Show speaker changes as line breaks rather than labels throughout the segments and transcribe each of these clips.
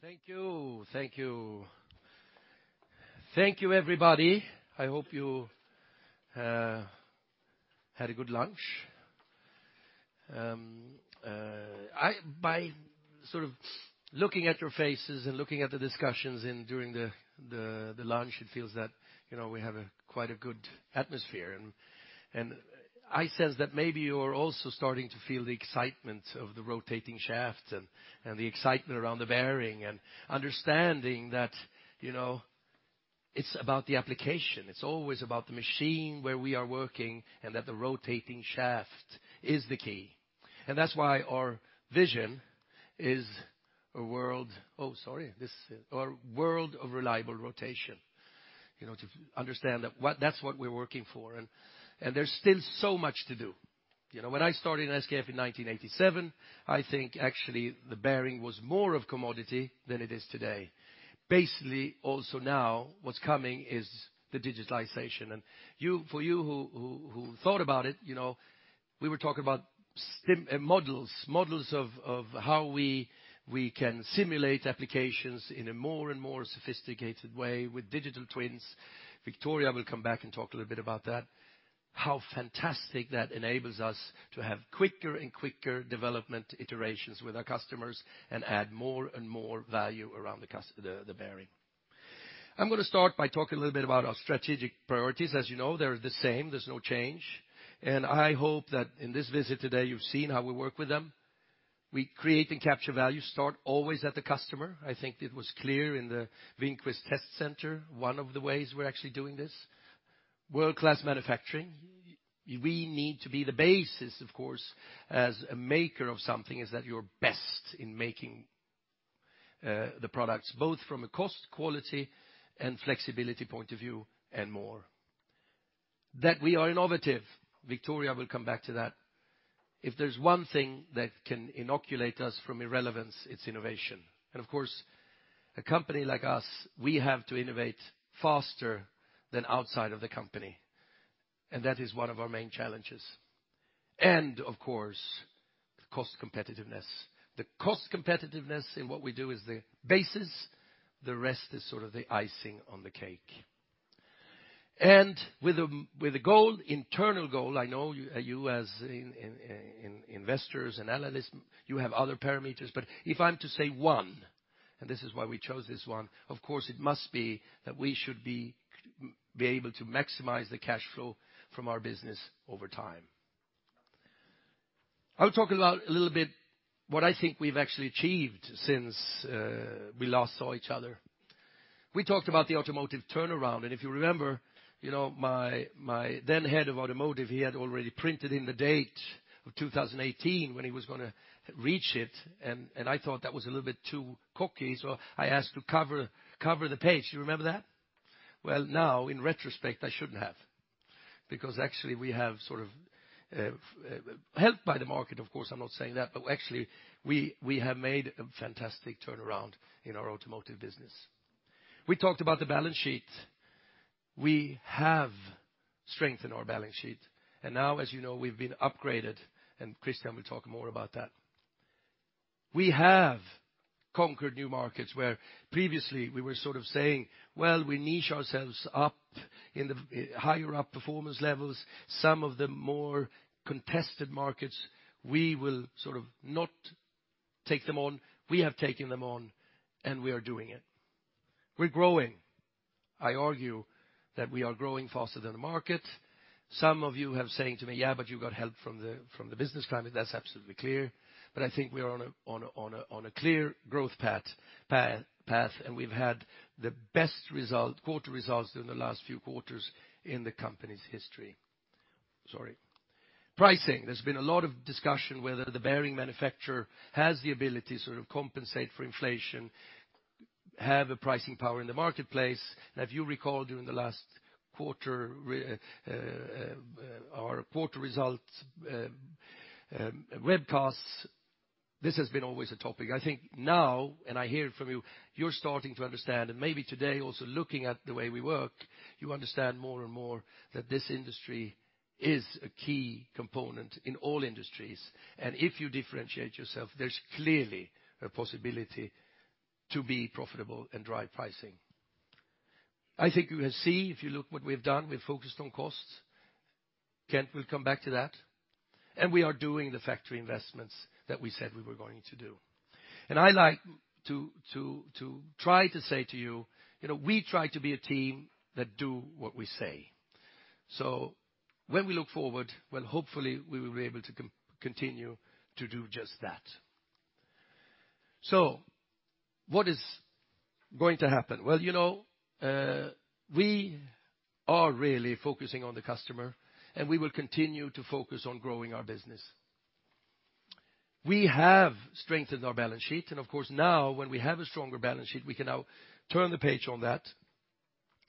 Thank you. Thank you everybody. I hope you had a good lunch. By sort of looking at your faces and looking at the discussions during the lunch, it feels that we have quite a good atmosphere. I sense that maybe you are also starting to feel the excitement of the rotating shaft, and the excitement around the bearing, and understanding that it's about the application. It's always about the machine where we are working, and that the rotating shaft is the key. That's why our vision is a world of reliable rotation. To understand that's what we're working for, and there's still so much to do. When I started in SKF in 1987, I think actually the bearing was more of commodity than it is today. Basically, also now what's coming is the digitalization. For you who thought about it, we were talking about models of how we can simulate applications in a more and more sophisticated way with digital twins. Victoria will come back and talk a little bit about that. How fantastic that enables us to have quicker and quicker development iterations with our customers and add more and more value around the bearing. I'm going to start by talking a little bit about our strategic priorities. As you know, they're the same. There's no change, and I hope that in this visit today, you've seen how we work with them. We create and capture value, start always at the customer. I think it was clear in the Wingquist Test Center, one of the ways we're actually doing this. World-class manufacturing. We need to be the basis, of course, as a maker of something, is that you're best in making the products, both from a cost, quality, and flexibility point of view, and more. That we are innovative. Victoria will come back to that. If there's one thing that can inoculate us from irrelevance, it's innovation. Of course, a company like us, we have to innovate faster than outside of the company. That is one of our main challenges. Of course, the cost competitiveness. The cost competitiveness in what we do is the basis. The rest is sort of the icing on the cake. With the internal goal, I know you as investors and analysts, you have other parameters, but if I'm to say one, and this is why we chose this one, of course it must be that we should be able to maximize the cash flow from our business over time. I'll talk about a little bit what I think we've actually achieved since we last saw each other. We talked about the automotive turnaround, and if you remember, my then-head of automotive, he had already printed in the date of 2018 when he was going to reach it, and I thought that was a little bit too cocky. I asked to cover the page. You remember that? Well, now, in retrospect, I shouldn't have, because actually we have sort of helped by the market, of course, I'm not saying that, but actually, we have made a fantastic turnaround in our automotive business. We talked about the balance sheet. We have strengthened our balance sheet, and now, as you know, we've been upgraded, and Christian will talk more about that. We have conquered new markets where previously we were sort of saying, "Well, we niche ourselves up in the higher-up performance levels. Some of the more contested markets, we will sort of not take them on." We have taken them on, and we are doing it. We're growing. I argue that we are growing faster than the market. Some of you have saying to me, "Yeah, but you got help from the business climate." That's absolutely clear, but I think we are on a clear growth path, and we've had the best quarter results in the last few quarters in the company's history. Sorry. Pricing. There's been a lot of discussion whether the bearing manufacturer has the ability to sort of compensate for inflation, have a pricing power in the marketplace. If you recall during the last our quarter result webcasts, this has been always a topic. I think now, and I hear it from you're starting to understand, and maybe today also looking at the way we work, you understand more and more that this industry is a key component in all industries. If you differentiate yourself, there's clearly a possibility to be profitable and drive pricing. I think you will see if you look what we've done, we've focused on costs. Kent will come back to that. We are doing the factory investments that we said we were going to do. I like to try to say to you, we try to be a team that do what we say. When we look forward, well, hopefully, we will be able to continue to do just that. What is going to happen? Well, we are really focusing on the customer, and we will continue to focus on growing our business. We have strengthened our balance sheet, and of course, now when we have a stronger balance sheet, we can now turn the page on that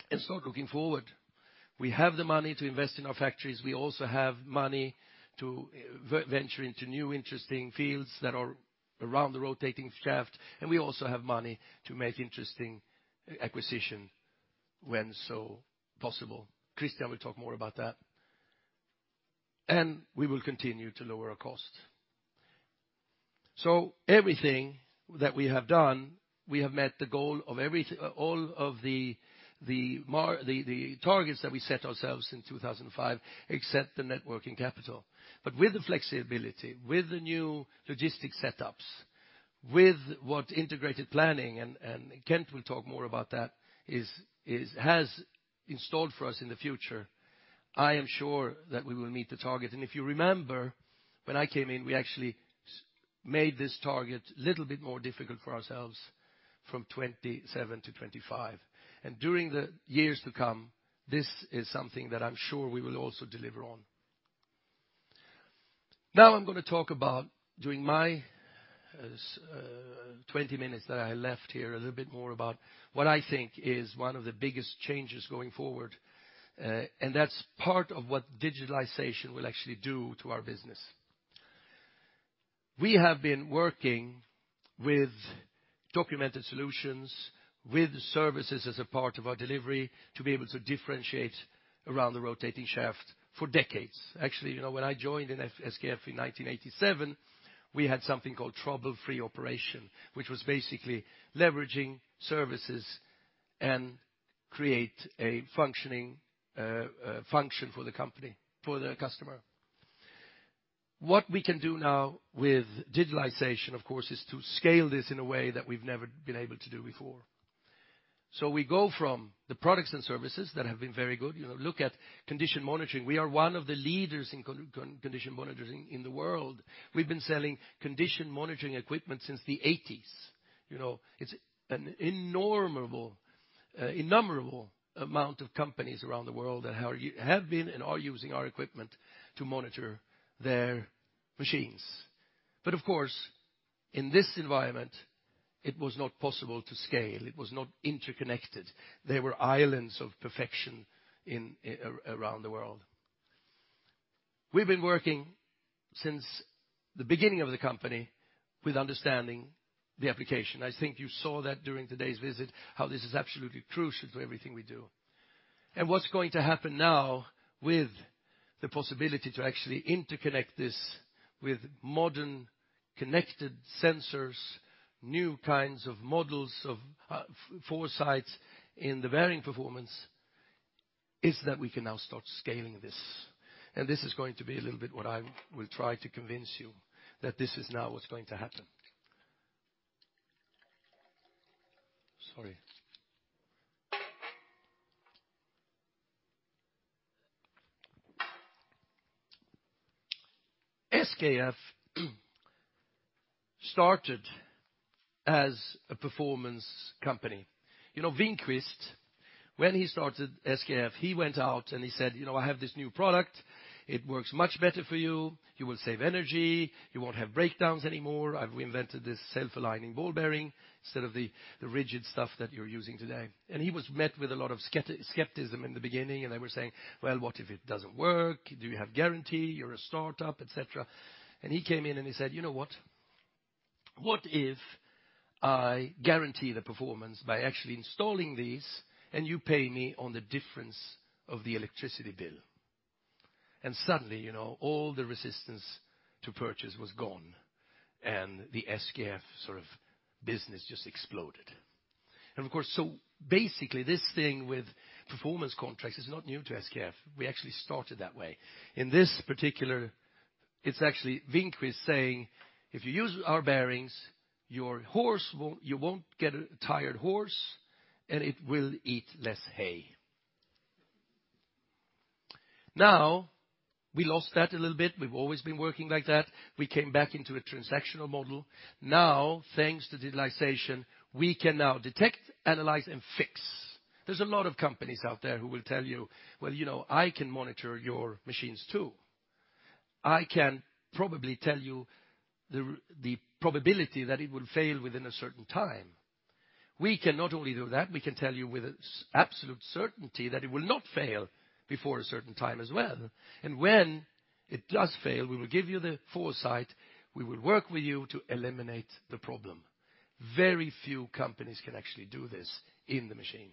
and start looking forward. We have the money to invest in our factories. We also have money to venture into new interesting fields that are around the rotating shaft, and we also have money to make interesting acquisitions when so possible. Christian will talk more about that. We will continue to lower our cost. Everything that we have done, we have met the goal of all of the targets that we set ourselves in 2005, except the net working capital. With the flexibility, with the new logistics setups, with what integrated planning, and Kent will talk more about that, has installed for us in the future, I am sure that we will meet the target. If you remember, when I came in, we actually made this target a little bit more difficult for ourselves from 27 to 25. During the years to come, this is something that I'm sure we will also deliver on. I'm going to talk about, during my 20 minutes that I left here, a little bit more about what I think is one of the biggest changes going forward, and that's part of what digitalization will actually do to our business. We have been working with documented solutions, with services as a part of our delivery to be able to differentiate around the rotating shaft for decades. Actually, when I joined in SKF in 1987, we had something called trouble-free operation, which was basically leveraging services and create a functioning function for the customer. What we can do now with digitalization, of course, is to scale this in a way that we've never been able to do before. We go from the products and services that have been very good. Look at condition monitoring. We are one of the leaders in condition monitoring in the world. We've been selling condition monitoring equipment since the '80s. It's an innumerable amount of companies around the world that have been and are using our equipment to monitor their machines. Of course, in this environment, it was not possible to scale. It was not interconnected. There were islands of perfection around the world. We've been working since the beginning of the company with understanding the application. I think you saw that during today's visit, how this is absolutely crucial to everything we do. What's going to happen now with the possibility to actually interconnect this with modern connected sensors, new kinds of models of foresights in the bearing performance, is that we can now start scaling this. This is going to be a little bit what I will try to convince you that this is now what's going to happen. Sorry. SKF started as a performance company. You know, Wingquist, when he started SKF, he went out and he said, "I have this new product. It works much better for you. You will save energy. You won't have breakdowns anymore. I've invented this self-aligning ball bearing instead of the rigid stuff that you're using today." He was met with a lot of skepticism in the beginning, and they were saying, "Well, what if it doesn't work? Do you have guarantee? You're a startup," et cetera. He came in and he said, "You know what? What if I guarantee the performance by actually installing these, and you pay me on the difference of the electricity bill?" Suddenly, all the resistance to purchase was gone, and the SKF business just exploded. Basically this thing with performance contracts is not new to SKF. We actually started that way. In this particular, it's actually Wingquist saying, "If you use our bearings, you won't get a tired horse, and it will eat less hay." We lost that a little bit. We've always been working like that. We came back into a transactional model. Thanks to digitalization, we can now detect, analyze, and fix. There's a lot of companies out there who will tell you, "Well, I can monitor your machines, too. I can probably tell you the probability that it will fail within a certain time." We can not only do that, we can tell you with absolute certainty that it will not fail before a certain time as well. When it does fail, we will give you the foresight. We will work with you to eliminate the problem. Very few companies can actually do this in the machine.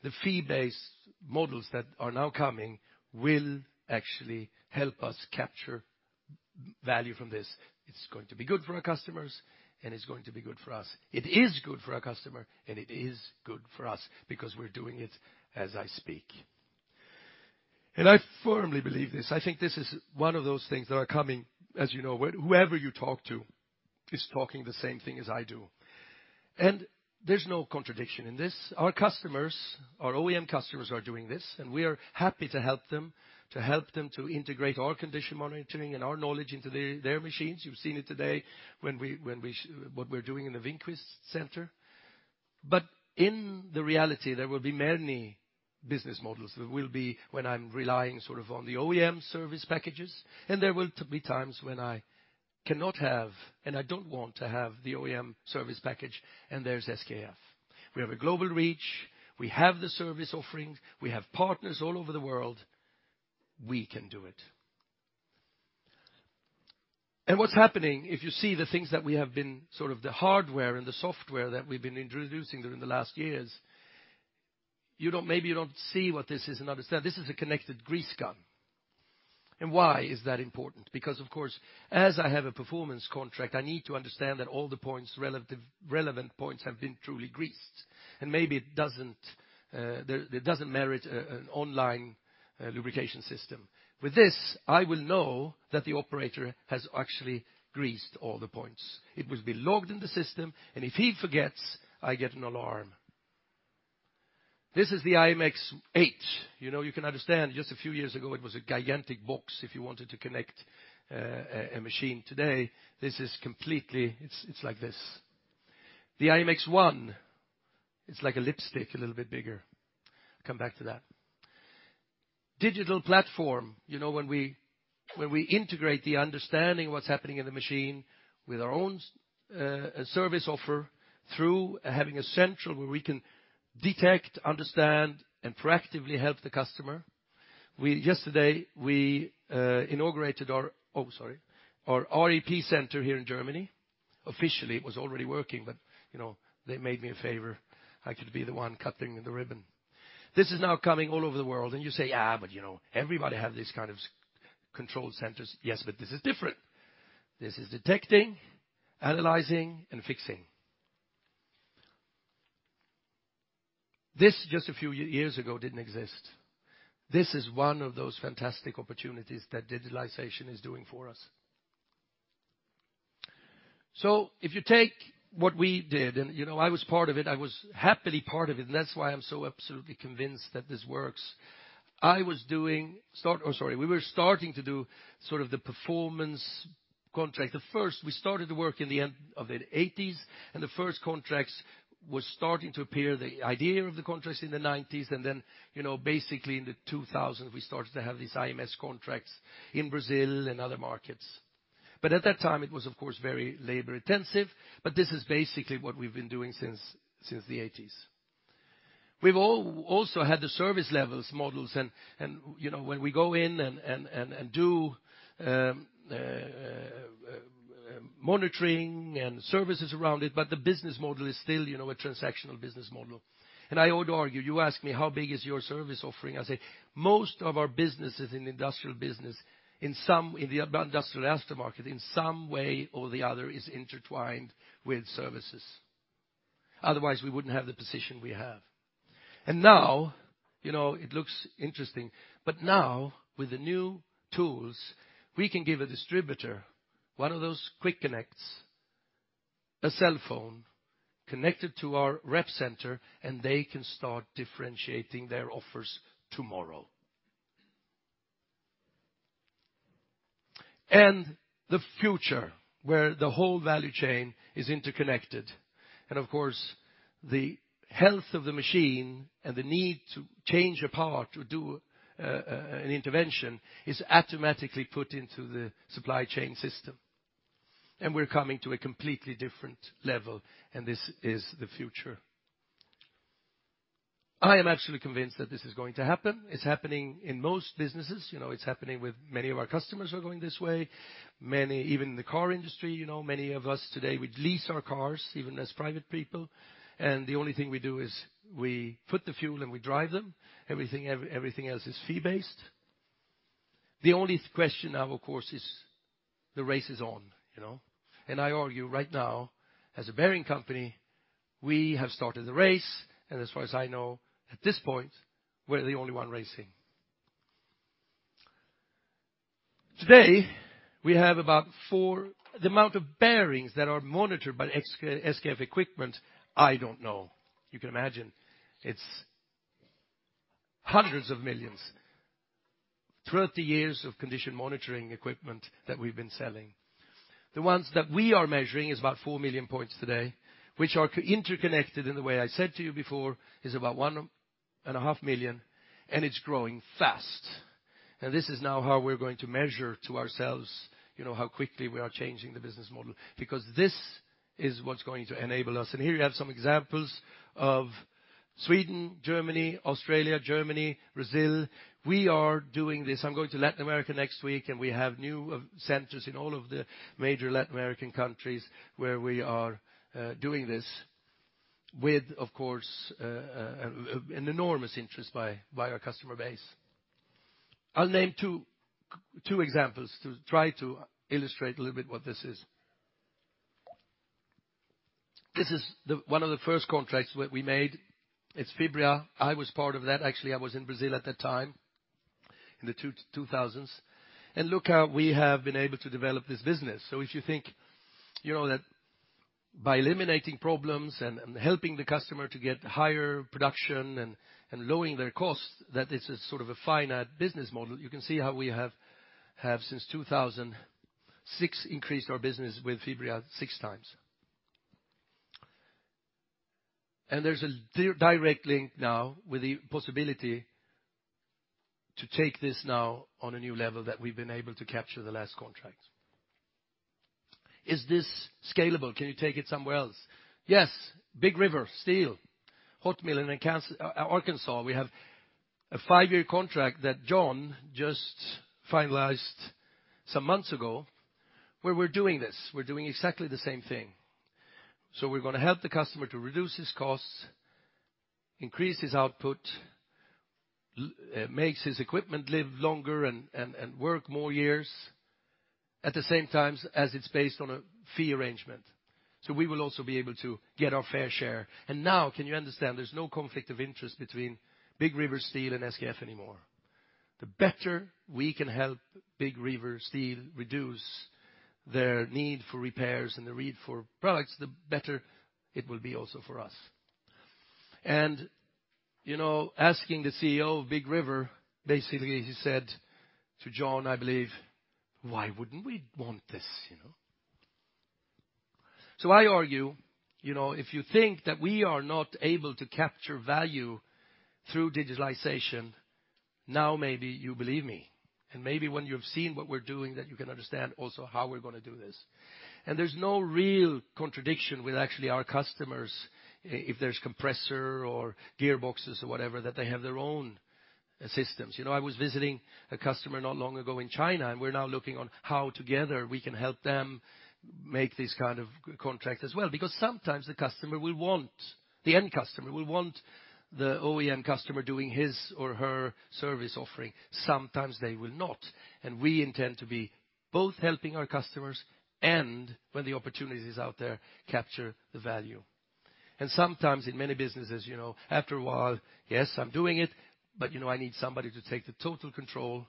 The fee-based models that are now coming will actually help us capture value from this. It's going to be good for our customers, and it's going to be good for us. It is good for our customer, and it is good for us because we're doing it as I speak. I firmly believe this, I think this is one of those things that are coming, as you know, whoever you talk to is talking the same thing as I do. There's no contradiction in this. Our customers, our OEM customers, are doing this, and we are happy to help them, to help them to integrate our condition monitoring and our knowledge into their machines. You've seen it today what we're doing in the Wingquist Center. In the reality, there will be many business models. There will be when I'm relying sort of on the OEM service packages, and there will be times when I cannot have, and I don't want to have the OEM service package, and there's SKF. We have a global reach, we have the service offerings, we have partners all over the world. We can do it. What's happening, if you see the things that we have been sort of the hardware and the software that we've been introducing during the last years, maybe you don't see what this is and understand. This is a connected grease gun. Why is that important? Because, of course, as I have a performance contract, I need to understand that all the relevant points have been truly greased, and maybe it doesn't merit an online lubrication system. With this, I will know that the operator has actually greased all the points. It will be logged in the system. If he forgets, I get an alarm. This is the IMx-8. You can understand, just a few years ago, it was a gigantic box if you wanted to connect a machine. Today, it's like this. The IMx-1 is like a lipstick, a little bit bigger. Come back to that. Digital platform. When we integrate the understanding of what's happening in the machine with our own service offer through having a central where we can detect, understand, and proactively help the customer. Yesterday, we inaugurated our REP center here in Germany. Officially. It was already working, but they made me a favor. I could be the one cutting the ribbon. You say, "Ah, but everybody have these kind of control centers." Yes, this is different. This is detecting, analyzing, and fixing. This, just a few years ago, didn't exist. This is one of those fantastic opportunities that digitalization is doing for us. If you take what we did, I was part of it. I was happily part of it, and that's why I'm so absolutely convinced that this works. We were starting to do sort of the performance contract. We started the work in the end of the 1980s. The first contracts were starting to appear, the idea of the contracts, in the 1990s. Then, basically in the 2000, we started to have these IMS contracts in Brazil and other markets. At that time it was, of course, very labor-intensive. This is basically what we've been doing since the 1980s. We've also had the service levels models. When we go in and do monitoring and services around it, but the business model is still a transactional business model. I would argue, you ask me, how big is your service offering? I say, most of our businesses in industrial business, in the industrial aftermarket, in some way or the other, is intertwined with services. Otherwise, we wouldn't have the position we have. Now, it looks interesting. But now, with the new tools, we can give a distributor one of those QuickCollect, a cell phone connected to our REP center, and they can start differentiating their offers tomorrow. The future, where the whole value chain is interconnected. Of course, the health of the machine and the need to change a part or do an intervention is automatically put into the supply chain system. We're coming to a completely different level, and this is the future. I am absolutely convinced that this is going to happen. It's happening in most businesses. It's happening with many of our customers who are going this way. Even the car industry, many of us today, we lease our cars, even as private people, and the only thing we do is we put the fuel and we drive them. Everything else is fee-based. The only question now, of course, is the race is on. I argue right now, as a bearing company, we have started the race, and as far as I know at this point, we're the only one racing. The amount of bearings that are monitored by SKF equipment, I don't know. You can imagine it's hundreds of millions throughout the years of condition monitoring equipment that we've been selling. The ones that we are measuring is about 4 million points today, which are interconnected in the way I said to you before, is about 1.5 million, and it's growing fast. This is now how we're going to measure to ourselves how quickly we are changing the business model, because this is what's going to enable us. Here you have some examples of Sweden, Germany, Australia, Germany, Brazil. We are doing this. I'm going to Latin America next week, and we have new centers in all of the major Latin American countries where we are doing this with, of course, an enormous interest by our customer base. I'll name two examples to try to illustrate a little bit what this is. This is one of the first contracts that we made. It's Fibria. I was part of that. Actually, I was in Brazil at that time in the 2000s. Look how we have been able to develop this business. If you think that by eliminating problems and helping the customer to get higher production and lowering their costs, that this is sort of a finite business model, you can see how we have since 2006 increased our business with Fibria six times. There's a direct link now with the possibility to take this now on a new level that we've been able to capture the last contracts. Is this scalable? Can you take it somewhere else? Yes. Big River Steel, Hot Mill in Arkansas, we have a five-year contract that John just finalized some months ago, where we're doing this. We're doing exactly the same thing. We're going to help the customer to reduce his costs, increase his output, makes his equipment live longer and work more years. At the same time, as it's based on a fee arrangement. We will also be able to get our fair share. Now, can you understand, there's no conflict of interest between Big River Steel and SKF anymore. The better we can help Big River Steel reduce their need for repairs and the need for products, the better it will be also for us. Asking the CEO of Big River, basically, he said to John, I believe, "Why wouldn't we want this?" I argue, if you think that we are not able to capture value through digitalization, now maybe you believe me. Maybe when you've seen what we're doing, that you can understand also how we're going to do this. There's no real contradiction with actually our customers if there's compressor or gearboxes or whatever, that they have their own systems. I was visiting a customer not long ago in China, and we're now looking on how together we can help them make these kind of contracts as well. Because sometimes the customer will want, the end customer, will want the OEM customer doing his or her service offering. Sometimes they will not. We intend to be both helping our customers and when the opportunity's out there, capture the value. Sometimes in many businesses, after a while, yes, I'm doing it, but I need somebody to take the total control.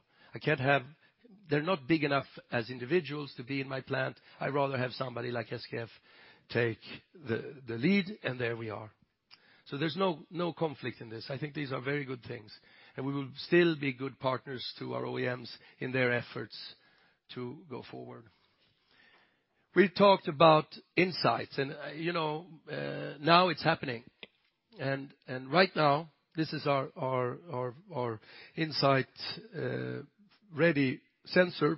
They're not big enough as individuals to be in my plant. I'd rather have somebody like SKF take the lead, and there we are. There's no conflict in this. I think these are very good things, and we will still be good partners to our OEMs in their efforts to go forward. We talked about insights, and now it's happening. Right now, this is our SKF Insight-ready sensor.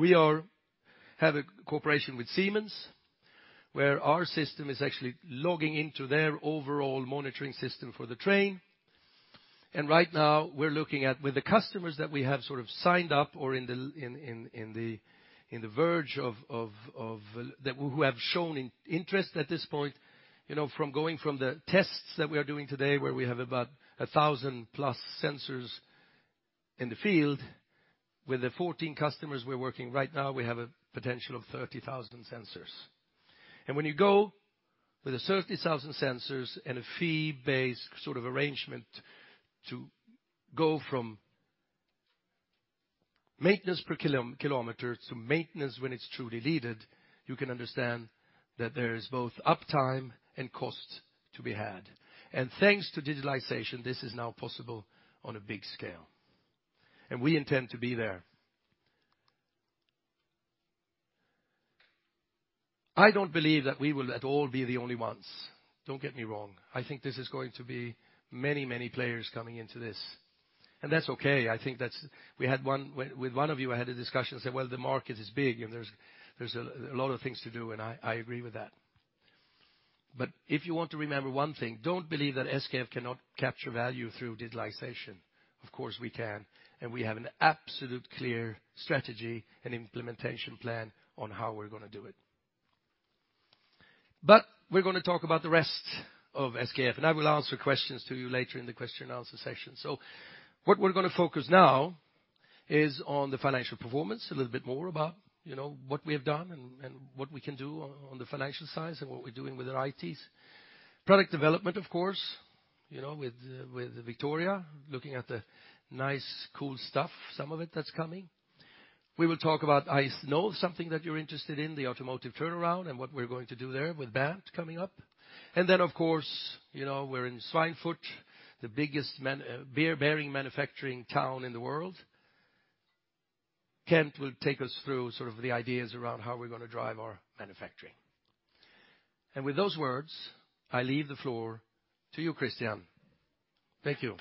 We have a cooperation with Siemens where our system is actually logging into their overall monitoring system for the train. Right now, we're looking at with the customers that we have sort of signed up or in the verge who have shown interest at this point, from going from the tests that we are doing today, where we have about 1,000-plus sensors in the field. With the 14 customers we're working right now, we have a potential of 30,000 sensors. When you go with the 30,000 sensors and a fee-based sort of arrangement to go from maintenance per kilometer to maintenance when it's truly needed, you can understand that there is both uptime and cost to be had. Thanks to digitalization, this is now possible on a big scale. We intend to be there. I don't believe that we will at all be the only ones. Don't get me wrong. I think this is going to be many players coming into this. That's okay. With one of you, I had a discussion, saying, "Well, the market is big, and there's a lot of things to do," I agree with that. But if you want to remember one thing, don't believe that SKF cannot capture value through digitalization. We can, and we have an absolute clear strategy and implementation plan on how we're going to do it. We're going to talk about the rest of SKF, and I will answer questions to you later in the question and answer session. What we're going to focus now is on the financial performance, a little bit more about what we have done and what we can do on the financial side and what we're doing with our ITs. Product development, of course, with Victoria, looking at the nice, cool stuff, some of it that's coming. We will talk about, I know something that you're interested in, the automotive turnaround and what we're going to do there with Bernd coming up. Then, of course, we're in Schweinfurt, the biggest bearing manufacturing town in the world. Kent will take us through sort of the ideas around how we're going to drive our manufacturing. With those words, I leave the floor to you, Christian. Thank you.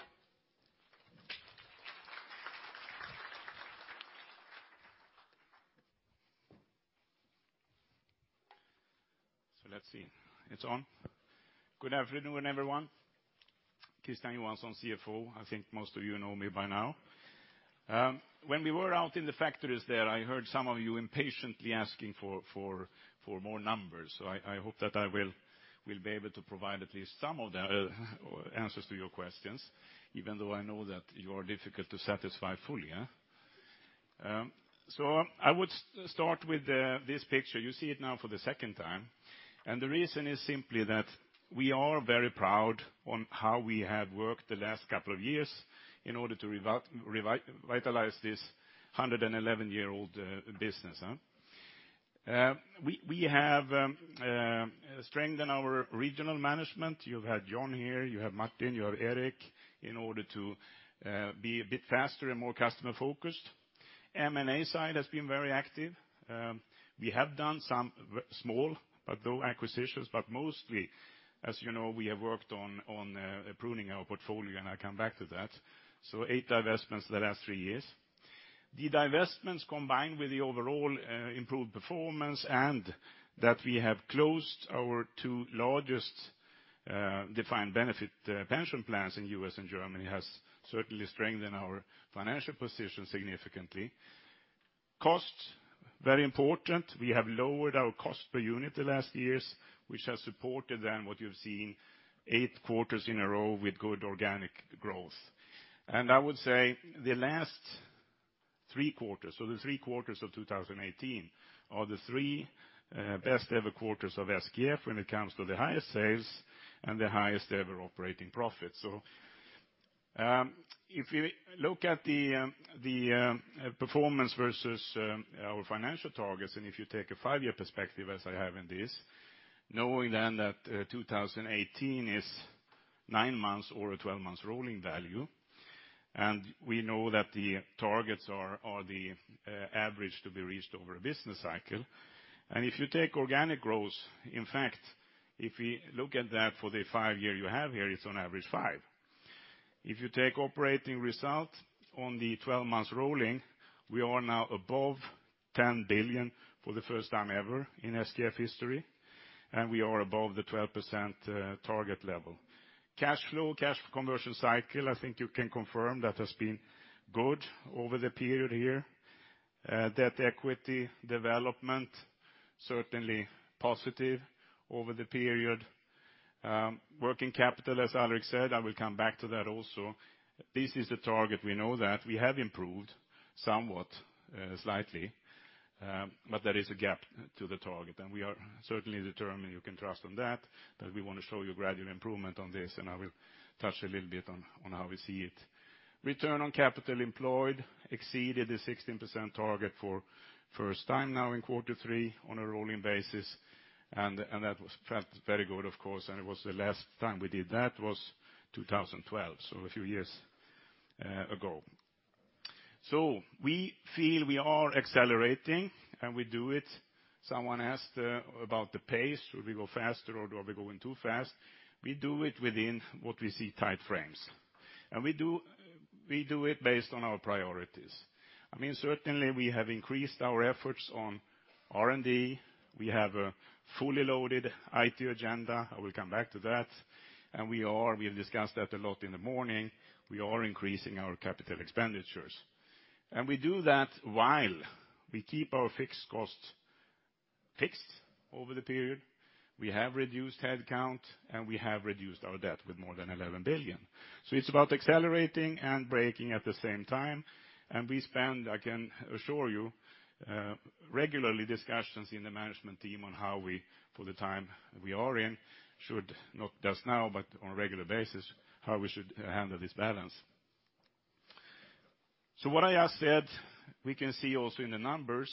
Let's see. It's on. Good afternoon, everyone. Christian Johansson, CFO. I think most of you know me by now. When we were out in the factories there, I heard some of you impatiently asking for more numbers. I hope that I will be able to provide at least some of the answers to your questions, even though I know that you are difficult to satisfy fully, yeah? I would start with this picture. You see it now for the second time. The reason is simply that we are very proud on how we have worked the last couple of years in order to revitalize this 111-year-old business. We have strengthened our regional management. You've had John here, you have Martin, you have Erik, in order to be a bit faster and more customer-focused. M&A side has been very active. We have done some small, although acquisitions, mostly, as you know, we have worked on pruning our portfolio, and I'll come back to that. Eight divestments the last three years. The divestments combined with the overall improved performance, and that we have closed our two largest defined benefit pension plans in U.S. and Germany, has certainly strengthened our financial position significantly. Cost, very important. We have lowered our cost per unit the last years, which has supported then what you've seen eight quarters in a row with good organic growth. I would say the last three quarters, the three quarters of 2018, are the three best ever quarters of SKF when it comes to the highest sales and the highest ever operating profit. If you look at the performance versus our financial targets, if you take a 5-year perspective as I have in this, knowing that 2018 is nine months or a 12-months rolling value, we know that the targets are the average to be reached over a business cycle. If you take organic growth, in fact, if we look at that for the five year you have here, it's on average 5%. If you take operating result on the 12-months rolling, we are now above 10 billion for the first time ever in SKF history, and we are above the 12% target level. Cash flow, cash conversion cycle, I think you can confirm that has been good over the period here. Debt equity development, certainly positive over the period. Working capital, as Alrik said, I will come back to that also. This is the target we know that we have improved somewhat, slightly, there is a gap to the target, we are certainly determined you can trust on that we want to show you gradual improvement on this, I will touch a little bit on how we see it. Return on capital employed exceeded the 16% target for first time now in quarter three on a rolling basis, that felt very good of course, the last time we did that was 2012, a few years ago. We feel we are accelerating and we do it. Someone asked about the pace. Should we go faster or are we going too fast? We do it within what we see tight frames. We do it based on our priorities. Certainly we have increased our efforts on R&D. We have a fully loaded IT agenda. I will come back to that. We have discussed that a lot in the morning. We are increasing our capital expenditures. We do that while we keep our fixed costs fixed over the period. We have reduced headcount, we have reduced our debt with more than 11 billion. It's about accelerating and braking at the same time, we spend, I can assure you, regularly discussions in the management team on how we, for the time we are in, should not just now, but on a regular basis, how we should handle this balance. What I just said, we can see also in the numbers,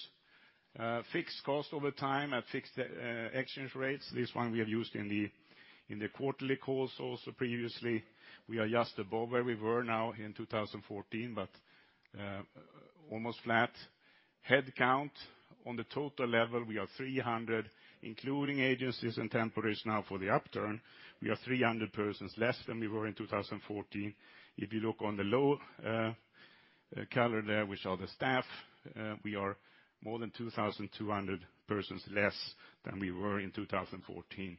fixed cost over time at fixed exchange rates. This one we have used in the quarterly calls also previously. We are just above where we were now in 2014, almost flat. Headcount on the total level, we are 300, including agencies and temporaries now for the upturn. We are 300 persons less than we were in 2014. If you look on the low color there, which are the staff, we are more than 2,200 persons less than we were in 2014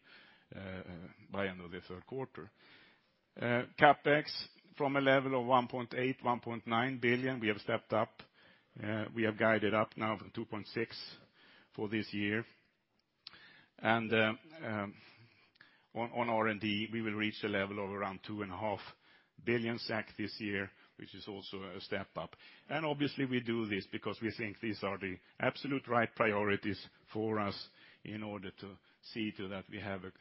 by end of the third quarter. CapEx from a level of 1.8 billion-1.9 billion, we have stepped up. We have guided up now from 2.6 billion for this year. On R&D, we will reach a level of around 2.5 billion this year, which is also a step up. Obviously we do this because we think these are the absolute right priorities for us in order to see to that we have a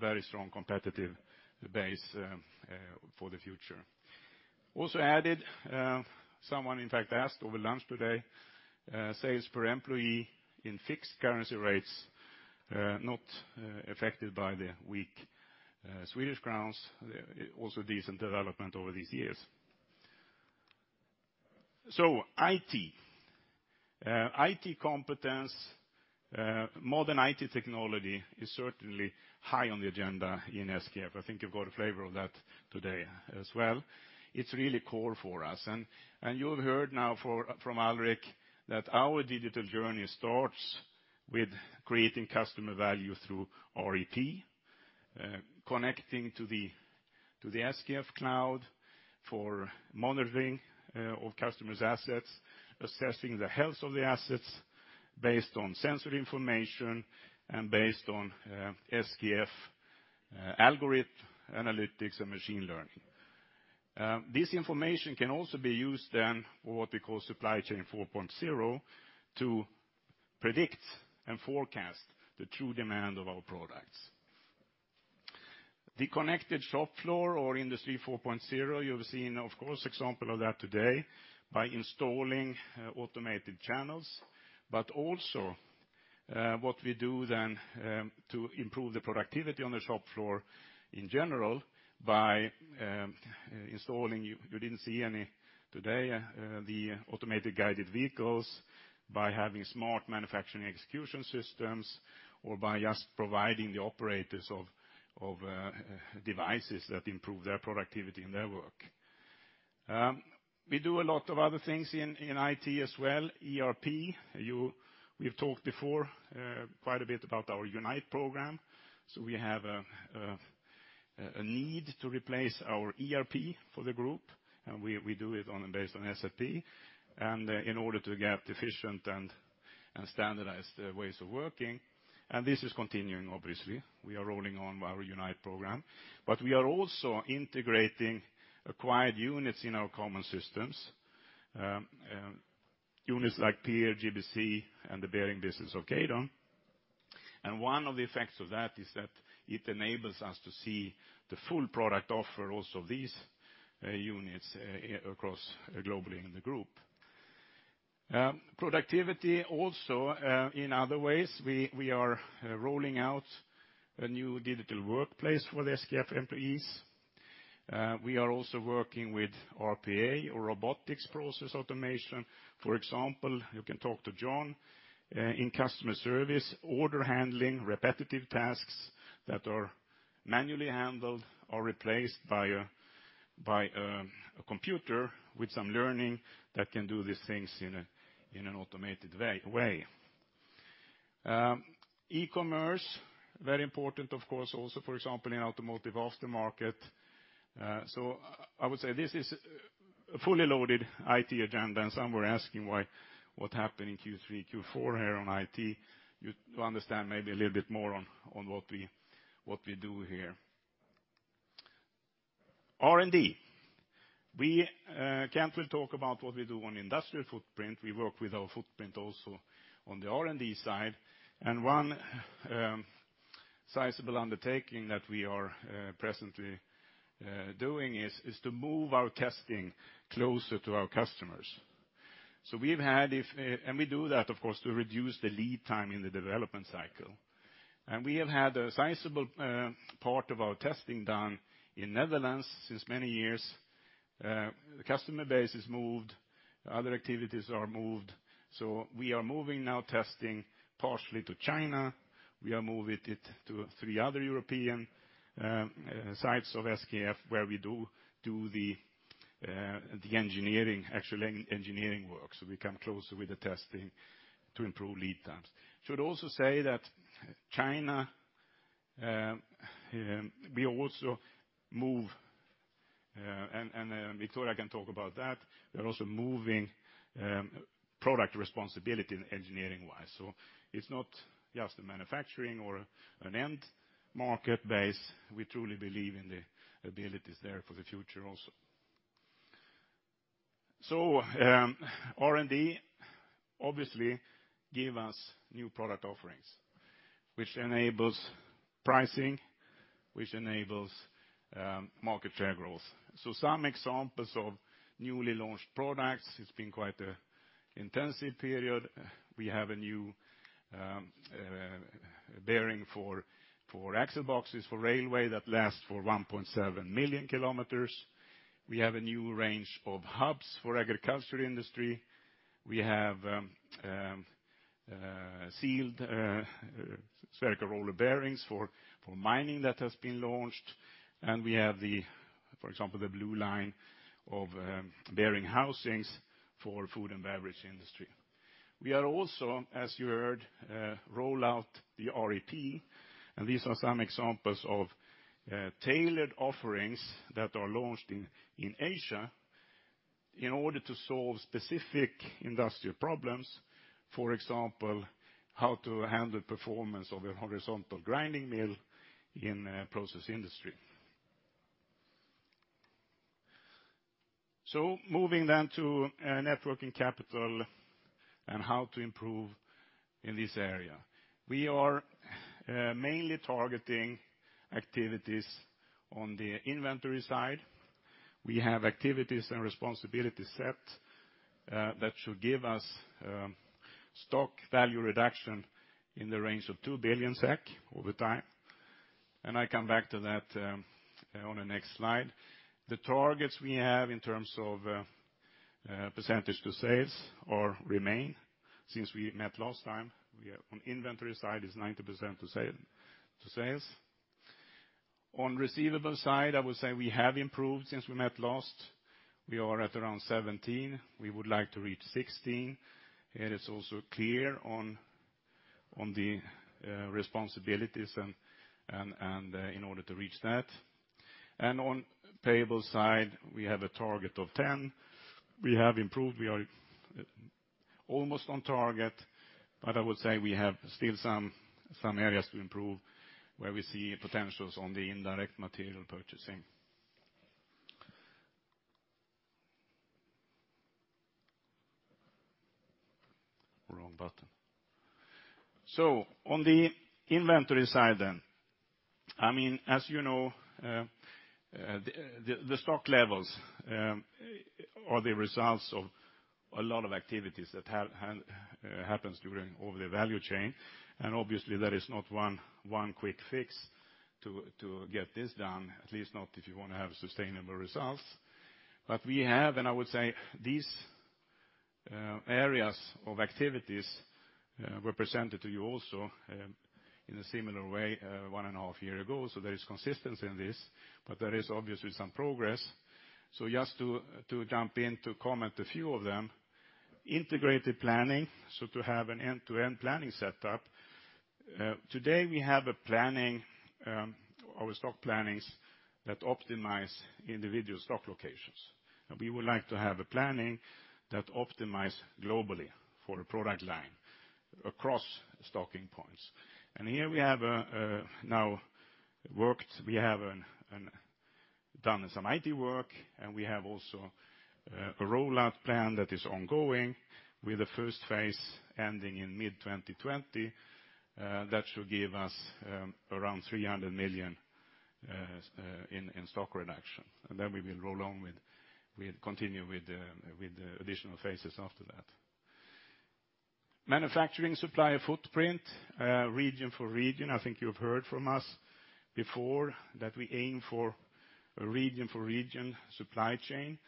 very strong competitive base for the future. Also added, someone in fact asked over lunch today, sales per employee in fixed currency rates, not affected by the weak SEK, also decent development over these years. IT. IT competence, modern IT technology is certainly high on the agenda in SKF. I think you've got a flavor of that today as well. It's really core for us. You have heard now from Alrik that our digital journey starts with creating customer value through REP, connecting to the SKF Cloud for monitoring of customers' assets, assessing the health of the assets based on sensory information and based on SKF algorithm analytics and machine learning. This information can also be used for what we call Supply Chain 4.0 to predict and forecast the true demand of our products. The connected shop floor or Industry 4.0, you've seen, of course, example of that today by installing automated channels, but also what we do to improve the productivity on the shop floor in general by installing, you didn't see any today, the automated guided vehicles, by having smart manufacturing execution systems, or by just providing the operators of devices that improve their productivity in their work. We do a lot of other things in IT as well, ERP. We've talked before quite a bit about our Unite program. We have a need to replace our ERP for the group, we do it based on SAP in order to have efficient and standardized ways of working. This is continuing, obviously. We are rolling on our Unite program, but we are also integrating acquired units in our common systems. Units like PEER, GBC, and the bearing business of Kaydon. One of the effects of that is that it enables us to see the full product offer also these units across globally in the group. Productivity also, in other ways, we are rolling out a new digital workplace for the SKF employees. We are also working with RPA or robotics process automation. For example, you can talk to John in customer service, order handling, repetitive tasks that are manually handled or replaced by a computer with some learning that can do these things in an automated way. e-commerce, very important, of course, also, for example, in automotive aftermarket. I would say this is a fully loaded IT agenda, some were asking what happened in Q3, Q4 here on IT. You understand maybe a little bit more on what we do here. R&D. Kent will talk about what we do on industrial footprint. We work with our footprint also on the R&D side, one sizable undertaking that we are presently doing is to move our testing closer to our customers. We do that, of course, to reduce the lead time in the development cycle. We have had a sizable part of our testing done in Netherlands since many years. The customer base is moved, other activities are moved. We are moving now testing partially to China. We are moving it to three other European sites of SKF, where we do the actual engineering work. We come closer with the testing to improve lead times. Should also say that China, we also move, Victoria can talk about that. We are also moving product responsibility engineering-wise. It's not just a manufacturing or an end market base. We truly believe in the abilities there for the future also. R&D obviously give us new product offerings, which enables pricing, which enables market share growth. Some examples of newly launched products, it's been quite an intensive period. We have a new bearing for axle boxes for railway that lasts for 1.7 million km. We have a new range of hubs for agriculture industry. We have sealed spherical roller bearings for mining that has been launched. And we have, for example, the SKF Blue Line of bearing housings for food and beverage industry. We are also, as you heard, roll out the REP, and these are some examples of tailored offerings that are launched in Asia in order to solve specific industrial problems. For example, how to handle performance of a horizontal grinding mill in a process industry. Moving then to net working capital and how to improve in this area. We are mainly targeting activities on the inventory side. We have activities and responsibility set that should give us stock value reduction in the range of 2 billion SEK over time. I come back to that on the next slide. The targets we have in terms of percentage to sales remain since we met last time. On the inventory side is 90% to sales. On receivable side, I would say we have improved since we met last. We are at around 17%. We would like to reach 16%. It is also clear on the responsibilities and in order to reach that. On payable side, we have a target of 10%. We have improved. We are almost on target, but I would say we have still some areas to improve where we see potentials on the indirect material purchasing. Wrong button. On the inventory side then, as you know the stock levels are the results of a lot of activities that happens over the value chain. Obviously, there is not one quick fix to get this done, at least not if you want to have sustainable results. I would say these areas of activities were presented to you also in a similar way one and a half year ago, so there is consistency in this, but there is obviously some progress. Just to jump in to comment a few of them, integrated planning, so to have an end-to-end planning setup. Today we have our stock plannings that optimize individual stock locations. We would like to have a planning that optimize globally for a product line across stocking points. Here we have now done some IT work, and we have also a rollout plan that is ongoing with the first phase ending in mid-2020. That should give us around 300 million in stock reduction. Then we'll continue with additional phases after that. Manufacturing supplier footprint, region-for-region. I think you've heard from us before that we aim for a region-for-region supply chain.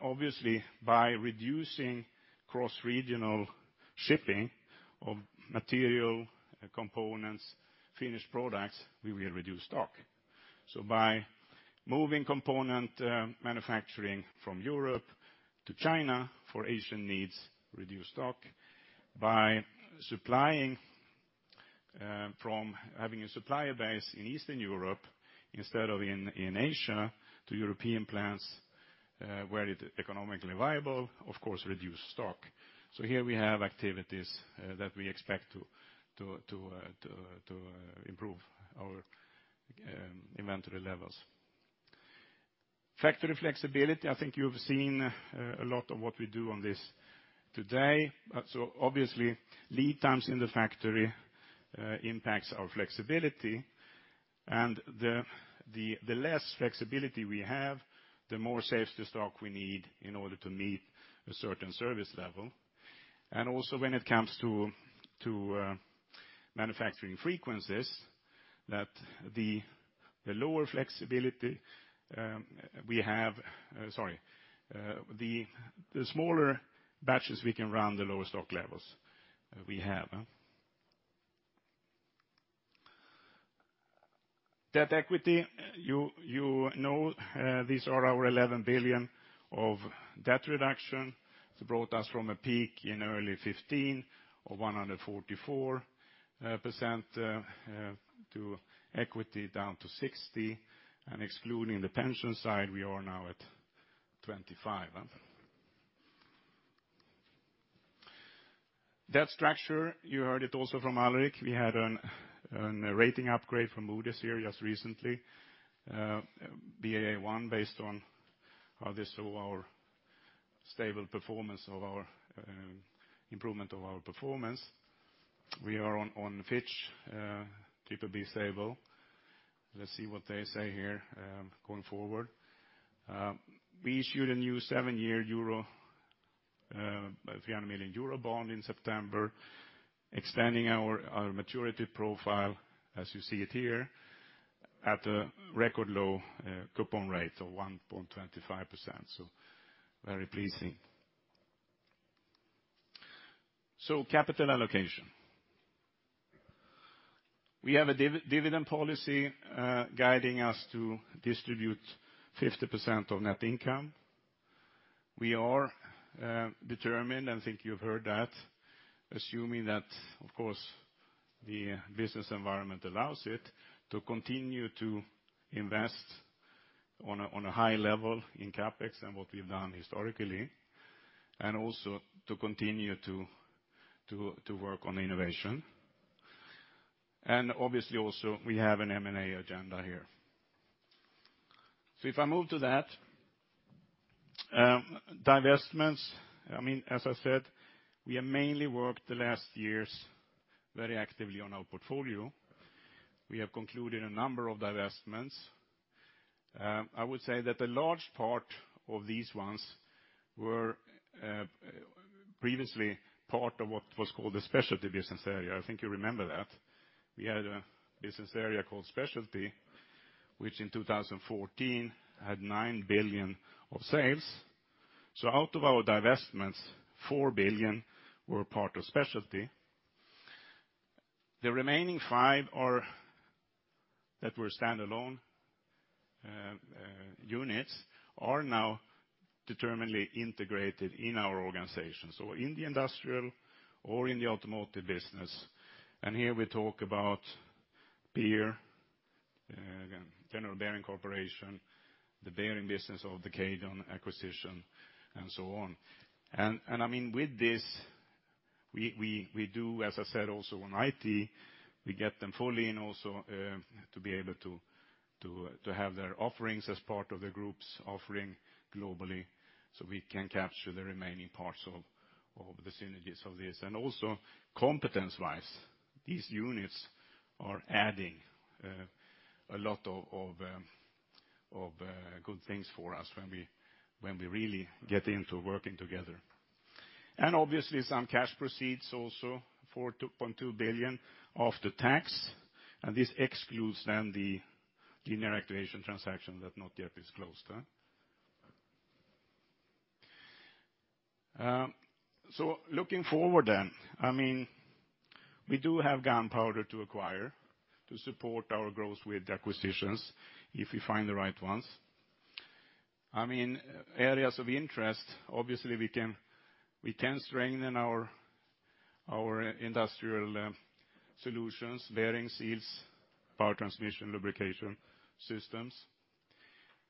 Obviously by reducing cross-regional shipping of material components, finished products, we will reduce stock. By moving component manufacturing from Europe to China for Asian needs, reduce stock. By having a supplier base in Eastern Europe instead of in Asia to European plants where it economically viable, of course, reduce stock. Here we have activities that we expect to improve our inventory levels. Factory flexibility, I think you've seen a lot of what we do on this today. Obviously, lead times in the factory impacts our flexibility, and the less flexibility we have, the more safety stock we need in order to meet a certain service level. Also when it comes to manufacturing frequencies, the smaller batches we can run, the lower stock levels we have. Debt equity, you know, these are our 11 billion of debt reduction. It brought us from a peak in early 2015 of 144% to equity down to 60%, and excluding the pension side, we are now at 25%. Debt structure, you heard it also from Alrik. We had a rating upgrade from Moody's here just recently. Baa1 based on our stable performance of our improvement of our performance. We are on Fitch, BBB stable. Let's see what they say here going forward. We issued a new seven-year 300 million euro bond in September, extending our maturity profile as you see it here at a record low coupon rate of 1.25%. Very pleasing. Capital allocation. We have a dividend policy guiding us to distribute 50% of net income. We are determined, I think you've heard that, assuming that, of course, the business environment allows it to continue to invest on a high level in CapEx and what we've done historically, and also to continue to work on innovation. Obviously also we have an M&A agenda here. If I move to that, divestments, as I said, we have mainly worked the last years very actively on our portfolio. We have concluded a number of divestments. I would say that a large part of these ones were previously part of what was called the specialty business area. I think you remember that. We had a business area called specialty, which in 2014 had 9 billion of sales. Out of our divestments, 4 billion were part of specialty. The remaining five that were standalone units are now determinately integrated in our organization. In the industrial or in the automotive business, and here we talk about General Bearing Corporation, the bearing business of the Kaydon acquisition, and so on. With this, we do, as I said, also on IT, we get them fully in also to be able to have their offerings as part of the group's offering globally so we can capture the remaining parts of the synergies of this. Also competence-wise, these units are adding a lot of good things for us when we really get into working together. Obviously some cash proceeds also, 4.2 billion of the tax, and this excludes then the integration transaction that not yet is closed. Looking forward then, we do have gunpowder to acquire to support our growth with acquisitions if we find the right ones. Areas of interest, obviously we can strengthen our industrial solutions, bearing seals, power transmission, lubrication systems.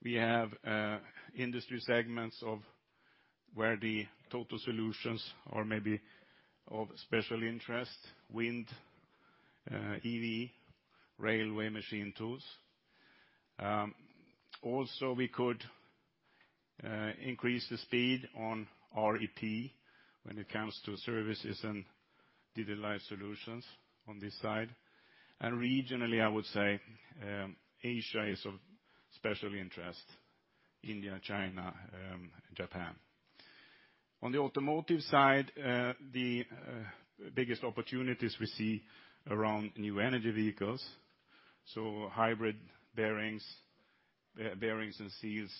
We have industry segments of where the total solutions or maybe of special interest, wind, EV, railway machine tools. Also we could increase the speed on REP when it comes to services and digitalized solutions on this side. Regionally, I would say Asia is of special interest, India, China, Japan. On the automotive side, the biggest opportunities we see around new energy vehicles, so hybrid bearings and seals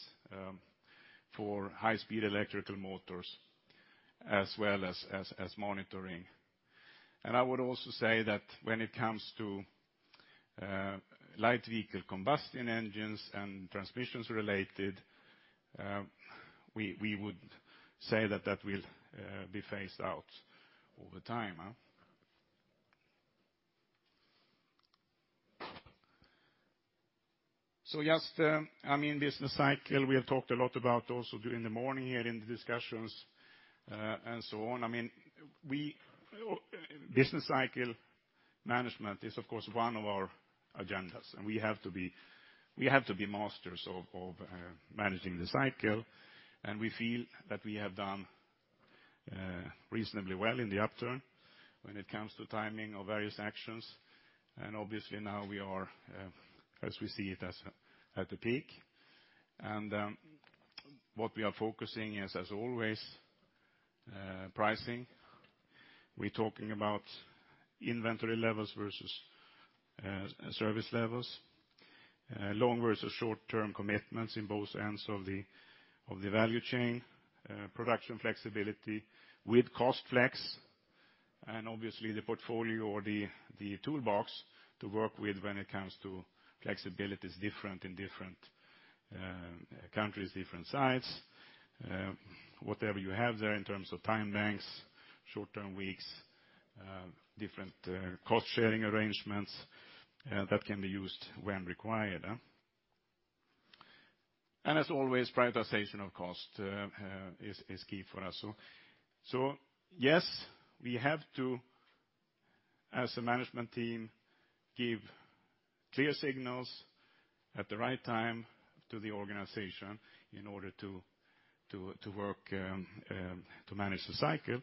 for high-speed electrical motors as well as monitoring. I would also say that when it comes to light vehicle combustion engines and transmissions-related, we would say that will be phased out over time. Just business cycle, we have talked a lot about also during the morning here in the discussions and so on. Business cycle management is, of course, one of our agendas, and we have to be masters of managing the cycle, and we feel that we have done reasonably well in the upturn when it comes to timing of various actions. Obviously now we are, as we see it, at the peak. What we are focusing is, as always, pricing. We're talking about inventory levels versus service levels, long versus short-term commitments in both ends of the value chain, production flexibility with cost flex, and obviously the portfolio or the toolbox to work with when it comes to flexibilities different in different countries, different sites, whatever you have there in terms of time banks, short-term weeks, different cost-sharing arrangements that can be used when required. As always, prioritization of cost is key for us. Yes, we have to, as a management team, give clear signals at the right time to the organization in order to manage the cycle.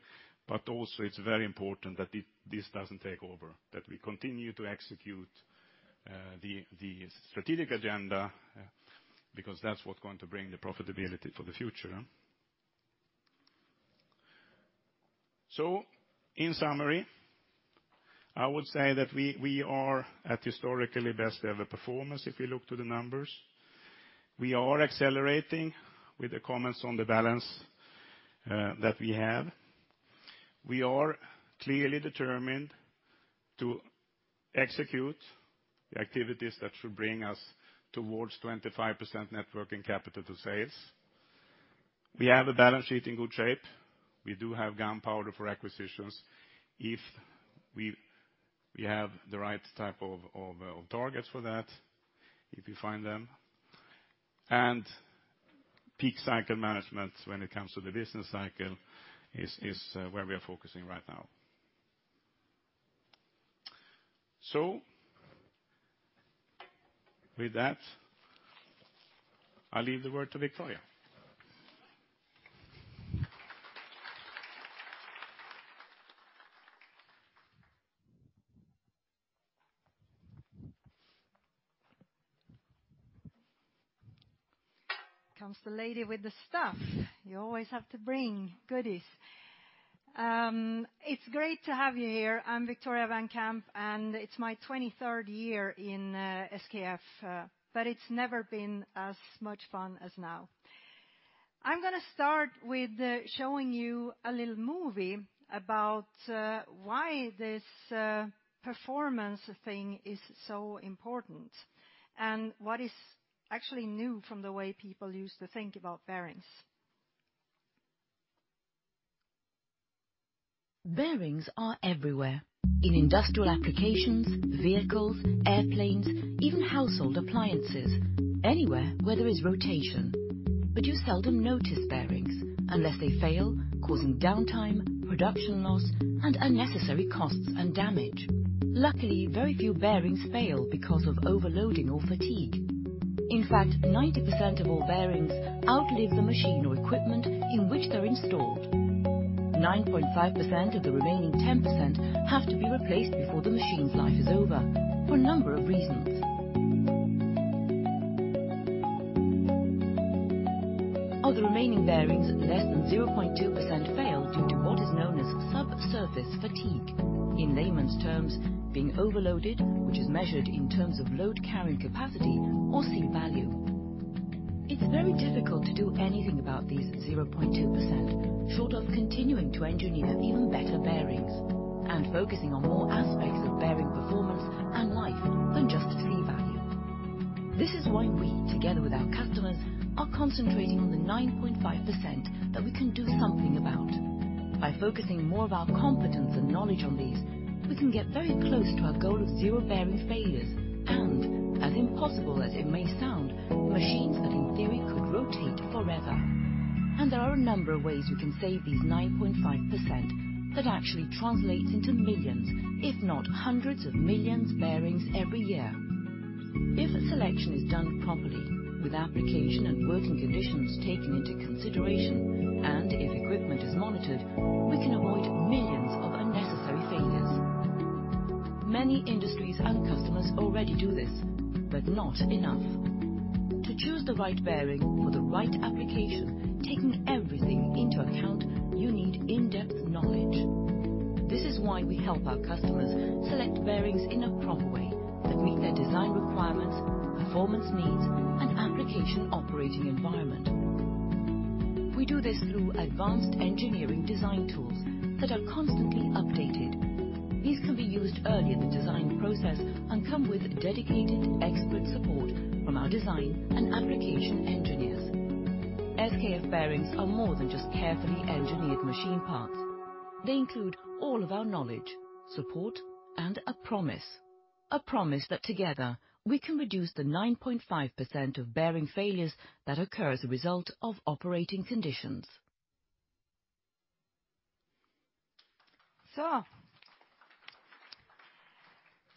Also it's very important that this doesn't take over, that we continue to execute the strategic agenda because that's what's going to bring the profitability for the future. In summary, I would say that we are at historically best ever performance if we look to the numbers. We are accelerating with the comments on the balance that we have. We are clearly determined to execute the activities that should bring us towards 25% net working capital to sales. We have a balance sheet in good shape. We do have gunpowder for acquisitions if we have the right type of targets for that, if we find them. Peak cycle management when it comes to the business cycle is where we are focusing right now. With that, I leave the word to Victoria.
Here comes the lady with the stuff. You always have to bring goodies. It's great to have you here. I'm Victoria Van Camp, and it's my 23rd year in SKF, but it's never been as much fun as now. I'm going to start with showing you a little movie about why this performance thing is so important, and what is actually new from the way people used to think about bearings.
Bearings are everywhere. In industrial applications, vehicles, airplanes, even household appliances. Anywhere where there is rotation. You seldom notice bearings unless they fail, causing downtime, production loss, and unnecessary costs and damage. Luckily, very few bearings fail because of overloading or fatigue. In fact, 90% of all bearings outlive the machine or equipment in which they're installed. 9.5% of the remaining 10% have to be replaced before the machine's life is over for a number of reasons. Of the remaining bearings, less than 0.2% fail due to what is known as sub-surface fatigue. In layman's terms, being overloaded, which is measured in terms of load carrying capacity or C-value. It's very difficult to do anything about these 0.2%, short of continuing to engineer even better bearings and focusing on more aspects of bearing performance and life than just C-value. This is why we, together with our customers, are concentrating on the 9.5% that we can do something about. By focusing more of our competence and knowledge on these, we can get very close to our goal of zero bearing failures and, as impossible as it may sound, machines that in theory could rotate forever. There are a number of ways we can save these 9.5% that actually translates into millions, if not hundreds of millions bearings every year. If a selection is done properly, with application and working conditions taken into consideration, and if equipment is monitored, we can avoid millions of unnecessary failures. Many industries and customers already do this, not enough. To choose the right bearing for the right application, taking everything into account, you need in-depth knowledge. This is why we help our customers select bearings in a proper way that meet their design requirements, performance needs, and application operating environment. We do this through advanced engineering design tools that are constantly updated. These can be used early in the design process and come with dedicated expert support from our design and application engineers. SKF bearings are more than just carefully engineered machine parts. They include all of our knowledge, support, and a promise. A promise that together we can reduce the 9.5% of bearing failures that occur as a result of operating conditions.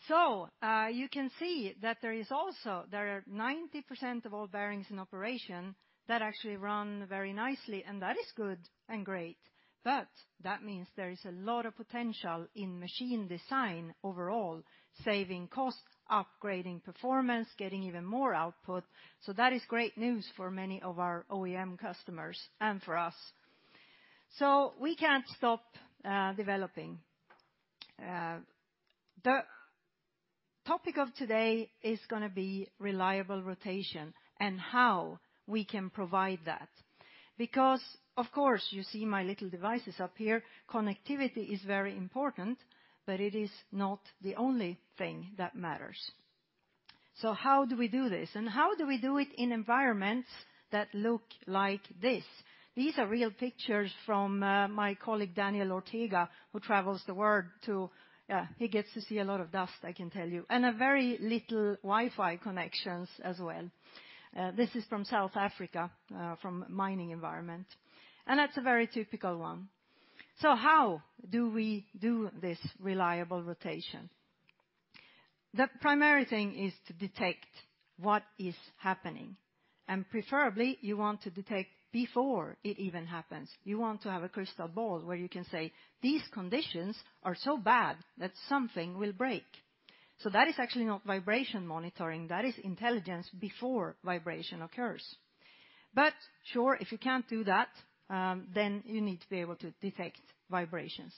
You can see that there are 90% of all bearings in operation that actually run very nicely, and that is good and great. That means there is a lot of potential in machine design overall, saving costs, upgrading performance, getting even more output. That is great news for many of our OEM customers and for us. We can't stop developing. The topic of today is going to be reliable rotation and how we can provide that. Of course, you see my little devices up here, connectivity is very important, but it is not the only thing that matters. How do we do this? How do we do it in environments that look like this? These are real pictures from my colleague, Daniel Ortega, who travels the world. He gets to see a lot of dust, I can tell you, and very little Wi-Fi connections as well. This is from South Africa, from mining environment. That's a very typical one. How do we do this reliable rotation? The primary thing is to detect what is happening. Preferably, you want to detect before it even happens. You want to have a crystal ball where you can say, "These conditions are so bad that something will break." That is actually not vibration monitoring. That is intelligence before vibration occurs. Sure, if you can't do that, then you need to be able to detect vibrations.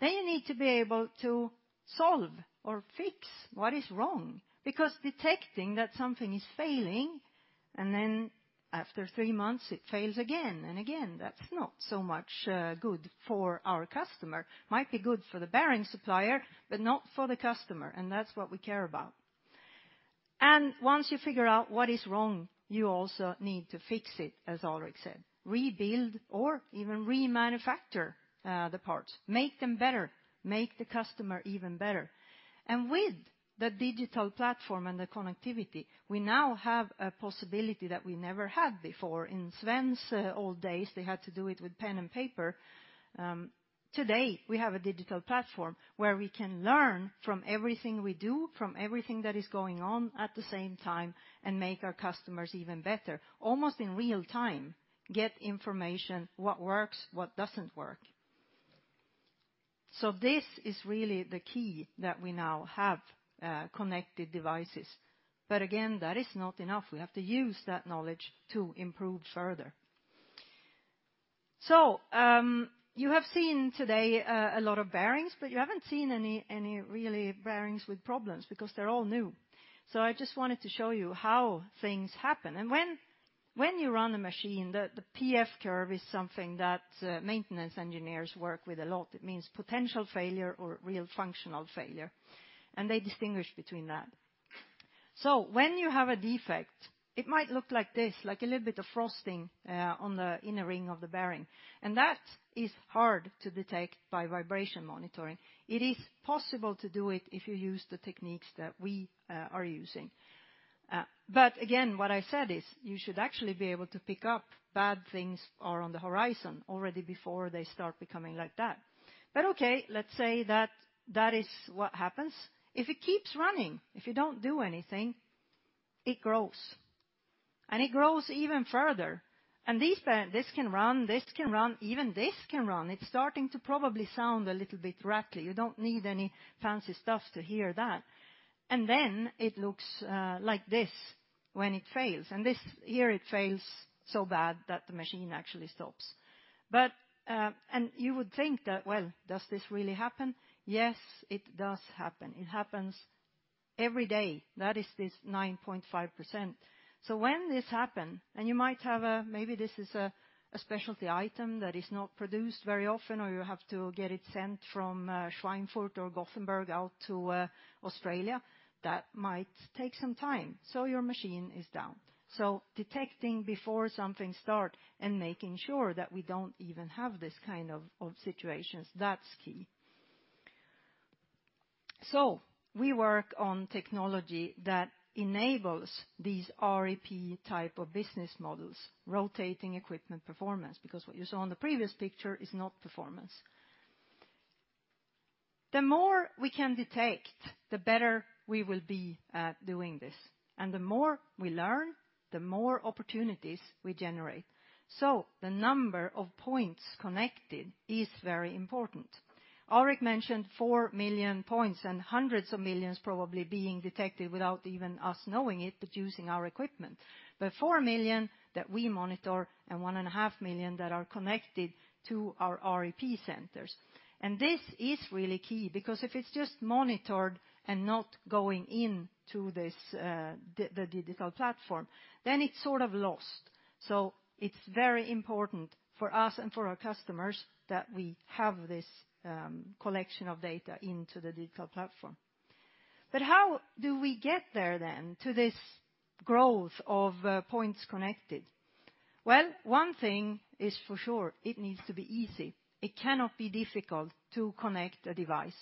You need to be able to solve or fix what is wrong, because detecting that something is failing, and then after three months it fails again and again, that's not so much good for our customer. Might be good for the bearing supplier, but not for the customer, and that's what we care about. Once you figure out what is wrong, you also need to fix it, as Alrik said. Rebuild or even remanufacture the parts, make them better, make the customer even better. With the digital platform and the connectivity, we now have a possibility that we never had before. In Sven's old days, they had to do it with pen and paper. Today, we have a digital platform where we can learn from everything we do, from everything that is going on at the same time, and make our customers even better. Almost in real time, get information, what works, what doesn't work. This is really the key that we now have connected devices. Again, that is not enough. We have to use that knowledge to improve further. You have seen today a lot of bearings, but you haven't seen any really bearings with problems because they're all new. I just wanted to show you how things happen. When you run a machine, the P-F curve is something that maintenance engineers work with a lot. It means potential failure or real functional failure. They distinguish between that. When you have a defect, it might look like this, like a little bit of frosting on the inner ring of the bearing. That is hard to detect by vibration monitoring. It is possible to do it if you use the techniques that we are using. Again, what I said is you should actually be able to pick up bad things are on the horizon already before they start becoming like that. Okay, let's say that is what happens. If it keeps running, if you don't do anything, it grows. It grows even further. This can run, this can run, even this can run. It's starting to probably sound a little bit rattly. You don't need any fancy stuff to hear that. Then it looks like this. When it fails, and this here it fails so bad that the machine actually stops. You would think that, well, does this really happen? Yes, it does happen. It happens every day. That is this 9.5%. When this happen, and you might have a, maybe this is a specialty item that is not produced very often, or you have to get it sent from Schweinfurt or Gothenburg out to Australia, that might take some time. Your machine is down. Detecting before something start and making sure that we do not even have this kind of situations, that is key. We work on technology that enables these REP type of business models, Rotating Equipment Performance, because what you saw on the previous picture is not performance. The more we can detect, the better we will be at doing this. The more we learn, the more opportunities we generate. The number of points connected is very important. lrik mentioned 4 million points and hundreds of millions probably being detected without even us knowing it, but using our equipment. 4 million that we monitor and 1.5 million that are connected to our REP centers. This is really key because if it is just monitored and not going into the digital platform, then it is sort of lost. It is very important for us and for our customers that we have this collection of data into the digital platform. How do we get there then to this growth of points connected? One thing is for sure, it needs to be easy. It cannot be difficult to connect a device.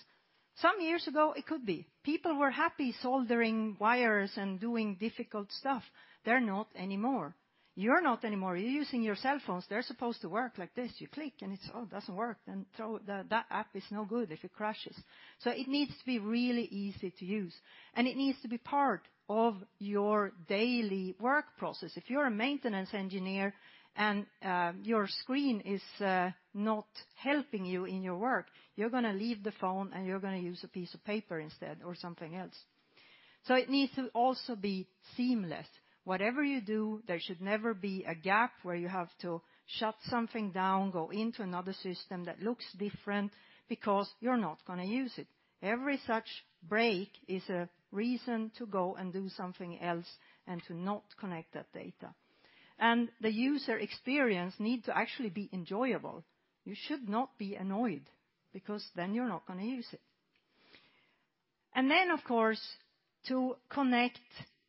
Some years ago, it could be. People were happy soldering wires and doing difficult stuff. They are not anymore. You are not anymore. You are using your cell phones. They are supposed to work like this. You click and it is, "Oh, it does not work," then throw it. That app is no good if it crashes. It needs to be really easy to use, and it needs to be part of your daily work process. If you are a maintenance engineer and your screen is not helping you in your work, you are going to leave the phone and you are going to use a piece of paper instead, or something else. It needs to also be seamless. Whatever you do, there should never be a gap where you have to shut something down, go into another system that looks different because you are not going to use it. Every such break is a reason to go and do something else and to not connect that data. The user experience need to actually be enjoyable. You should not be annoyed because then you are not going to use it. Then, of course, to connect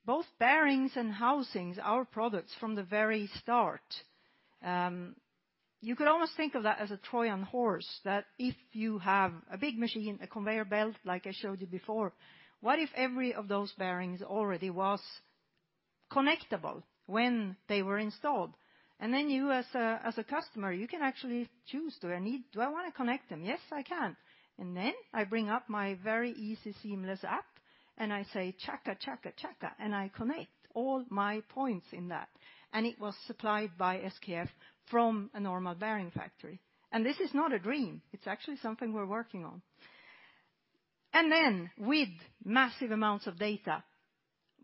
both bearings and housings, our products from the very start. You could almost think of that as a Trojan horse, that if you have a big machine, a conveyor belt like I showed you before, what if every of those bearings already was connectable when they were installed? Then you as a customer, you can actually choose, do I want to connect them? Yes, I can. Then I bring up my very easy, seamless app and I say, "Chaka, chaka," and I connect all my points in that, and it was supplied by SKF from a normal bearing factory. This is not a dream. It is actually something we are working on. Then with massive amounts of data,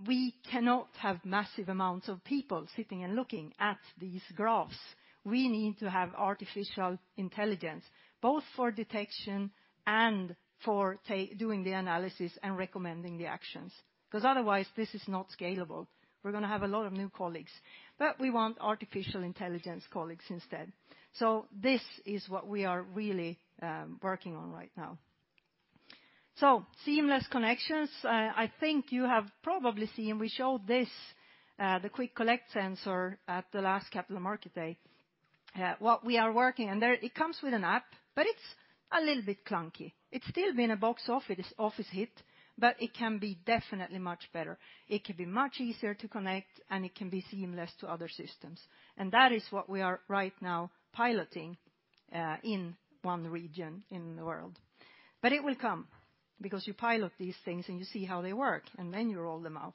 we cannot have massive amounts of people sitting and looking at these graphs. We need to have artificial intelligence, both for detection and for doing the analysis and recommending the actions. Because otherwise, this is not scalable. We're going to have a lot of new colleagues. We want artificial intelligence colleagues instead. This is what we are really working on right now. Seamless connections. I think you have probably seen, we showed this, the QuickCollect sensor at the last Capital Markets Day. What we are working on there, it comes with an app, it's a little bit clunky. It's still been a box office hit, it can be definitely much better. It can be much easier to connect, and it can be seamless to other systems. That is what we are right now piloting in one region in the world. It will come because you pilot these things and you see how they work, then you roll them out.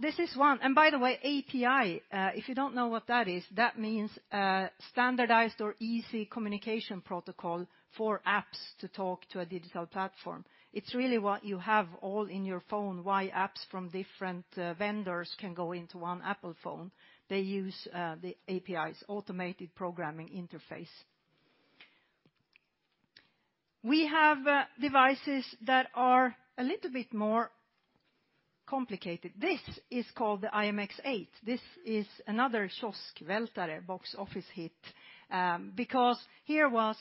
This is one. By the way, API, if you don't know what that is, that means a standardized or easy communication protocol for apps to talk to a digital platform. It's really what you have all in your phone, why apps from different vendors can go into one Apple phone. They use the APIs, automated programming interface. We have devices that are a little bit more complicated. This is called the IMx-8. This is another kioskvältare, box office hit, because here was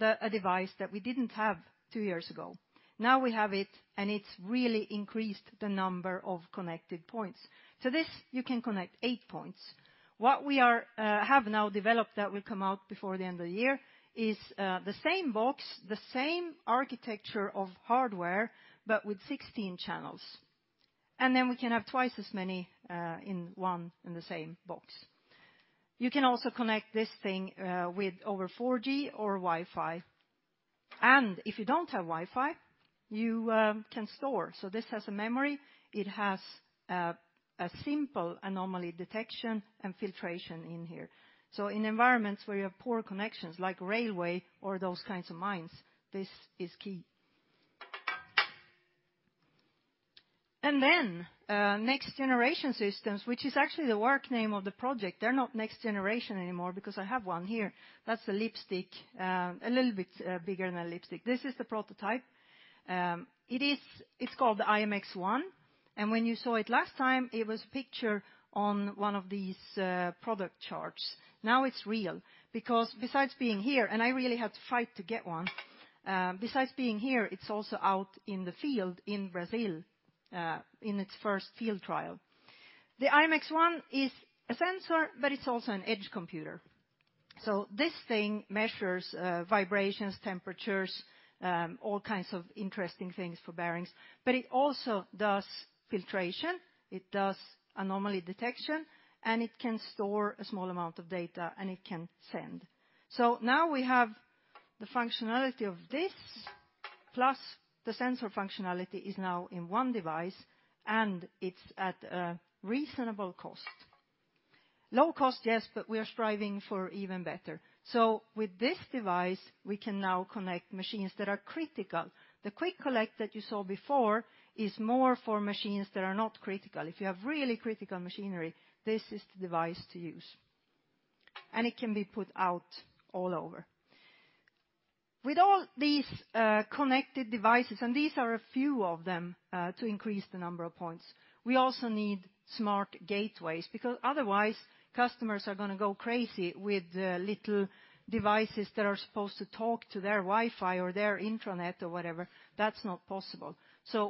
a device that we didn't have two years ago. Now we have it, and it's really increased the number of connected points. This, you can connect eight points. What we have now developed that will come out before the end of the year is the same box, the same architecture of hardware, but with 16 channels. We can have twice as many in one in the same box. You can also connect this thing with over 4G or Wi-Fi. If you don't have Wi-Fi, you can store. This has a memory. It has a simple anomaly detection and filtration in here. In environments where you have poor connections like railway or those kinds of mines, this is key. Next generation systems, which is actually the work name of the project, they're not next generation anymore because I have one here. That's the lipstick, a little bit bigger than a lipstick. This is the prototype. It's called the IMx-1, and when you saw it last time, it was pictured on one of these product charts. Now it's real, because besides being here, and I really had to fight to get one, besides being here, it's also out in the field in Brazil, in its first field trial. The IMx-1 is a sensor, but it's also an edge computer. This thing measures vibrations, temperatures, all kinds of interesting things for bearings, but it also does filtration, it does anomaly detection, and it can store a small amount of data, and it can send. Now we have the functionality of this, plus the sensor functionality is now in one device, and it's at a reasonable cost. Low cost, yes, we are striving for even better. With this device, we can now connect machines that are critical. The QuickCollect that you saw before is more for machines that are not critical. If you have really critical machinery, this is the device to use. It can be put out all over. With all these connected devices, and these are a few of them, to increase the number of points, we also need smart gateways, because otherwise, customers are going to go crazy with the little devices that are supposed to talk to their Wi-Fi or their intranet or whatever. That's not possible.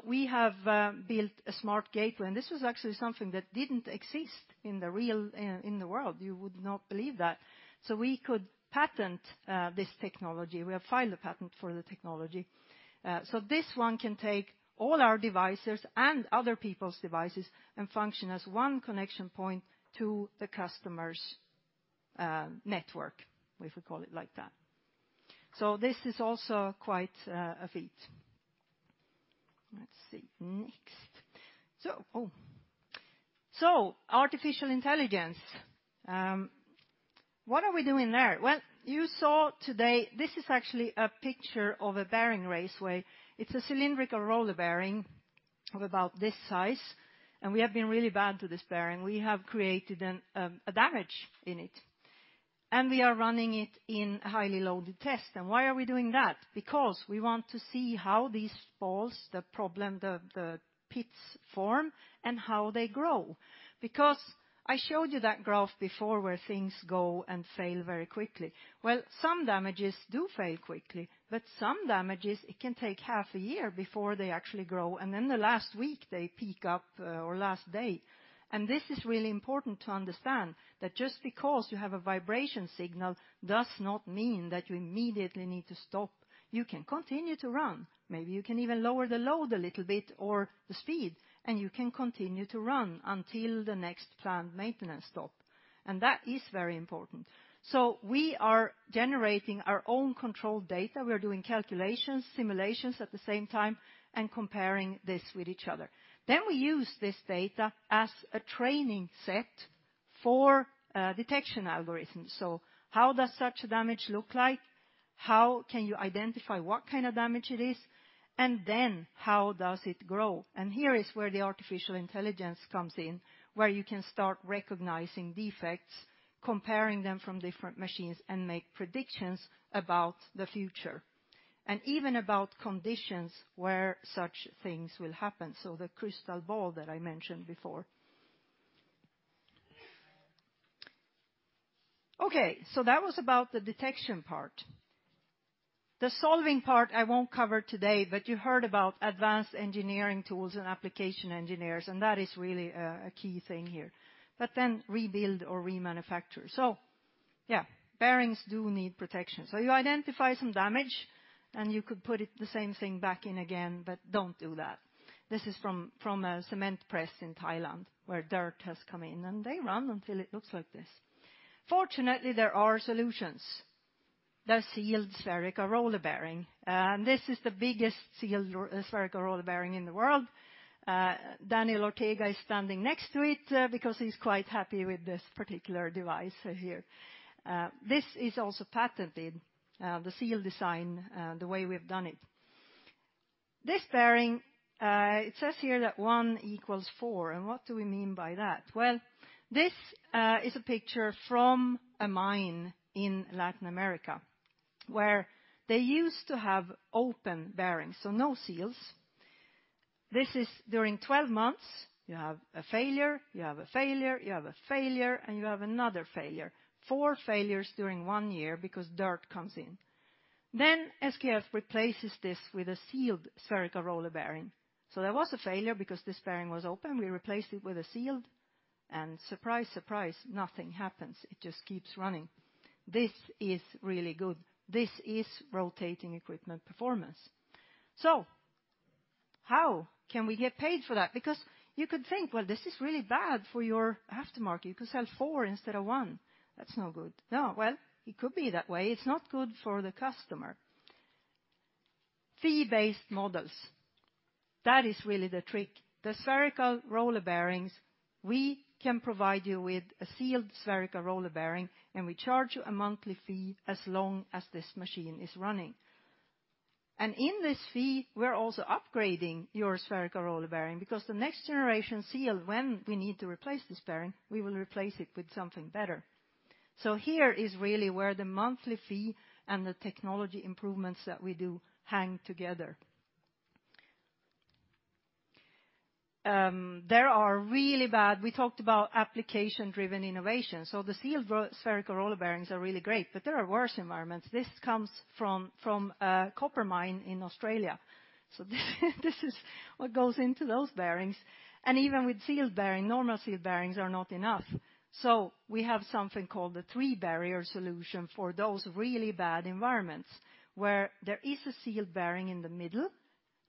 We have built a smart gateway, and this was actually something that didn't exist in the world. You would not believe that. We could patent this technology. We have filed a patent for the technology. This one can take all our devices and other people's devices and function as one connection point to the customer's network, if we call it like that. This is also quite a feat. Let's see next. Artificial intelligence. What are we doing there? Well, you saw today, this is actually a picture of a bearing raceway. It's a cylindrical roller bearing of about this size, and we have been really bad to this bearing. We have created a damage in it. We are running it in highly loaded tests. Why are we doing that? We want to see how these balls, the problem, the pits form, and how they grow. I showed you that graph before where things go and fail very quickly. Well, some damages do fail quickly, but some damages, it can take half a year before they actually grow, and then the last week, they peak up, or last day. This is really important to understand, that just because you have a vibration signal does not mean that you immediately need to stop. You can continue to run. Maybe you can even lower the load a little bit or the speed, and you can continue to run until the next planned maintenance stop. That is very important. We are generating our own control data. We are doing calculations, simulations at the same time, and comparing this with each other. We use this data as a training set for a detection algorithm. How does such damage look like? How can you identify what kind of damage it is? How does it grow? Here is where the artificial intelligence comes in, where you can start recognizing defects, comparing them from different machines, and make predictions about the future. Even about conditions where such things will happen. The crystal ball that I mentioned before. Okay, that was about the detection part. The solving part I won't cover today, you heard about advanced engineering tools and application engineers, and that is really a key thing here. Rebuild or remanufacture. Yeah, bearings do need protection. You identify some damage, and you could put it the same thing back in again, but don't do that. This is from a cement press in Thailand where dirt has come in, and they run until it looks like this. Fortunately, there are solutions. The sealed spherical roller bearing. This is the biggest sealed spherical roller bearing in the world. Daniel Ortega is standing next to it because he's quite happy with this particular device here. This is also patented, the seal design, the way we've done it. This bearing, it says here that one equals four. What do we mean by that? Well, this is a picture from a mine in Latin America, where they used to have open bearings, so no seals. This is during 12 months, you have a failure, you have a failure, you have a failure, and you have another failure. 4 failures during 1 year because dirt comes in. SKF replaces this with a sealed spherical roller bearing. There was a failure because this bearing was open. We replaced it with a sealed, and surprise, nothing happens. It just keeps running. This is really good. This is Rotating Equipment Performance. How can we get paid for that? Because you could think, well, this is really bad for your aftermarket. You could sell 4 instead of 1. That's no good. No, well, it could be that way. It's not good for the customer. Fee-based models. That is really the trick. The spherical roller bearings, we can provide you with a sealed spherical roller bearing, and we charge you a monthly fee as long as this machine is running. In this fee, we're also upgrading your spherical roller bearing, because the next generation seal, when we need to replace this bearing, we will replace it with something better. Here is really where the monthly fee and the technology improvements that we do hang together. We talked about application-driven innovation. The sealed spherical roller bearings are really great, but there are worse environments. This comes from a copper mine in Australia. This is what goes into those bearings, and even with sealed bearing, normal sealed bearings are not enough. We have something called the three-barrier solution for those really bad environments, where there is a sealed bearing in the middle,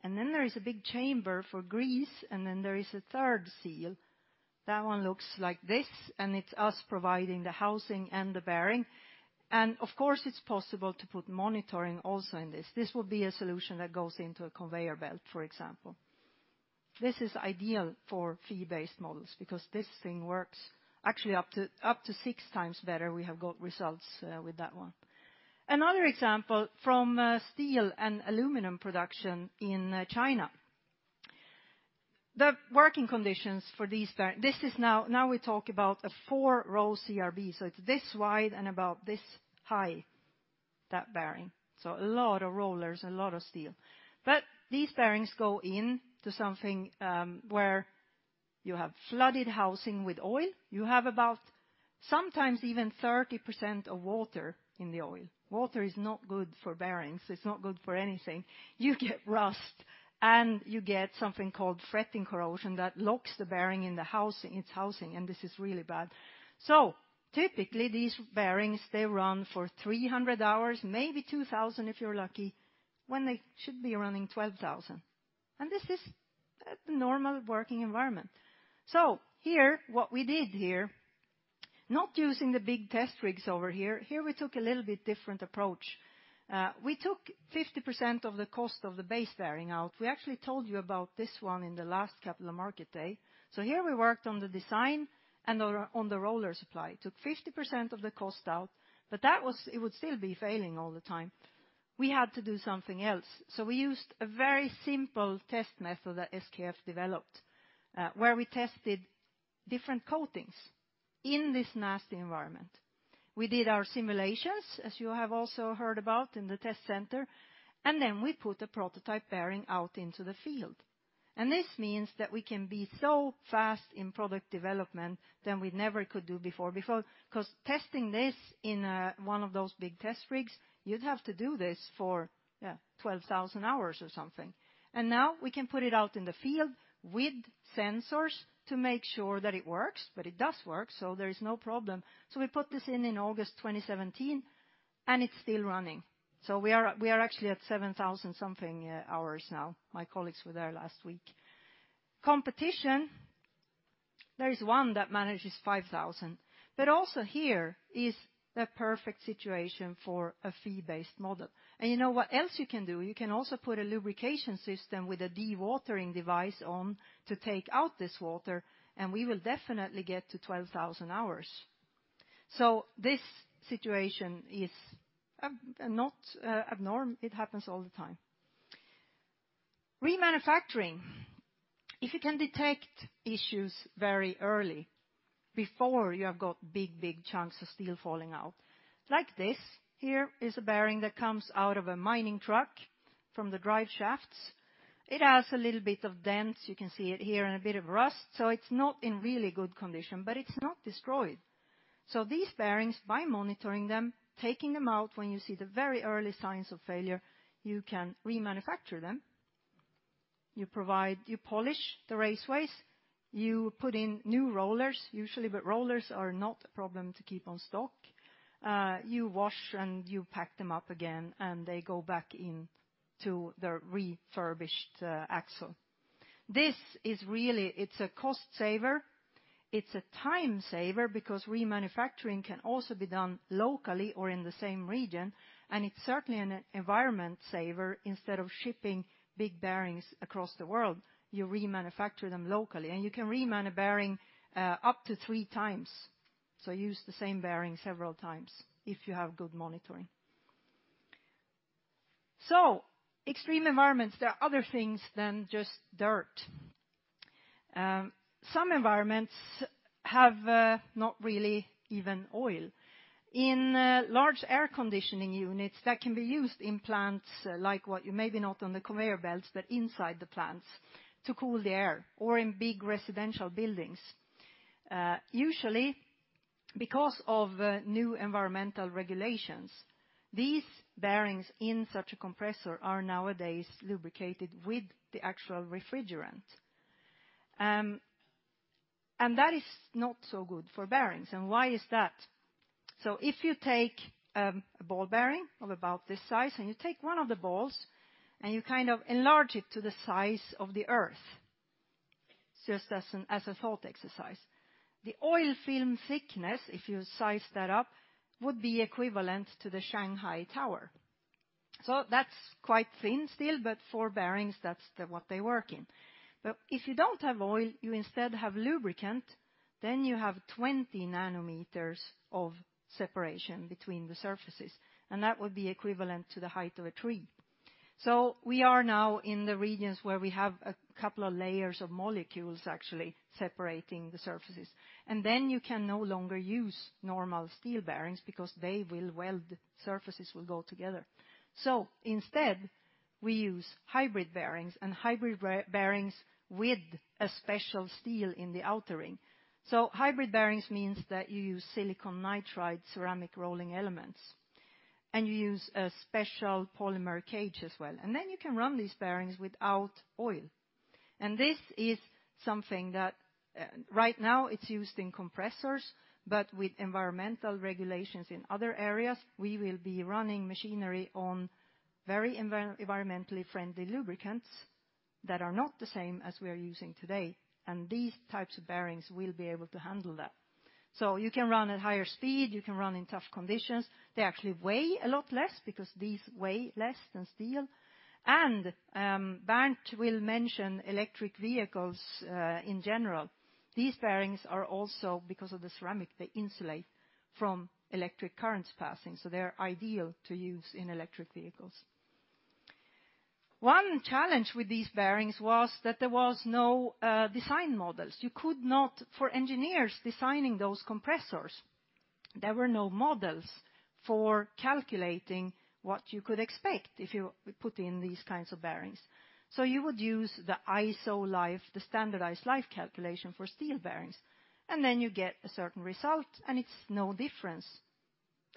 and then there is a big chamber for grease, and then there is a 3rd seal. That one looks like this, and it's us providing the housing and the bearing. Of course, it's possible to put monitoring also in this. This would be a solution that goes into a conveyor belt, for example. This is ideal for fee-based models, because this thing works actually up to 6 times better. We have got results with that one. Another example from steel and aluminum production in China. The working conditions for these, now we talk about a four-row CRB, so it's this wide and about this high, that bearing. A lot of rollers, a lot of steel. These bearings go in to something where you have flooded housing with oil. You have about sometimes even 30% of water in the oil. Water is not good for bearings. It's not good for anything. You get rust, and you get something called fretting corrosion that locks the bearing in its housing, and this is really bad. Typically, these bearings, they run for 300 hours, maybe 2,000 if you're lucky, when they should be running 12,000. This is a normal working environment. Here, what we did here, not using the big test rigs over here. Here, we took a little bit different approach. We took 50% of the cost of the base bearing out. We actually told you about this 1 in the last capital market day. Here we worked on the design and on the roller supply. Took 50% of the cost out, it would still be failing all the time. We had to do something else, we used a very simple test method that SKF developed, where we tested different coatings in this nasty environment. We did our simulations, as you have also heard about in the test center, then we put a prototype bearing out into the field. This means that we can be so fast in product development than we never could do before. Testing this in one of those big test rigs, you'd have to do this for 12,000 hours or something. Now we can put it out in the field with sensors to make sure that it works. It does work, there is no problem. We put this in in August 2017, and it's still running. We are actually at 7,000 something hours now. My colleagues were there last week. Competition. There is one that manages 5,000, but also here is a perfect situation for a fee-based model. You know what else you can do? You can also put a lubrication system with a dewatering device on to take out this water, and we will definitely get to 12,000 hours. This situation is not abnormal. It happens all the time. Remanufacturing. If you can detect issues very early, before you have got big, big chunks of steel falling out like this. Here is a bearing that comes out of a mining truck from the drive shafts. It has a little bit of dents, you can see it here, and a bit of rust. It's not in really good condition, but it's not destroyed. These bearings, by monitoring them, taking them out when you see the very early signs of failure, you can remanufacture them. You polish the raceways. You put in new rollers, usually, but rollers are not a problem to keep on stock. You wash and you pack them up again, and they go back into their refurbished axle. This is really, it's a cost saver. It's a time saver, because remanufacturing can also be done locally or in the same region, and it's certainly an environment saver. Instead of shipping big bearings across the world, you remanufacture them locally, and you can reman a bearing up to three times. Use the same bearing several times if you have good monitoring. Extreme environments, there are other things than just dirt. Some environments have not really even oil. In large air conditioning units that can be used in plants like what you may be not on the conveyor belts, but inside the plants to cool the air, or in big residential buildings. Usually, because of new environmental regulations, these bearings in such a compressor are nowadays lubricated with the actual refrigerant. That is not so good for bearings. Why is that? If you take a ball bearing of about this size, and you take one of the balls and you kind of enlarge it to the size of the Earth. Just as a thought exercise. The oil film thickness, if you size that up, would be equivalent to the Shanghai Tower. That's quite thin steel, but for bearings, that's what they work in. If you don't have oil, you instead have lubricant, you have 20 nanometers of separation between the surfaces, and that would be equivalent to the height of a tree. We are now in the regions where we have a couple of layers of molecules, actually, separating the surfaces. You can no longer use normal steel bearings because they will weld, surfaces will go together. Instead, we use hybrid bearings, and hybrid bearings with a special steel in the outer ring. Hybrid bearings means that you use silicon nitride ceramic rolling elements, and you use a special polymer cage as well, and you can run these bearings without oil. This is something that right now it's used in compressors, with environmental regulations in other areas, we will be running machinery on very environmentally friendly lubricants that are not the same as we are using today. These types of bearings will be able to handle that. You can run at higher speed, you can run in tough conditions. They actually weigh a lot less because these weigh less than steel. Bernd will mention electric vehicles in general. These bearings are also, because of the ceramic, they insulate from electric currents passing, they're ideal to use in electric vehicles. One challenge with these bearings was that there was no design models. For engineers designing those compressors, there were no models for calculating what you could expect if you put in these kinds of bearings. You would use the ISO life, the standardized life calculation for steel bearings, you get a certain result, it's no difference.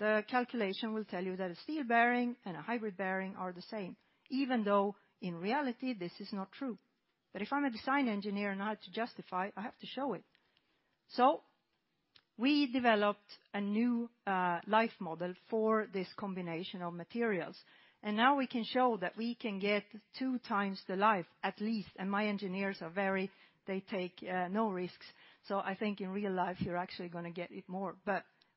The calculation will tell you that a steel bearing and a hybrid bearing are the same, even though in reality, this is not true. If I'm a design engineer and I have to justify, I have to show it. We developed a new life model for this combination of materials, now we can show that we can get two times the life, at least. My engineers are very, they take no risks. I think in real life, you're actually going to get it more.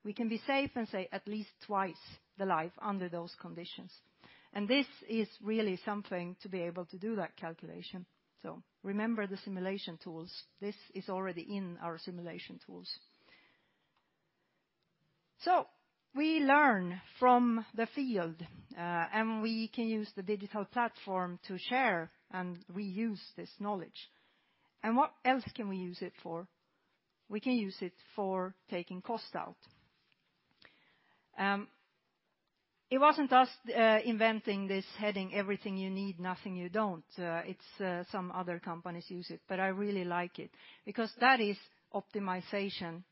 We can be safe and say at least twice the life under those conditions. This is really something to be able to do that calculation. Remember the simulation tools. This is already in our simulation tools. We learn from the field, we can use the digital platform to share and reuse this knowledge. What else can we use it for? We can use it for taking costs out. It wasn't us inventing this heading, everything you need, nothing you don't. It's some other companies use it, I really like it, because that is optimization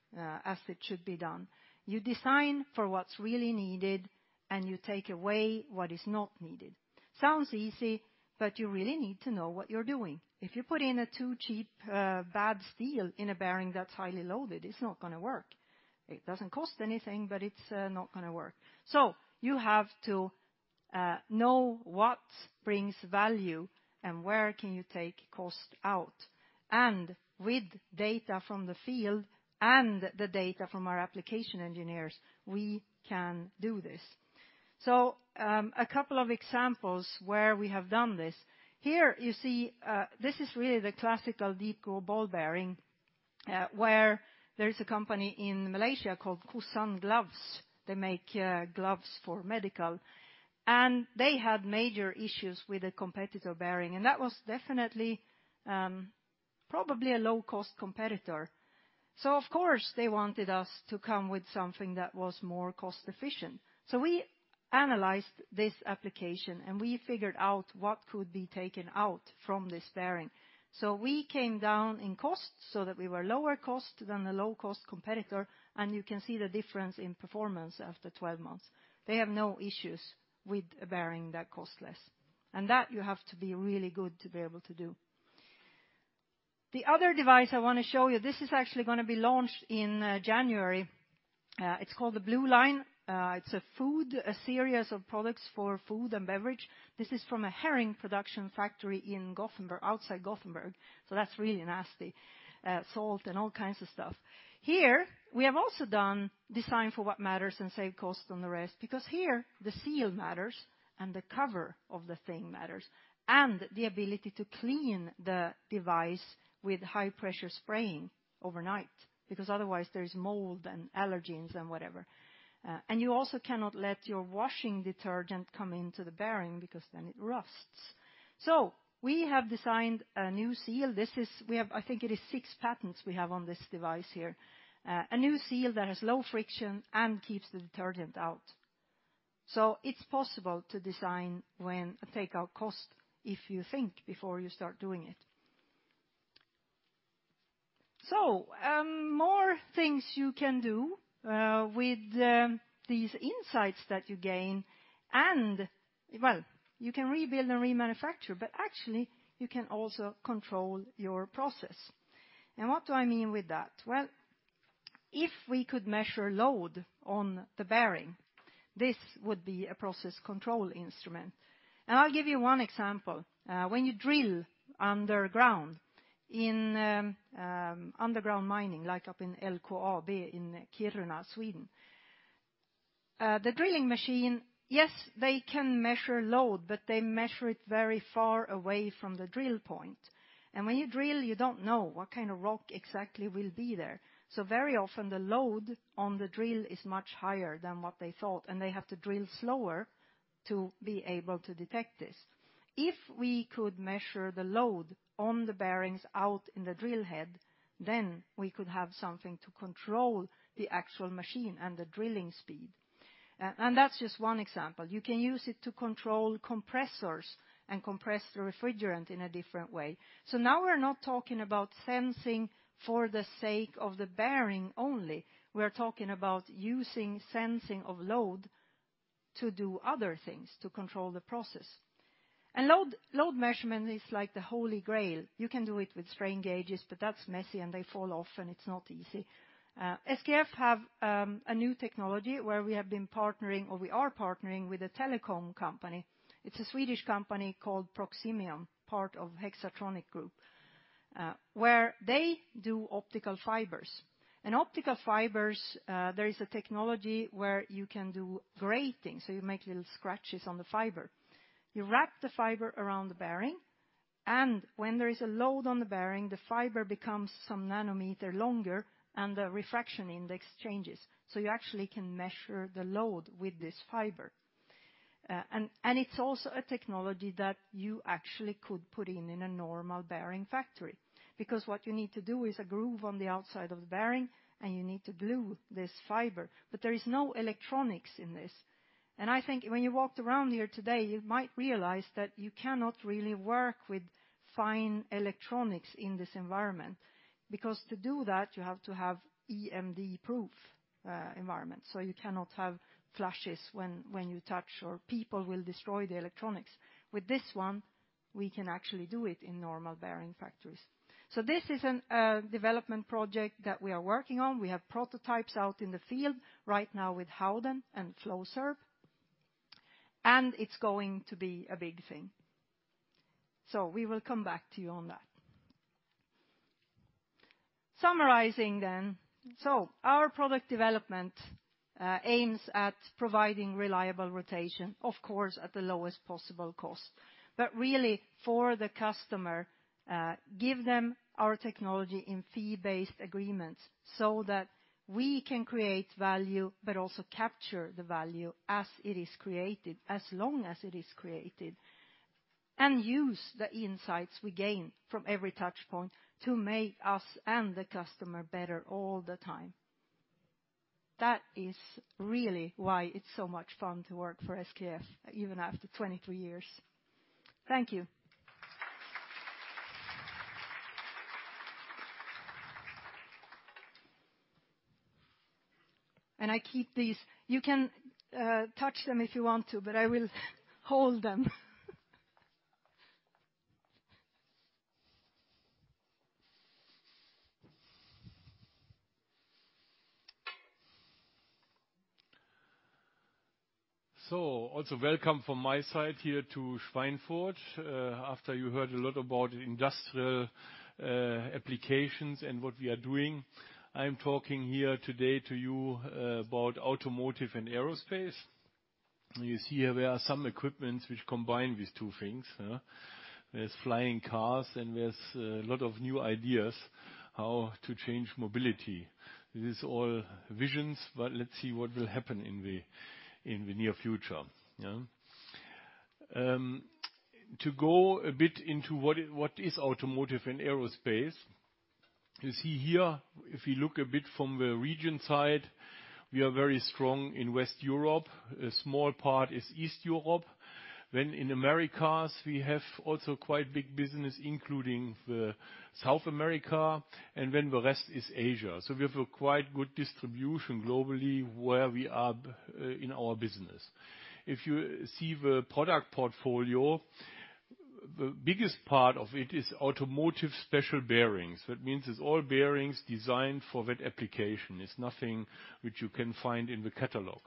as it should be done. You design for what's really needed, you take away what is not needed. Sounds easy, you really need to know what you're doing. If you put in a too-cheap, bad steel in a bearing that's highly loaded, it's not going to work. It doesn't cost anything, it's not going to work. You have to know what brings value and where can you take cost out. With data from the field and the data from our application engineers, we can do this. A couple of examples where we have done this. You see this is really the classical deep groove ball bearing, where there's a company in Malaysia called Kossan Gloves. They make gloves for medical. They had major issues with a competitor bearing. That was definitely probably a low-cost competitor. Of course, they wanted us to come with something that was more cost efficient. We analyzed this application, and we figured out what could be taken out from this bearing. We came down in cost so that we were lower cost than the low-cost competitor, and you can see the difference in performance after 12 months. They have no issues with a bearing that cost less, that you have to be really good to be able to do. The other device I want to show you, this is actually going to be launched in January. It's called the SKF Blue Line. It's a food, a series of products for food and beverage. This is from a herring production factory in Gothenburg, outside Gothenburg. That's really nasty, salt and all kinds of stuff. We have also done design for what matters and save cost on the rest, because here the seal matters and the cover of the thing matters, and the ability to clean the device with high-pressure spraying overnight, because otherwise there is mold and allergens and whatever. You also cannot let your washing detergent come into the bearing because then it rusts. We have designed a new seal. I think it is six patents we have on this device here. A new seal that has low friction and keeps the detergent out. It's possible to design when take out cost if you think before you start doing it. More things you can do with these insights that you gain, well, you can rebuild and remanufacture, but actually, you can also control your process. What do I mean with that? If we could measure load on the bearing, this would be a process control instrument. I'll give you one example. When you drill underground in underground mining, like up in LKAB in Kiruna, Sweden, the drilling machine, yes, they can measure load, but they measure it very far away from the drill point. When you drill, you don't know what kind of rock exactly will be there. Very often the load on the drill is much higher than what they thought, they have to drill slower to be able to detect this. If we could measure the load on the bearings out in the drill head, we could have something to control the actual machine and the drilling speed. That's just one example. You can use it to control compressors and compress the refrigerant in a different way. Now we're not talking about sensing for the sake of the bearing only. We're talking about using sensing of load to do other things, to control the process. Load measurement is like the holy grail. You can do it with strain gauges, that's messy and they fall off, it's not easy. SKF have a new technology where we have been partnering, or we are partnering with a telecom company. It's a Swedish company called Proximion, part of Hexatronic Group, where they do optical fibers. In optical fibers, there is a technology where you can do grating, so you make little scratches on the fiber. You wrap the fiber around the bearing, and when there is a load on the bearing, the fiber becomes some nanometer longer and the refraction index changes. You actually can measure the load with this fiber. It's also a technology that you actually could put in in a normal bearing factory, because what you need to do is a groove on the outside of the bearing, and you need to glue this fiber. There is no electronics in this. I think when you walked around here today, you might realize that you cannot really work with fine electronics in this environment, because to do that, you have to have ESD-proof environment. You cannot have flashes when you touch, or people will destroy the electronics. With this one, we can actually do it in normal bearing factories. This is a development project that we are working on. We have prototypes out in the field right now with Howden and Flowserve, and it's going to be a big thing. We will come back to you on that. Summarizing, then. Our product development aims at providing reliable rotation, of course, at the lowest possible cost. Really for the customer, give them our technology in fee-based agreements so that we can create value, but also capture the value as it is created, as long as it is created. Use the insights we gain from every touch point to make us and the customer better all the time. That is really why it's so much fun to work for SKF, even after 23 years. Thank you. I keep these. You can touch them if you want to, but I will hold them.
Also welcome from my side here to Schweinfurt. After you heard a lot about industrial applications and what we are doing, I'm talking here today to you about automotive and aerospace. You see here there are some equipments which combine these two things. There's flying cars and there's a lot of new ideas how to change mobility. This is all visions, but let's see what will happen in the near future. To go a bit into what is automotive and aerospace. You see here, if you look a bit from the region side, we are very strong in West Europe. A small part is East Europe. In Americas, we have also quite big business, including the South America. The rest is Asia. We have a quite good distribution globally where we are in our business. If you see the product portfolio, the biggest part of it is automotive special bearings. That means it's all bearings designed for that application. It's nothing which you can find in the catalog.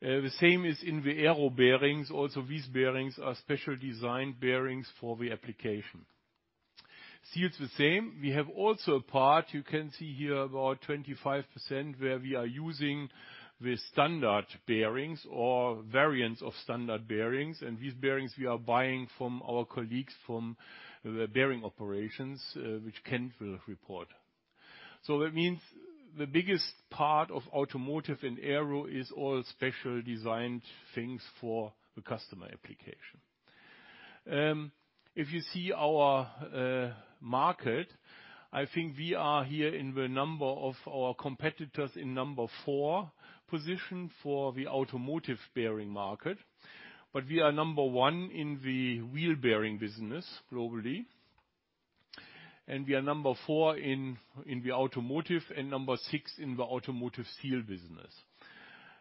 The same is in the aero bearings. Also, these bearings are special designed bearings for the application. Seals the same. We have also a part you can see here about 25% where we are using the standard bearings or variants of standard bearings. These bearings we are buying from our colleagues from the bearing operations, which Kent will report. That means the biggest part of automotive and aero is all special designed things for the customer application. If you see our market, I think we are here in the number of our competitors in number 4 position for the automotive bearing market. We are number 1 in the wheel bearing business globally, we are number 4 in the automotive and number 6 in the automotive seal business.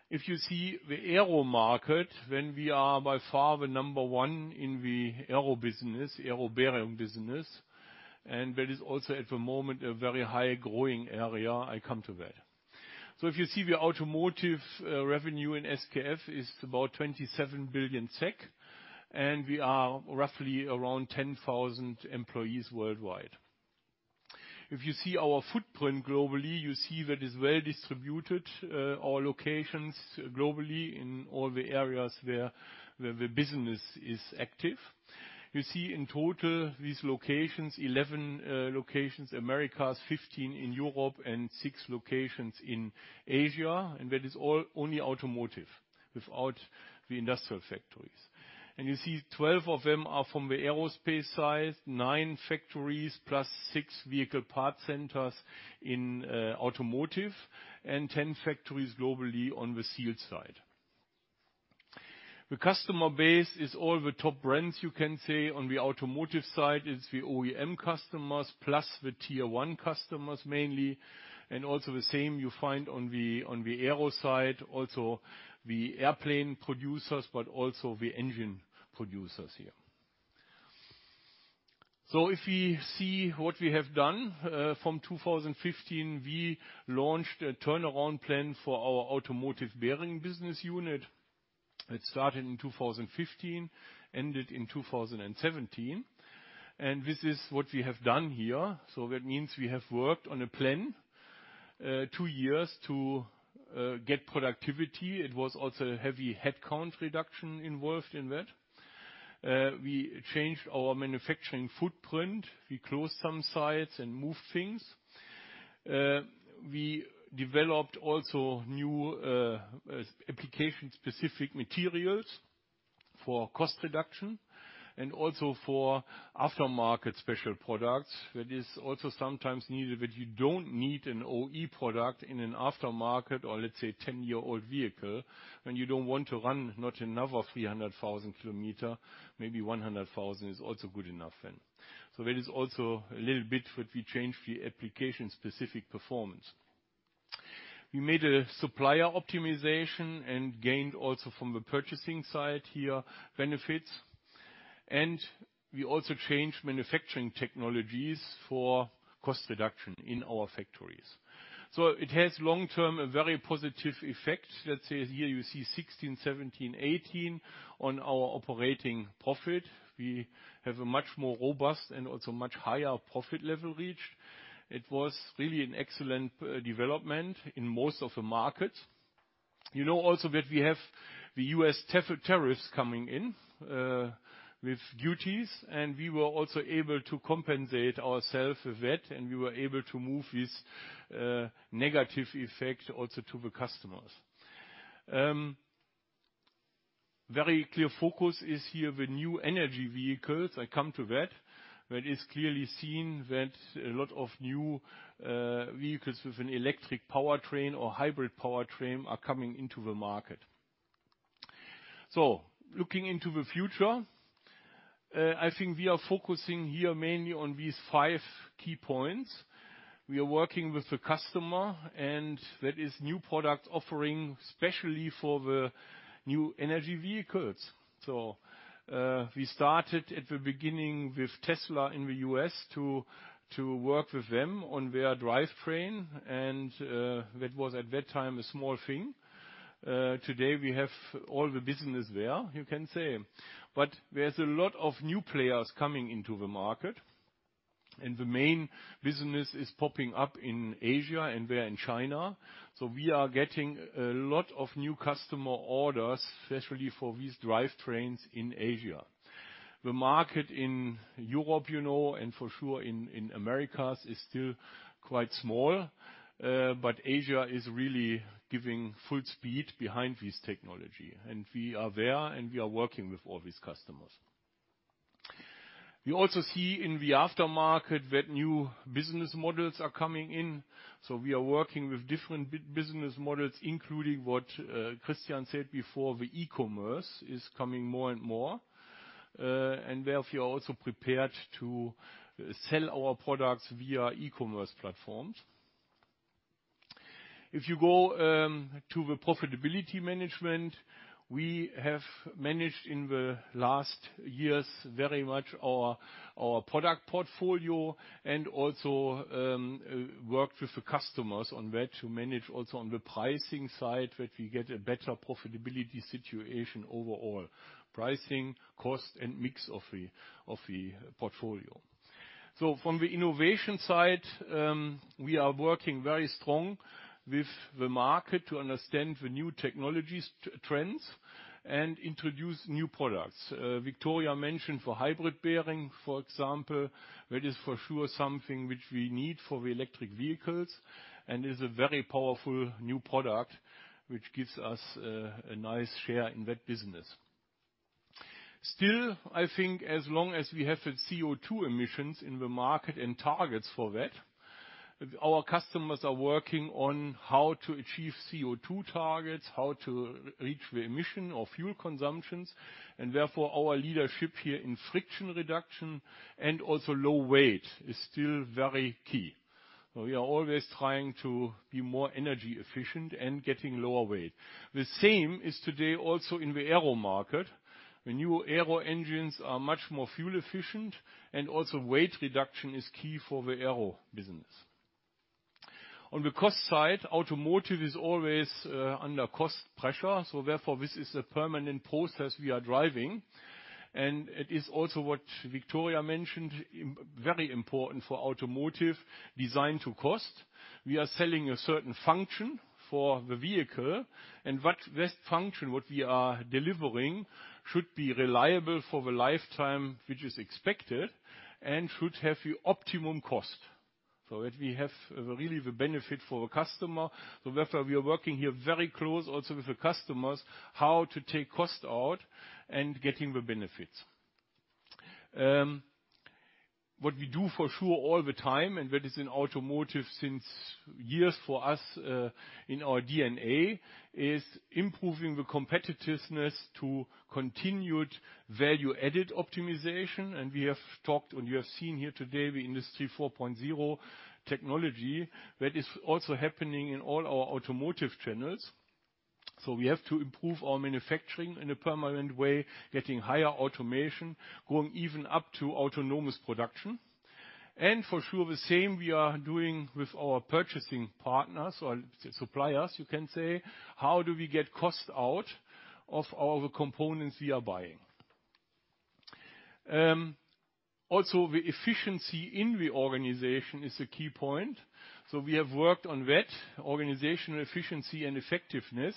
If you see the aero market, we are by far the number 1 in the aero business, aero bearing business. That is also, at the moment, a very high growing area. I come to that. If you see the automotive revenue in SKF is about 27 billion SEK, we are roughly around 10,000 employees worldwide. If you see our footprint globally, you see that it's well-distributed, our locations globally in all the areas where the business is active. You see in total these locations, 11 locations, Americas, 15 in Europe and 6 locations in Asia, that is all only automotive, without the industrial factories. You see 12 of them are from the aerospace side, 9 factories plus 6 vehicle parts centers in automotive and 10 factories globally on the seals side. The customer base is all the top brands, you can say, on the automotive side, it's the OEM customers plus the tier 1 customers mainly. Also the same you find on the aero side, also the airplane producers, but also the engine producers here. If we see what we have done from 2015, we launched a turnaround plan for our automotive bearing business unit. It started in 2015, ended in 2017, this is what we have done here. That means we have worked on a plan, two years to get productivity. It was also a heavy headcount reduction involved in that. We changed our manufacturing footprint. We closed some sites and moved things. We developed also new application-specific materials for cost reduction and also for aftermarket special products. That is also sometimes needed, that you don't need an OE product in an aftermarket or let's say 10-year-old vehicle, you don't want to run not another 300,000 km, maybe 100,000 is also good enough then. That is also a little bit what we changed the application specific performance. We made a supplier optimization and gained also from the purchasing side here benefits. We also changed manufacturing technologies for cost reduction in our factories. It has long-term, a very positive effect. Let's say here you see 2016, 2017, 2018 on our operating profit. We have a much more robust and also much higher profit level reached. It was really an excellent development in most of the markets. You know also that we have the U.S. tariffs coming in, with duties, and we were also able to compensate ourself with that, and we were able to move this negative effect also to the customers. Very clear focus is here the new energy vehicles. I come to that. That is clearly seen that a lot of new vehicles with an electric powertrain or hybrid powertrain are coming into the market. Looking into the future, I think we are focusing here mainly on these five key points. We are working with the customer, and that is new product offering, especially for the new energy vehicles. We started at the beginning with Tesla in the U.S. to work with them on their drivetrain, and that was at that time a small thing. Today we have all the business there, you can say. There's a lot of new players coming into the market, and the main business is popping up in Asia and there in China. We are getting a lot of new customer orders, especially for these drivetrains in Asia. The market in Europe, you know, and for sure in Americas is still quite small. Asia is really giving full speed behind this technology. We are there and we are working with all these customers. We also see in the aftermarket that new business models are coming in. We are working with different business models, including what Christian said before, the e-commerce is coming more and more. There we are also prepared to sell our products via e-commerce platforms. If you go to the profitability management, we have managed in the last years very much our product portfolio and also worked with the customers on where to manage also on the pricing side, that we get a better profitability situation overall. Pricing, cost, and mix of the portfolio. From the innovation side, we are working very strong with the market to understand the new technologies trends and introduce new products. Victoria mentioned for hybrid bearing, for example. That is for sure something which we need for the electric vehicles and is a very powerful new product which gives us a nice share in that business. Still, I think as long as we have the CO2 emissions in the market and targets for that, our customers are working on how to achieve CO2 targets, how to reach the emission or fuel consumptions. Therefore, our leadership here in friction reduction and also low weight is still very key. We are always trying to be more energy efficient and getting lower weight. The same is today also in the aero market. The new aero engines are much more fuel efficient and also weight reduction is key for the aero business. On the cost side, automotive is always under cost pressure. Therefore, this is a permanent process we are driving. It is also what Victoria mentioned, very important for automotive, design to cost. We are selling a certain function for the vehicle and what this function, what we are delivering, should be reliable for the lifetime which is expected and should have the optimum cost. That we have really the benefit for the customer, therefore we are working here very close also with the customers, how to take cost out and getting the benefits. What we do for sure all the time, that is in automotive since years for us, in our DNA, is improving the competitiveness to continued value-added optimization. We have talked, you have seen here today, the Industry 4.0 technology that is also happening in all our automotive channels. We have to improve our manufacturing in a permanent way, getting higher automation, going even up to autonomous production. For sure, the same we are doing with our purchasing partners or suppliers, you can say. How do we get cost out of all the components we are buying? Also, the efficiency in the organization is a key point. We have worked on that, organization efficiency and effectiveness.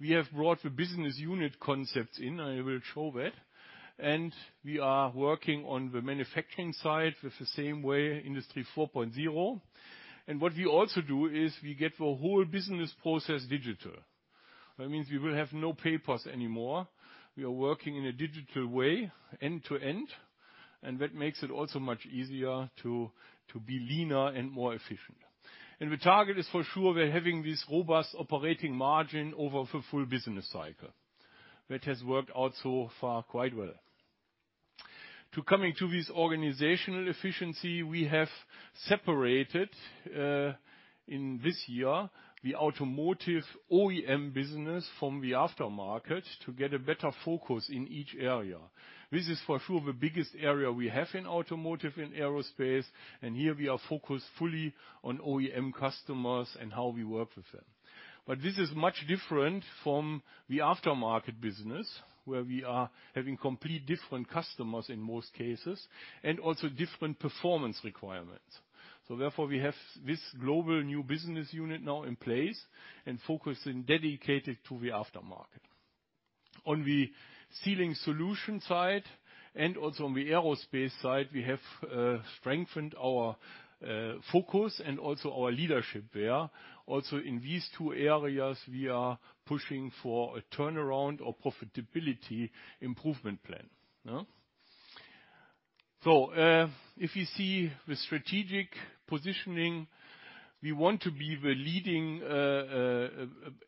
We have brought the business unit concepts in, I will show that. We are working on the manufacturing side with the same way, Industry 4.0. What we also do is we get the whole business process digital. That means we will have no papers anymore. We are working in a digital way end to end, that makes it also much easier to be leaner and more efficient. The target is for sure we're having this robust operating margin over the full business cycle. That has worked out so far quite well. To come to this organizational efficiency, we have separated, in this year, the automotive OEM business from the aftermarket to get a better focus in each area. This is for sure the biggest area we have in automotive and aerospace, here we are focused fully on OEM customers and how we work with them. This is much different from the aftermarket business, where we are having complete different customers in most cases and also different performance requirements. Therefore, we have this global new business unit now in place and focused and dedicated to the aftermarket. On the sealing solution side and also on the aerospace side, we have strengthened our focus and also our leadership there. Also in these two areas, we are pushing for a turnaround or profitability improvement plan. If you see the strategic positioning, we want to be the leading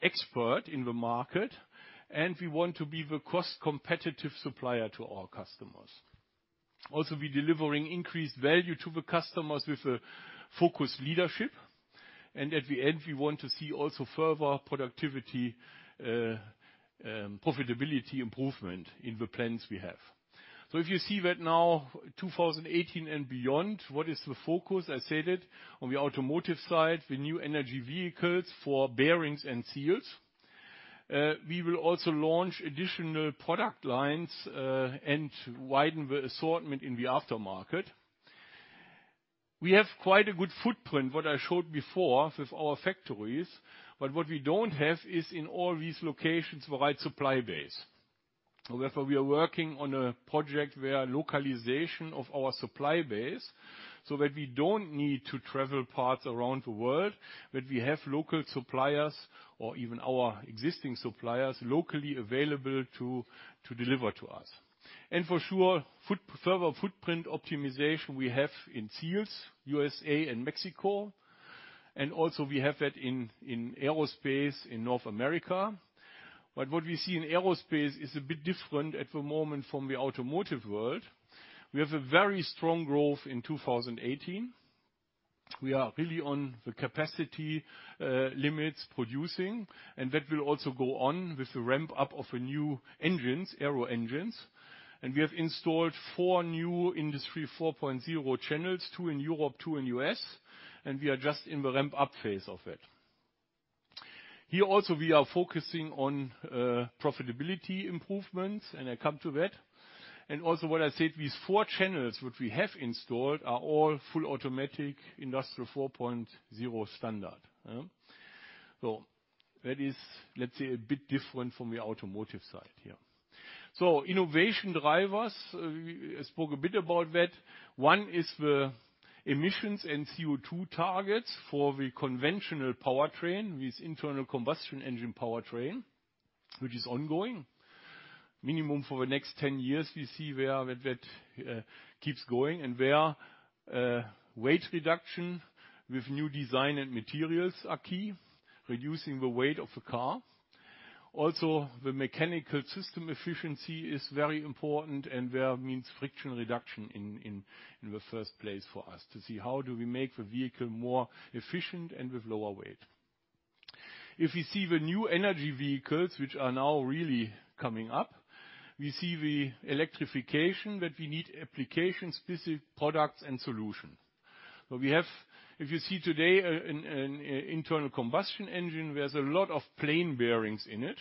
expert in the market, we want to be the cost competitive supplier to our customers. Also, we're delivering increased value to the customers with a focused leadership. At the end, we want to see also further productivity, profitability improvement in the plans we have. If you see that now, 2018 and beyond, what is the focus? I said it. On the automotive side, the new energy vehicles for bearings and seals. We will also launch additional product lines, widen the assortment in the aftermarket. We have quite a good footprint, what I showed before, with our factories. What we don't have is in all these locations, the right supply base. Therefore, we are working on a project where localization of our supply base, so that we don't need to travel parts around the world, that we have local suppliers or even our existing suppliers locally available to deliver to us. For sure, further footprint optimization we have in seals, U.S.A. and Mexico. Also we have that in aerospace in North America. What we see in aerospace is a bit different at the moment from the automotive world. We have a very strong growth in 2018. We are really on the capacity limits producing, and that will also go on with the ramp up of the new engines, aero engines. We have installed four new Industry 4.0 channels, two in Europe, two in U.S., and we are just in the ramp-up phase of it. Here also, we are focusing on profitability improvements, and I come to that. Also what I said, these four channels which we have installed are all full automatic Industry 4.0 standard. That is, let's say, a bit different from the automotive side here. Innovation drivers, I spoke a bit about that. One is the emissions and CO2 targets for the conventional powertrain, with internal combustion engine powertrain, which is ongoing. Minimum for the next 10 years, we see where that keeps going and where weight reduction with new design and materials are key, reducing the weight of the car. Also, the mechanical system efficiency is very important and there means friction reduction in the first place for us to see how do we make the vehicle more efficient and with lower weight. If you see the new energy vehicles, which are now really coming up, we see the electrification that we need application-specific products and solution. We have, if you see today an internal combustion engine, there's a lot of plain bearings in it,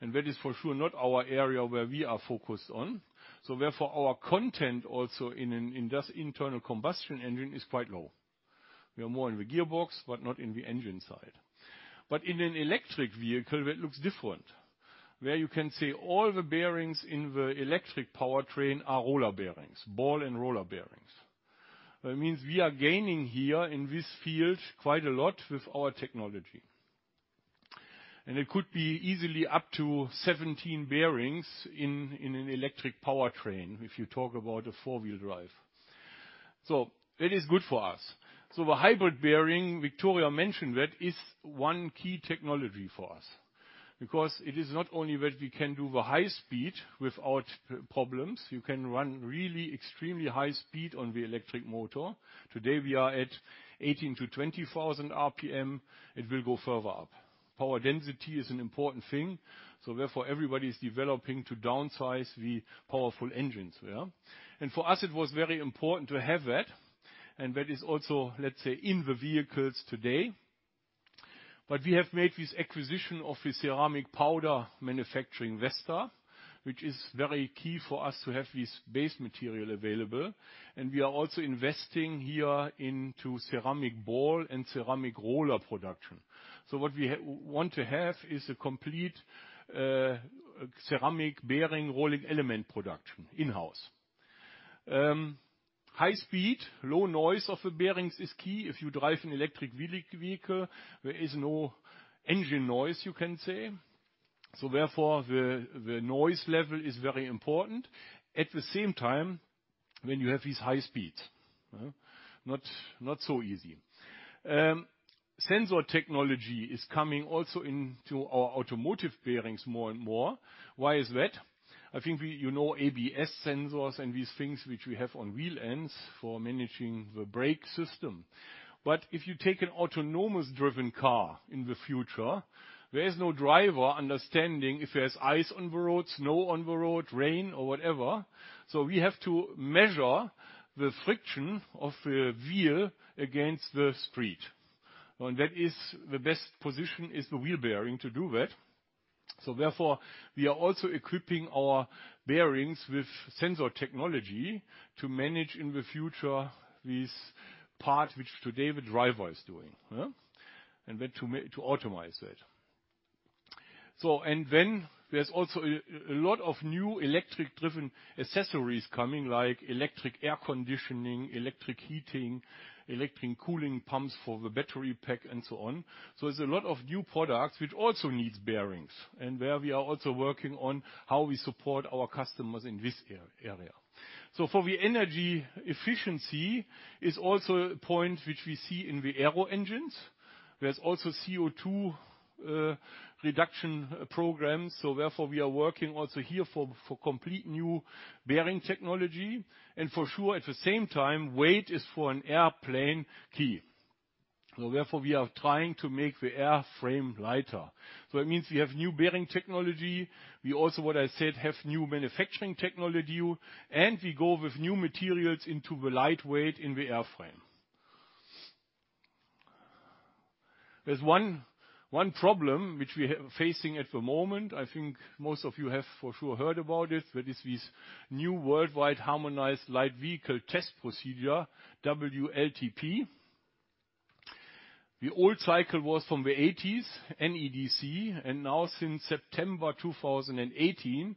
and that is for sure not our area where we are focused on. Therefore, our content also in this internal combustion engine is quite low. We are more in the gearbox, but not in the engine side. In an electric vehicle, that looks different, where you can say all the bearings in the electric powertrain are roller bearings, ball and roller bearings. That means we are gaining here in this field quite a lot with our technology. It could be easily up to 17 bearings in an electric powertrain, if you talk about a four-wheel drive. That is good for us. The hybrid bearing, Victoria mentioned that is one key technology for us because it is not only that we can do the high speed without problems, you can run really extremely high speed on the electric motor. Today we are at 18,000 to 20,000 RPM. It will go further up. Power density is an important thing, therefore everybody is developing to downsize the powerful engines. For us, it was very important to have that, and that is also, let's say, in the vehicles today. We have made this acquisition of a ceramic powder manufacturing Vesta, which is very key for us to have this base material available, and we are also investing here into ceramic ball and ceramic roller production. What we want to have is a complete ceramic bearing rolling element production in-house. High speed, low noise of the bearings is key. If you drive an electric vehicle, there is no engine noise, you can say. Therefore, the noise level is very important. At the same time, when you have these high speeds. Not so easy. Sensor technology is coming also into our automotive bearings more and more. Why is that? I think you know ABS sensors and these things which we have on wheel ends for managing the brake system. If you take an autonomous driven car in the future, there's no driver understanding if there's ice on the road, snow on the road, rain or whatever. We have to measure the friction of the wheel against the street. The best position is the wheel bearing to do that. Therefore, we are also equipping our bearings with sensor technology to manage in the future this part which today the driver is doing. To automize that. There's also a lot of new electric-driven accessories coming, like electric air conditioning, electric heating, electric cooling pumps for the battery pack and so on. There's a lot of new products which also needs bearings, and where we are also working on how we support our customers in this area. For the energy efficiency is also a point which we see in the aero engines. There's also CO2 reduction programs. Therefore, we are working also here for complete new bearing technology. For sure at the same time, weight is for an airplane key. Therefore, we are trying to make the airframe lighter. It means we have new bearing technology. We also, what I said, have new manufacturing technology and we go with new materials into the lightweight in the airframe. There's one problem which we are facing at the moment. I think most of you have for sure heard about it. That is this new worldwide harmonized light vehicle test procedure, WLTP. The old cycle was from the '80s, NEDC, now since September 2018,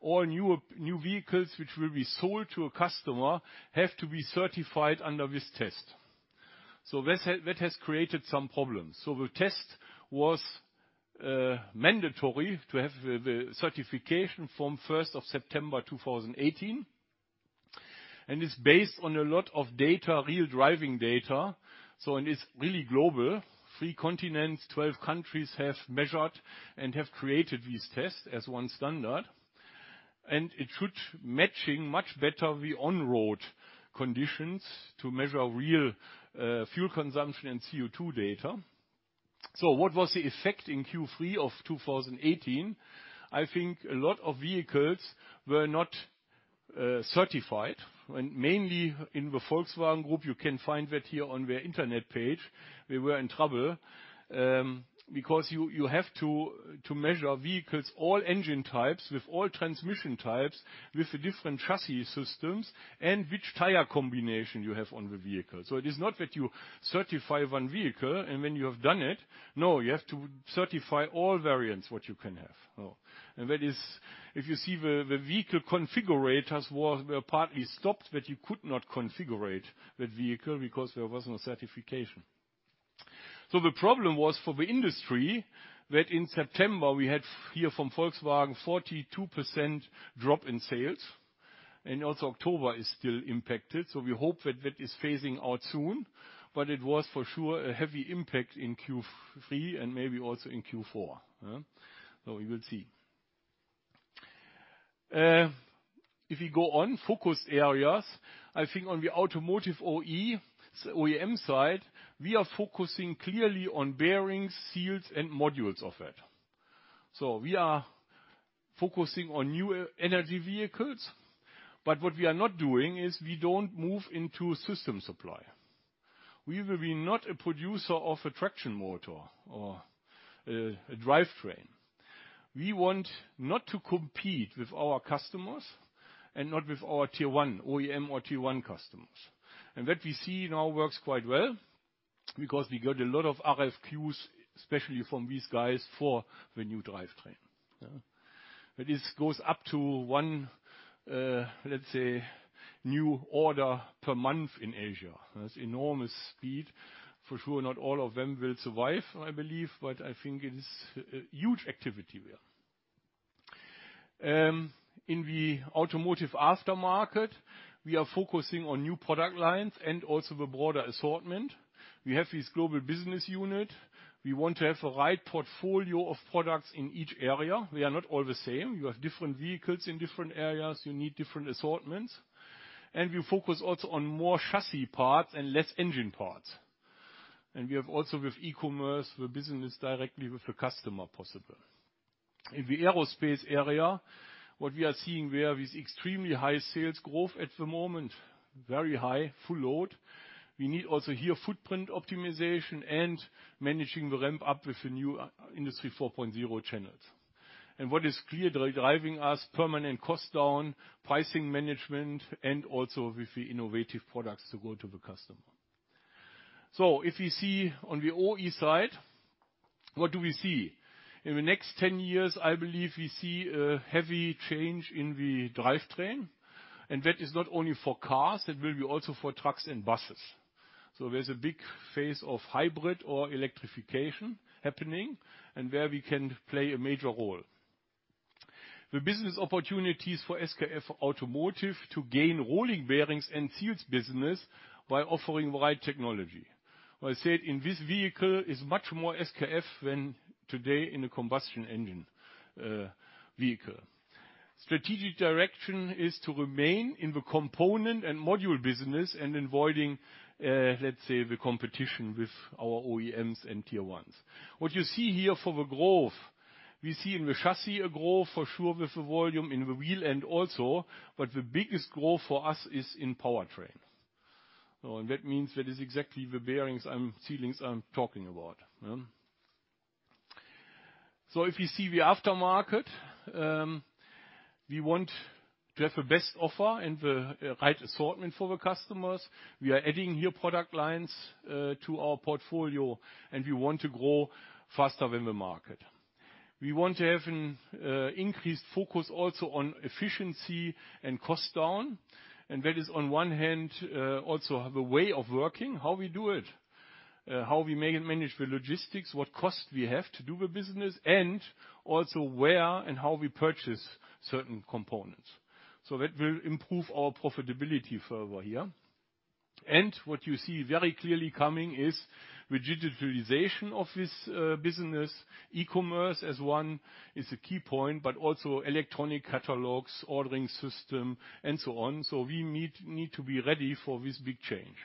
all new vehicles which will be sold to a customer have to be certified under this test. That has created some problems. The test was mandatory to have the certification from 1st of September 2018, and it's based on a lot of data, real driving data. It's really global. Three continents, 12 countries have measured and have created this test as one standard, and it should matching much better the on-road conditions to measure real fuel consumption and CO2 data. What was the effect in Q3 of 2018? I think a lot of vehicles were not certified mainly in the Volkswagen group, you can find that here on their internet page. We were in trouble because you have to measure vehicles, all engine types with all transmission types, with the different chassis systems and which tire combination you have on the vehicle. It is not that you certify one vehicle and when you have done it, no, you have to certify all variants which you can have. That is, if you see the vehicle configurators were partly stopped, that you could not configure that vehicle because there was no certification. The problem was for the industry that in September we had here from Volkswagen 42% drop in sales. Also October is still impacted. We hope that that is phasing out soon, but it was, for sure, a heavy impact in Q3 and maybe also in Q4. We will see. If we go on focused areas, I think on the automotive OE, OEM side, we are focusing clearly on bearings, seals, and modules of it. We are focusing on new energy vehicles, what we are not doing is we don't move into system supply. We will be not a producer of a traction motor or a drivetrain. We want not to compete with our customers and not with our tier one OEM or tier one customers. That we see now works quite well because we got a lot of RFQs, especially from these guys for the new drivetrain. This goes up to one, let's say, new order per month in Asia. That's enormous speed. For sure, not all of them will survive, I believe, but I think it is huge activity there. In the automotive aftermarket, we are focusing on new product lines and also the broader assortment. We have this global business unit. We want to have the right portfolio of products in each area. We are not all the same. You have different vehicles in different areas. You need different assortments. We focus also on more chassis parts and less engine parts. We have also with e-commerce, the business directly with the customer possible. In the aerospace area, what we are seeing there is extremely high sales growth at the moment, very high, full load. We need also here footprint optimization and managing the ramp-up with the new Industry 4.0 channels. What is clearly driving us permanent cost down, pricing management, and also with the innovative products to go to the customer. If you see on the OE side, what do we see? In the next 10 years, I believe we see a heavy change in the drivetrain, that is not only for cars, it will be also for trucks and buses. There's a big phase of hybrid or electrification happening where we can play a major role. The business opportunities for SKF Automotive to gain rolling bearings and seals business by offering the right technology. I said in this vehicle is much more SKF than today in a combustion engine vehicle. Strategic direction is to remain in the component and module business and avoiding, let's say, the competition with our OEMs and tier ones. What you see here for the growth, we see in the chassis a growth for sure with the volume in the wheel, the biggest growth for us is in powertrain. That means that is exactly the bearings and sealings I'm talking about. If you see the aftermarket, we want to have the best offer and the right assortment for the customers. We are adding here product lines to our portfolio, we want to grow faster than the market. We want to have an increased focus also on efficiency and cost down. That is on one hand, also the way of working, how we do it, how we manage the logistics, what cost we have to do the business, and also where and how we purchase certain components. That will improve our profitability further here. What you see very clearly coming is the digitalization of this business, e-commerce as one is a key point, but also electronic catalogs, ordering system, and so on. We need to be ready for this big change.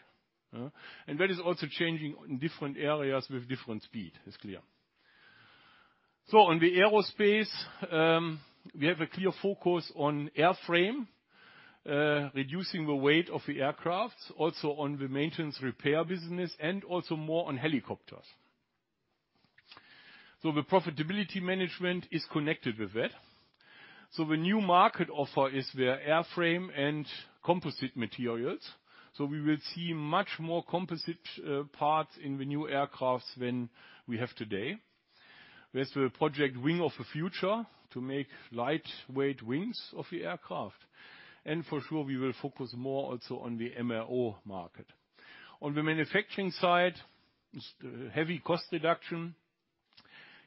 That is also changing in different areas with different speed, it's clear. On the aerospace, we have a clear focus on airframe, reducing the weight of the aircraft, also on the maintenance repair business and also more on helicopters. The profitability management is connected with that. The new market offer is the airframe and composite materials. We will see much more composite parts in the new aircrafts than we have today. There's the project Wing of the Future to make lightweight wings of the aircraft. For sure, we will focus more also on the MRO market. On the manufacturing side, heavy cost reduction.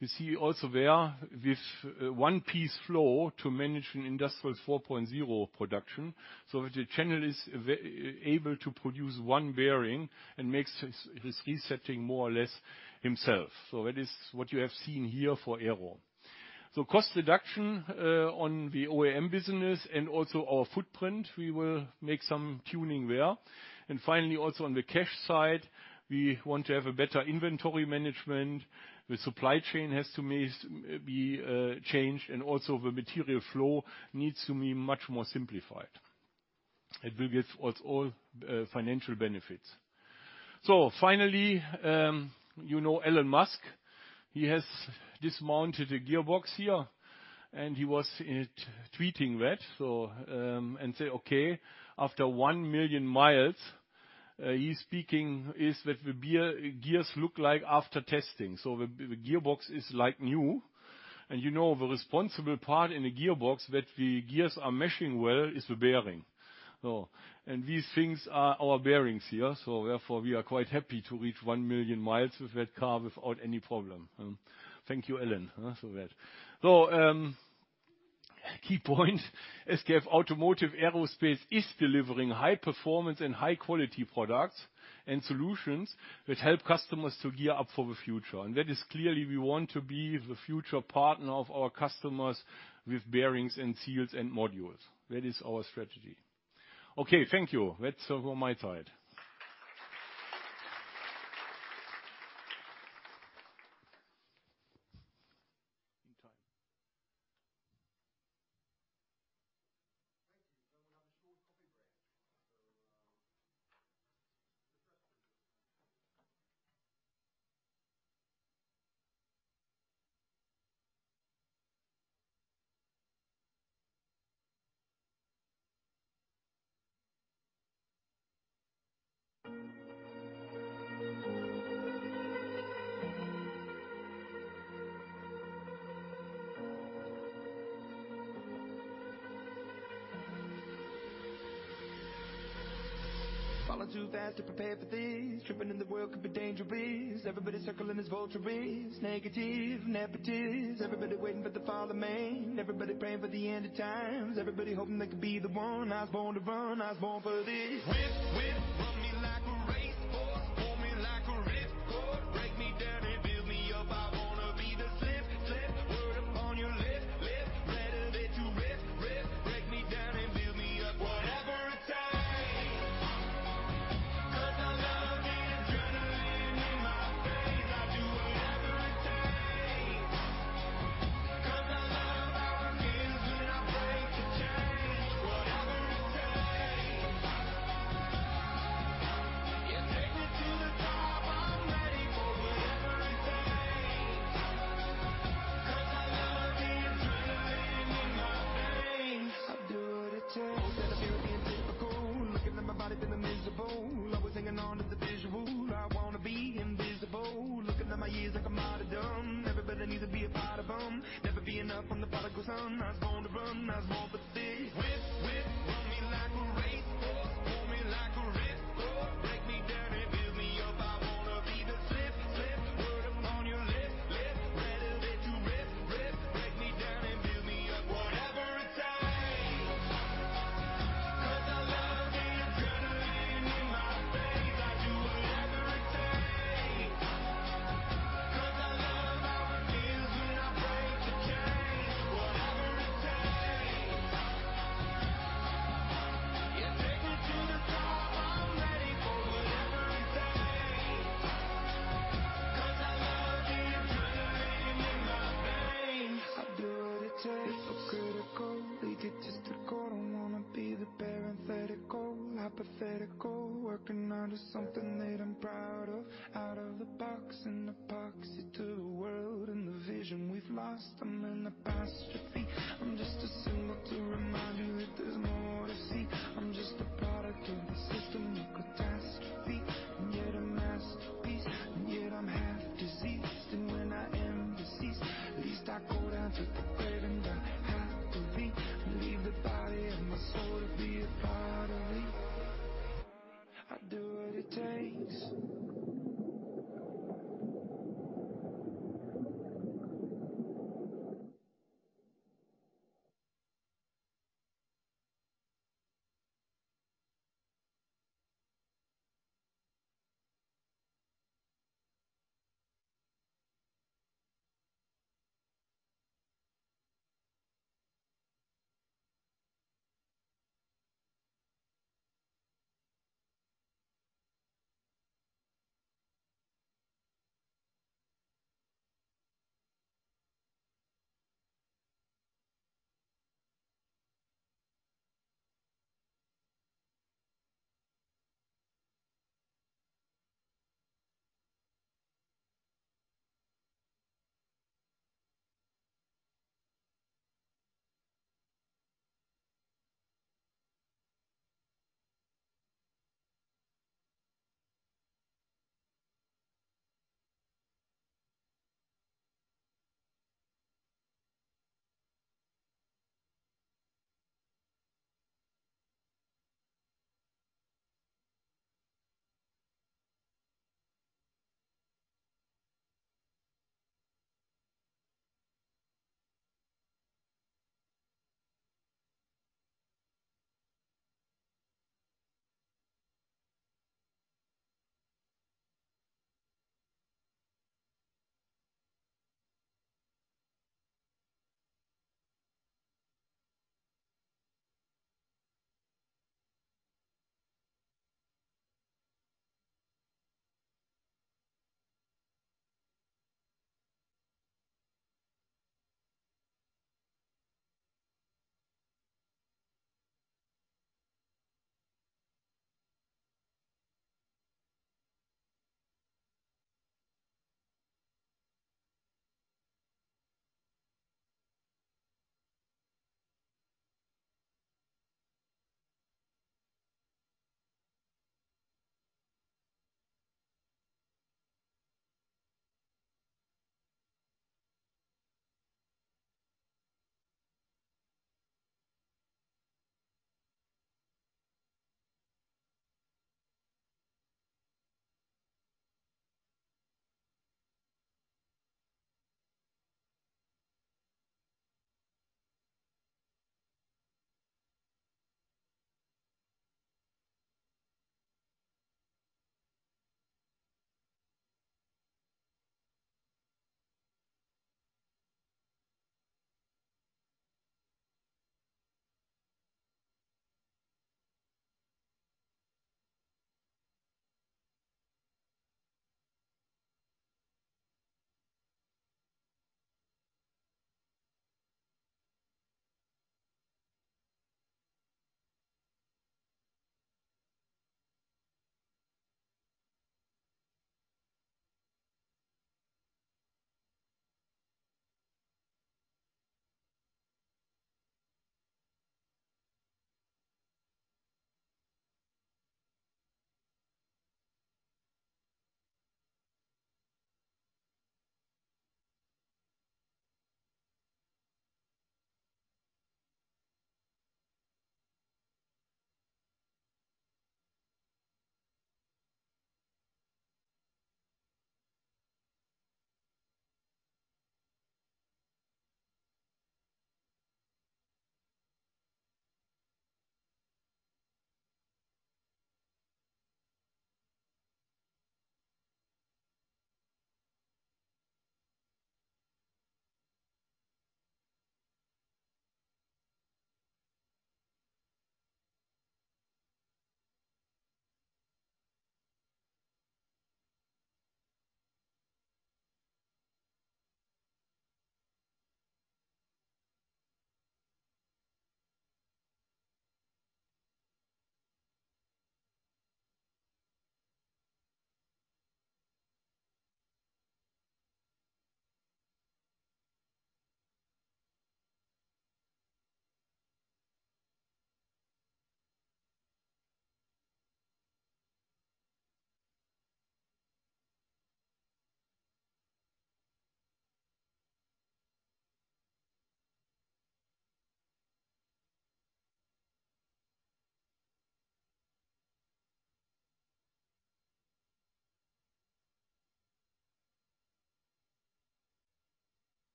You see also there with one-piece flow to manage an Industry 4.0 production. The channel is able to produce one bearing and makes this resetting more or less himself. That is what you have seen here for Aero. Cost reduction on the OEM business and also our footprint, we will make some tuning there. Finally, also on the cash side, we want to have a better inventory management. The supply chain has to be changed, and also the material flow needs to be much more simplified. It will get us all financial benefits. Finally, you know Elon Musk, he has dismounted a gearbox here, and he was tweeting that and say, okay, after 1 million miles, he's speaking, is that the gears look like after testing. The gearbox is like new. You know the responsible part in the gearbox that the gears are meshing well is the bearing. And these things are our bearings here. Therefore, we are quite happy to reach 1 million miles with that car without any problem. Thank you, Alrik, for that. Key point, SKF Automotive Aerospace is delivering high performance and high quality products and solutions that help customers to gear up for the future. That is clearly we want to be the future partner of our customers with bearings and seals and modules. That is our strategy. Okay, thank you. That's over my side.
Thank you. Now we have a short coffee break. The first Fallin'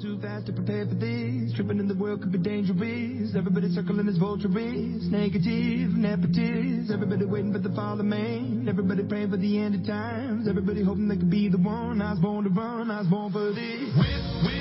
too fast to prepare for this. Trippin' in the world could be dangerous. Everybody circling, it's vulturous. Negative, nepotist. Everybody waiting for the fall of man. Everybody praying for the end of times. Everybody hoping they could be the one. I was born to run, I was born for this. Whip, whip.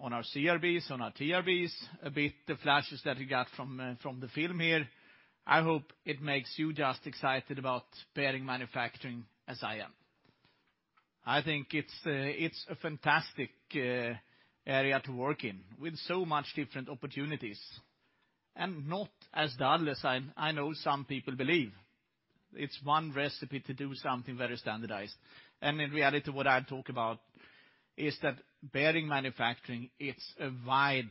on our CRBs, on our TRBs, a bit the flashes that we got from the film here, I hope it makes you just excited about bearing manufacturing as I am. I think it's a fantastic area to work in, with so much different opportunities, and not as dull as I know some people believe. It's one recipe to do something very standardized. In reality, what I talk about is that bearing manufacturing, it's a wide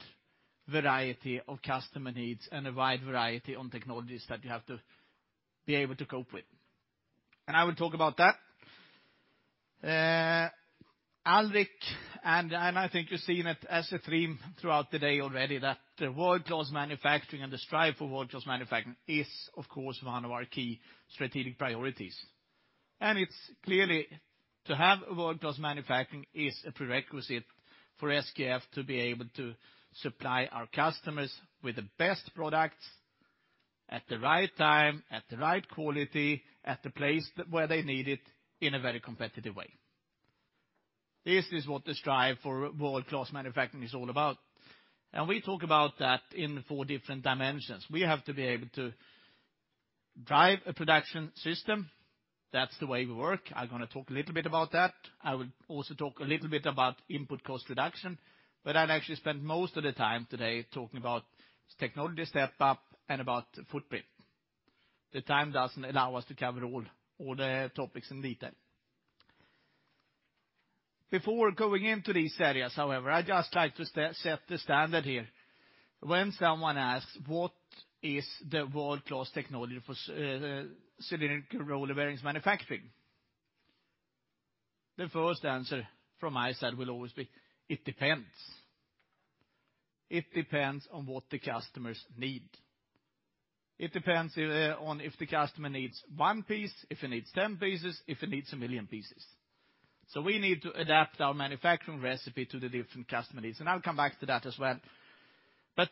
variety of customer needs and a wide variety on technologies that you have to be able to cope with. I will talk about that. Alrik, I think you've seen it as a theme throughout the day already that the world-class manufacturing and the strive for world-class manufacturing is, of course, one of our key strategic priorities. It's clearly to have a world-class manufacturing is a prerequisite for SKF to be able to supply our customers with the best products at the right time, at the right quality, at the place where they need it in a very competitive way. This is what the strive for world-class manufacturing is all about. We talk about that in four different dimensions. We have to be able to drive a production system. That's the way we work. I'm going to talk a little bit about that. I will also talk a little bit about input cost reduction, I'll actually spend most of the time today talking about technology step-up and about footprint. The time doesn't allow us to cover all the topics in detail. Before going into these areas, however, I'd just like to set the standard here. When someone asks, what is the world-class technology for cylindrical roller bearings manufacturing? The first answer from my side will always be, it depends. It depends on what the customers need. It depends on if the customer needs one piece, if he needs 10 pieces, if he needs a million pieces. We need to adapt our manufacturing recipe to the different customer needs. I'll come back to that as well.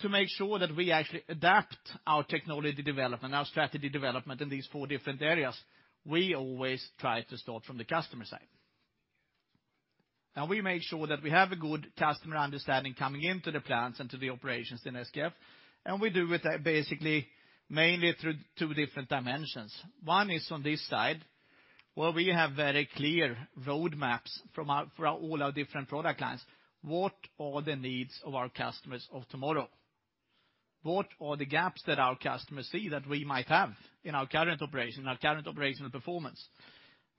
To make sure that we actually adapt our technology development, our strategy development in these four different areas, we always try to start from the customer side. We make sure that we have a good customer understanding coming into the plants and to the operations in SKF. We do it basically mainly through two different dimensions. One is on this side, where we have very clear roadmaps for all our different product lines. What are the needs of our customers of tomorrow? What are the gaps that our customers see that we might have in our current operation, our current operational performance?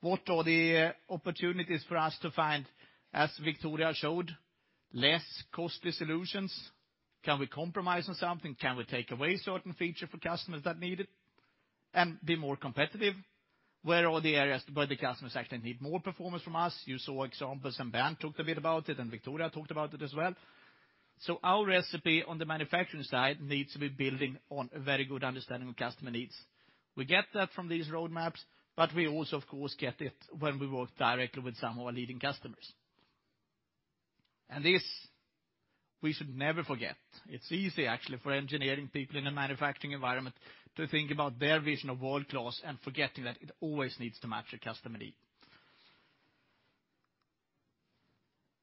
What are the opportunities for us to find, as Victoria showed, less costly solutions? Can we compromise on something? Can we take away a certain feature for customers that need it and be more competitive? Where are the areas where the customers actually need more performance from us? You saw examples, Bernd talked a bit about it, Victoria talked about it as well. Our recipe on the manufacturing side needs to be building on a very good understanding of customer needs. We get that from these roadmaps, but we also, of course, get it when we work directly with some of our leading customers. This we should never forget. It's easy, actually, for engineering people in a manufacturing environment to think about their vision of world-class and forgetting that it always needs to match a customer need.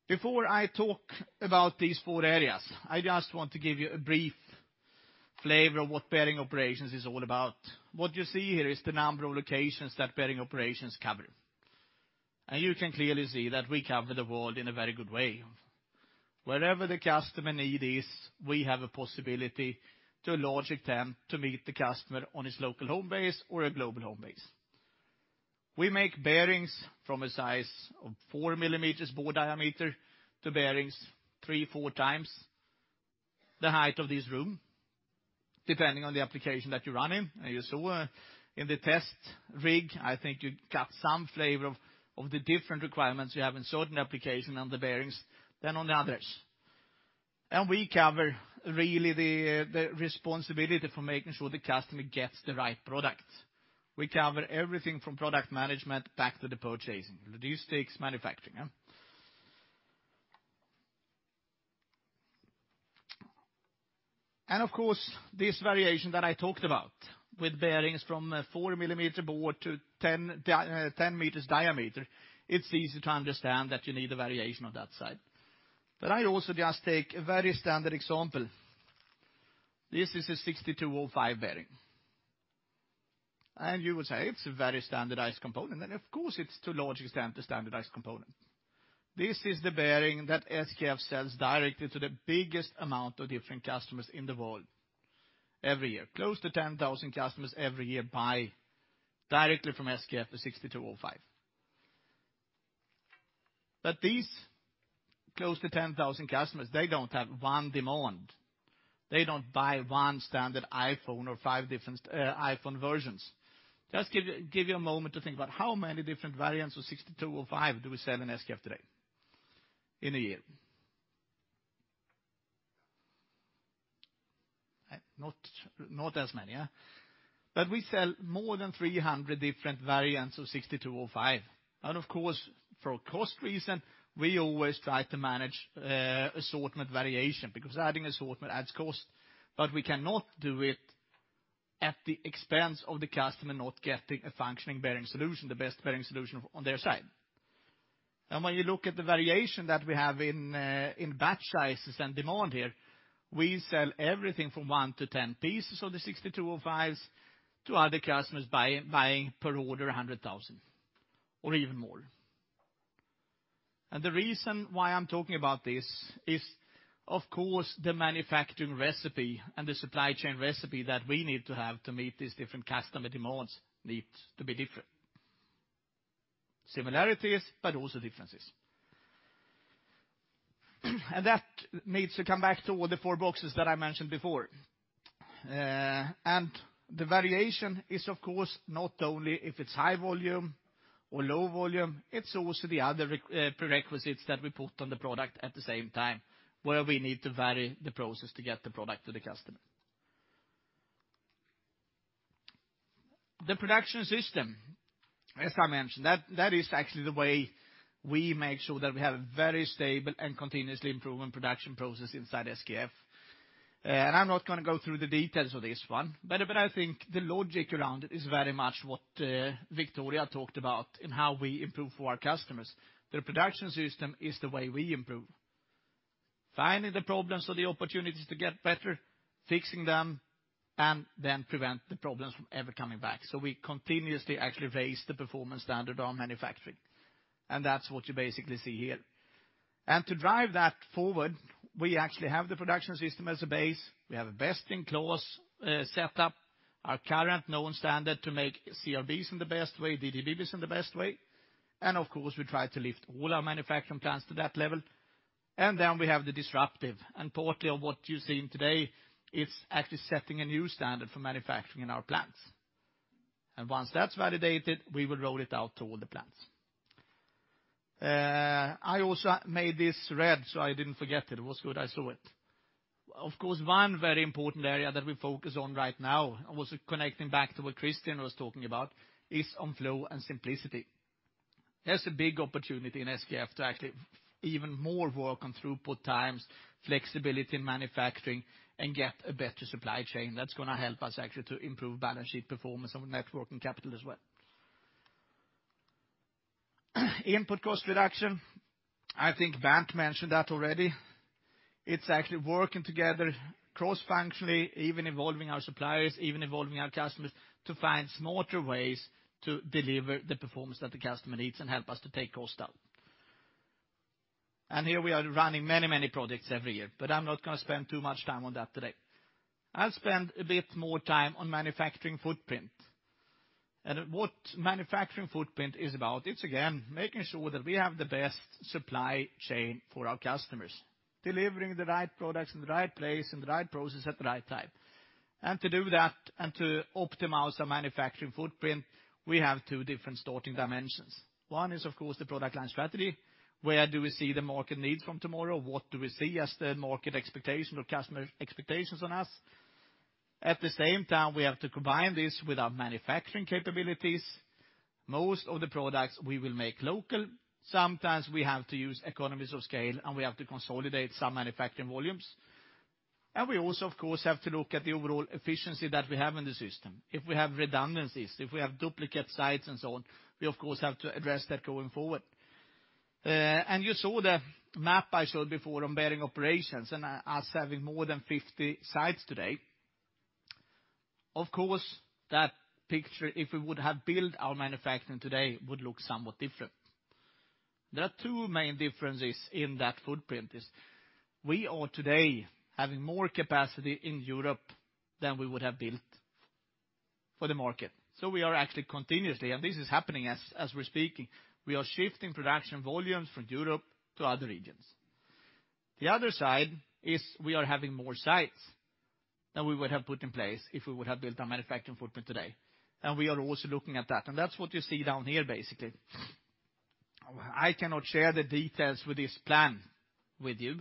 Before I talk about these four areas, I just want to give you a brief flavor of what bearing operations is all about. What you see here is the number of locations that bearing operations cover. You can clearly see that we cover the world in a very good way. Wherever the customer need is, we have a possibility to a large extent to meet the customer on his local home base or a global home base. We make bearings from a size of four millimeters bore diameter to bearings three, four times the height of this room, depending on the application that you run in. You saw in the test rig, I think you got some flavor of the different requirements you have in certain application on the bearings than on the others. We cover really the responsibility for making sure the customer gets the right product. We cover everything from product management back to the purchasing. The stakes manufacturing. Of course, this variation that I talked about with bearings from a four-millimeter bore to 10 meters diameter, it's easy to understand that you need a variation on that side. I also just take a very standard example. This is a 6205 bearing. You would say it's a very standardized component. Of course it's to a large extent a standardized component. This is the bearing that SKF sells directly to the biggest amount of different customers in the world every year. Close to 10,000 customers every year buy directly from SKF, the 6205. These close to 10,000 customers, they don't have one demand. They don't buy one standard iPhone or five different iPhone versions. Just give you a moment to think about how many different variants of 6205 do we sell in SKF today in a year. Not as many. We sell more than 300 different variants of 6205. Of course, for cost reason, we always try to manage assortment variation, because adding assortment adds cost, but we cannot do it at the expense of the customer not getting a functioning bearing solution, the best bearing solution on their side. When you look at the variation that we have in batch sizes and demand here, we sell everything from one to 10 pieces of the 6205s to other customers buying per order 100,000 or even more. The reason why I'm talking about this is, of course, the manufacturing recipe and the supply chain recipe that we need to have to meet these different customer demands needs to be different. Similarities, but also differences. That needs to come back to the four boxes that I mentioned before. The variation is, of course, not only if it's high volume or low volume, it's also the other prerequisites that we put on the product at the same time, where we need to vary the process to get the product to the customer. The production system, as I mentioned, that is actually the way we make sure that we have a very stable and continuously improving production process inside SKF. I'm not going to go through the details of this one, but I think the logic around it is very much what Victoria talked about in how we improve for our customers. The production system is the way we improve. Finding the problems or the opportunities to get better, fixing them, and then prevent the problems from ever coming back. We continuously actually raise the performance standard on manufacturing. That's what you basically see here. To drive that forward, we actually have the production system as a base. We have a best-in-class set up, our current known standard to make CRBs in the best way, DDBs in the best way. Of course, we try to lift all our manufacturing plants to that level. Then we have the disruptive. Partly of what you're seeing today, it's actually setting a new standard for manufacturing in our plants. Once that's validated, we will roll it out to all the plants. I also made this red, so I didn't forget it. It was good I saw it. Of course, one very important area that we focus on right now, also connecting back to what Christian was talking about, is on flow and simplicity. There's a big opportunity in SKF to actually even more work on throughput times, flexibility in manufacturing, and get a better supply chain. That's going to help us actually to improve balance sheet performance of net working capital as well. Input cost reduction. I think Bernd mentioned that already. It's actually working together cross-functionally, even involving our suppliers, even involving our customers, to find smarter ways to deliver the performance that the customer needs and help us to take cost out. Here we are running many, many projects every year, I'm not going to spend too much time on that today. I'll spend a bit more time on manufacturing footprint. What manufacturing footprint is about, it's again, making sure that we have the best supply chain for our customers, delivering the right products in the right place, and the right process at the right time. To do that and to optimize our manufacturing footprint, we have two different starting dimensions. One is, of course, the product line strategy. Where do we see the market needs from tomorrow? What do we see as the market expectation or customer expectations on us? At the same time, we have to combine this with our manufacturing capabilities. Most of the products we will make local, sometimes we have to use economies of scale, and we have to consolidate some manufacturing volumes. We also, of course, have to look at the overall efficiency that we have in the system. If we have redundancies, if we have duplicate sites and so on, we of course, have to address that going forward. You saw the map I showed before on bearing operations and us having more than 50 sites today. Of course, that picture, if we would have built our manufacturing today, would look somewhat different. There are two main differences in that footprint is we are today having more capacity in Europe than we would have built for the market. We are actually continuously, and this is happening as we're speaking, we are shifting production volumes from Europe to other regions. The other side is we are having more sites than we would have put in place if we would have built our manufacturing footprint today. We are also looking at that. That's what you see down here basically. I cannot share the details with this plan with you,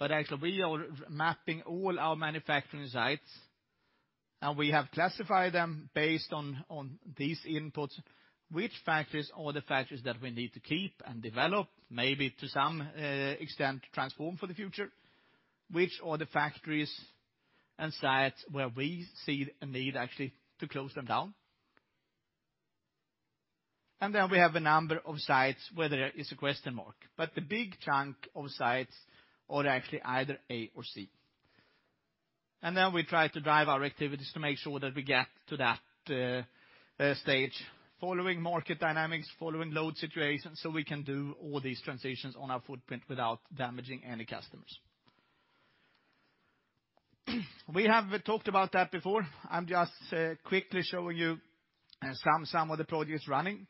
actually we are mapping all our manufacturing sites, and we have classified them based on these inputs, which factories are the factories that we need to keep and develop, maybe to some extent transform for the future, which are the factories and sites where we see a need actually to close them down. Then we have a number of sites where there is a question mark. The big chunk of sites are actually either A or C. Then we try to drive our activities to make sure that we get to that stage following market dynamics, following load situations, so we can do all these transitions on our footprint without damaging any customers. We have talked about that before. I'm just quickly showing you some of the projects running.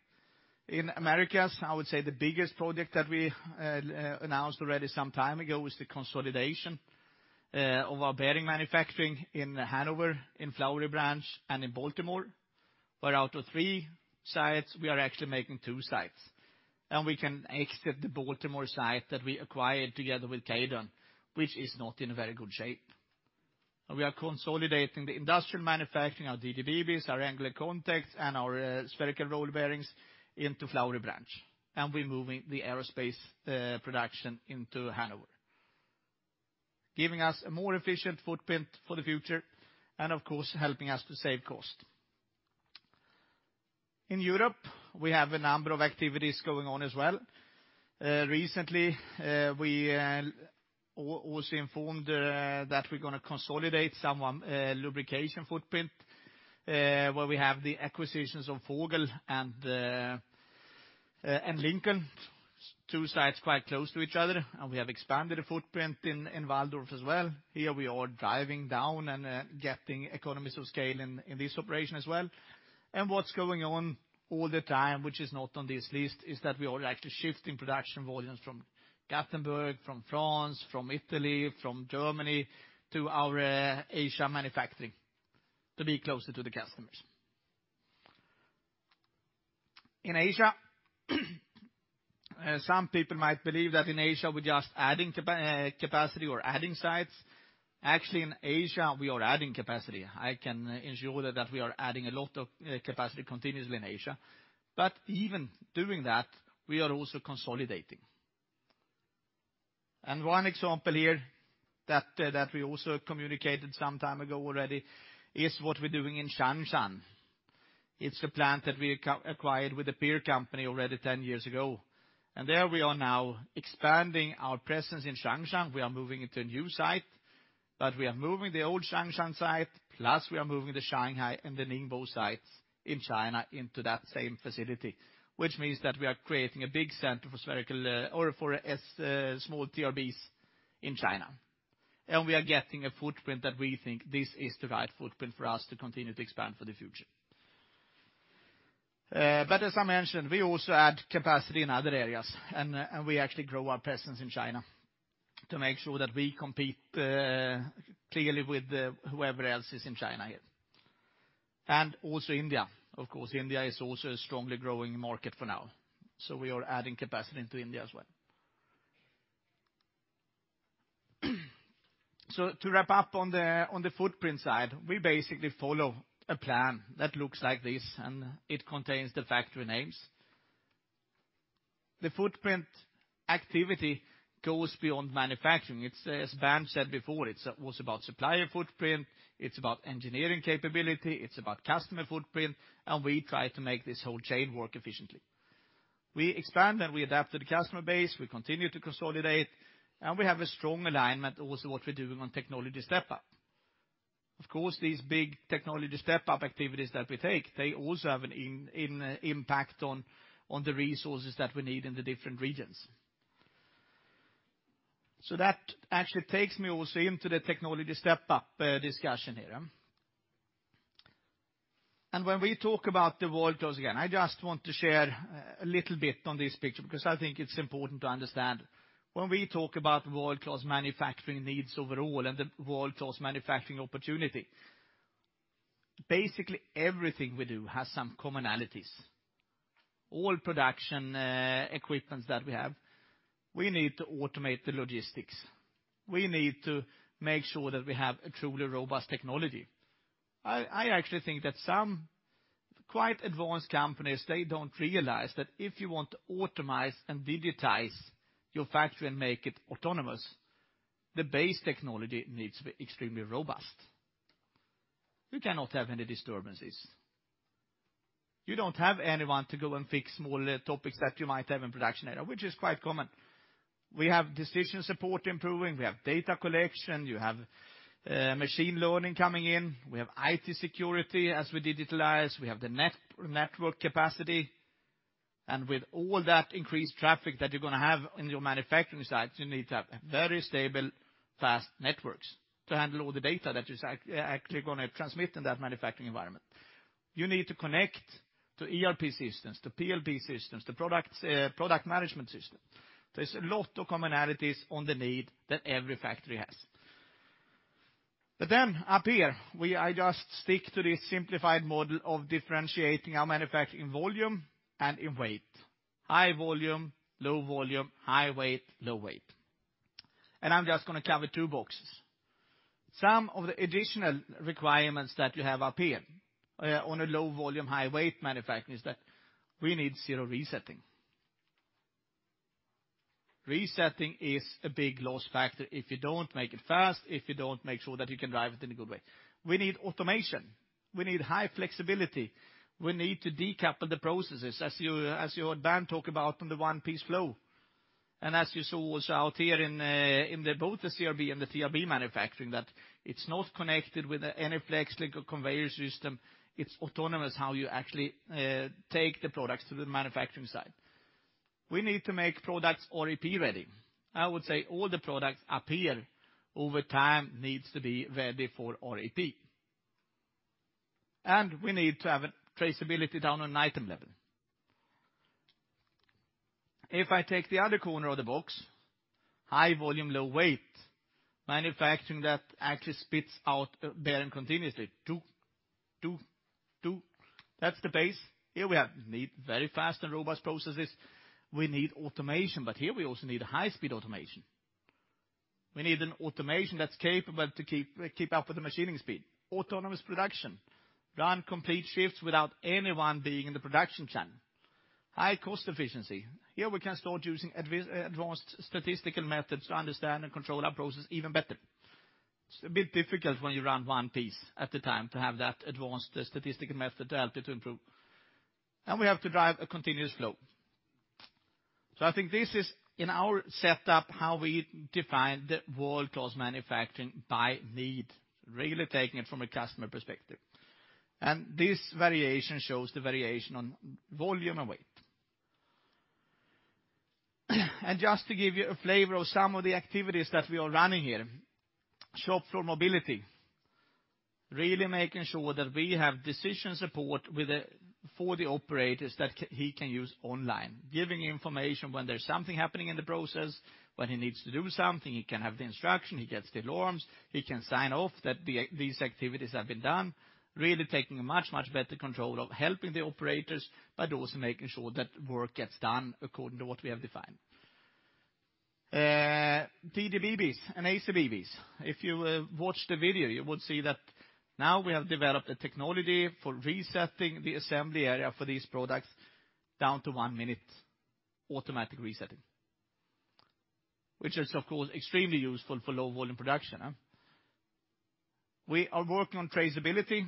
In Americas, I would say the biggest project that we announced already some time ago was the consolidation of our bearing manufacturing in Hanover, in Flowery Branch, and in Baltimore, where out of three sites, we are actually making two sites. We can exit the Baltimore site that we acquired together with Kaydon, which is not in a very good shape. We are consolidating the industrial manufacturing, our DDBBs, our angular contacts, and our spherical roller bearings into Flowery Branch. We're moving the aerospace production into Hanover. Giving us a more efficient footprint for the future and, of course, helping us to save cost. In Europe, we have a number of activities going on as well. Recently, we also informed that we're going to consolidate some lubrication footprint, where we have the acquisitions of Vogel and Lincoln, two sites quite close to each other, and we have expanded the footprint in Walldorf as well. Here we are driving down and getting economies of scale in this operation as well. What's going on all the time, which is not on this list, is that we are actually shifting production volumes from Gothenburg, from France, from Italy, from Germany to our Asia manufacturing to be closer to the customers. In Asia, some people might believe that in Asia we're just adding capacity or adding sites. Actually, in Asia, we are adding capacity. I can ensure that we are adding a lot of capacity continuously in Asia. Even doing that, we are also consolidating. One example here that we also communicated some time ago already is what we're doing in Changshan. It's a plant that we acquired with a PEER company already 10 years ago. There we are now expanding our presence in Changshan. We are moving into a new site, but we are moving the old Changshan site, plus we are moving the Shanghai and the Ningbo sites in China into that same facility, which means that we are creating a big center for small TRBs in China. We are getting a footprint that we think this is the right footprint for us to continue to expand for the future. As I mentioned, we also add capacity in other areas, and we actually grow our presence in China to make sure that we compete clearly with whoever else is in China here. Also India, of course, India is also a strongly growing market for now. We are adding capacity into India as well. To wrap up on the footprint side, we basically follow a plan that looks like this, and it contains the factory names. The footprint activity goes beyond manufacturing. As Van said before, it's also about supplier footprint, it's about engineering capability, it's about customer footprint, and we try to make this whole chain work efficiently. We expand and we adapt to the customer base, we continue to consolidate, and we have a strong alignment also what we're doing on technology step-up. Of course, these big technology step-up activities that we take, they also have an impact on the resources that we need in the different regions. That actually takes me also into the technology step-up discussion here. When we talk about the world-class again, I just want to share a little bit on this picture, because I think it's important to understand when we talk about world-class manufacturing needs overall and the world-class manufacturing opportunity. Basically, everything we do has some commonalities. All production, equipment that we have, we need to automate the logistics. We need to make sure that we have a truly robust technology. I actually think that some quite advanced companies, they don't realize that if you want to automate and digitize your factory and make it autonomous, the base technology needs to be extremely robust. You cannot have any disturbances. You don't have anyone to go and fix small topics that you might have in production area, which is quite common. We have decision support improving, we have data collection. You have machine learning coming in. We have IT security as we digitalize. We have the network capacity. With all that increased traffic that you're going to have in your manufacturing sites, you need to have very stable, fast networks to handle all the data that is actually going to transmit in that manufacturing environment. You need to connect to ERP systems, to PLM systems, to product management system. There's a lot of commonalities on the need that every factory has. Up here, I just stick to this simplified model of differentiating our manufacturing volume and in weight. High volume, low volume, high weight, low weight. I'm just going to cover two boxes. Some of the additional requirements that you have up here on a low volume, high weight manufacturing is that we need zero resetting. Resetting is a big loss factor if you don't make it fast, if you don't make sure that you can drive it in a good way. We need automation. We need high flexibility. We need to decouple the processes, as you heard Dan talk about on the one-piece flow. As you saw also out here in both the CRB and the TRB manufacturing, that it's not connected with any flex link or conveyor system. It's autonomous how you actually take the products to the manufacturing site. We need to make products REP ready. I would say all the products up here over time needs to be ready for REP. We need to have a traceability down on an item level. If I take the other corner of the box, high volume, low weight manufacturing that actually spits out bearing continuously. That's the base. Here we need very fast and robust processes. We need automation, but here we also need high-speed automation. We need an automation that's capable to keep up with the machining speed. Autonomous production. Run complete shifts without anyone being in the production plant. High cost efficiency. Here we can start using advanced statistical methods to understand and control our process even better. It's a bit difficult when you run one piece at a time to have that advanced statistical method to help you to improve. We have to drive a continuous flow. I think this is in our setup, how we define the world-class manufacturing by need, really taking it from a customer perspective. This variation shows the variation on volume and weight. Just to give you a flavor of some of the activities that we are running here, shop floor mobility, really making sure that we have decision support for the operators that he can use online, giving information when there's something happening in the process, when he needs to do something, he can have the instruction, he gets the alarms, he can sign off that these activities have been done. Really taking a much, much better control of helping the operators, but also making sure that work gets done according to what we have defined. DDBBs and ACBBs. If you watched the video, you would see that now we have developed a technology for resetting the assembly area for these products down to one minute automatic resetting, which is, of course, extremely useful for low volume production. We are working on traceability.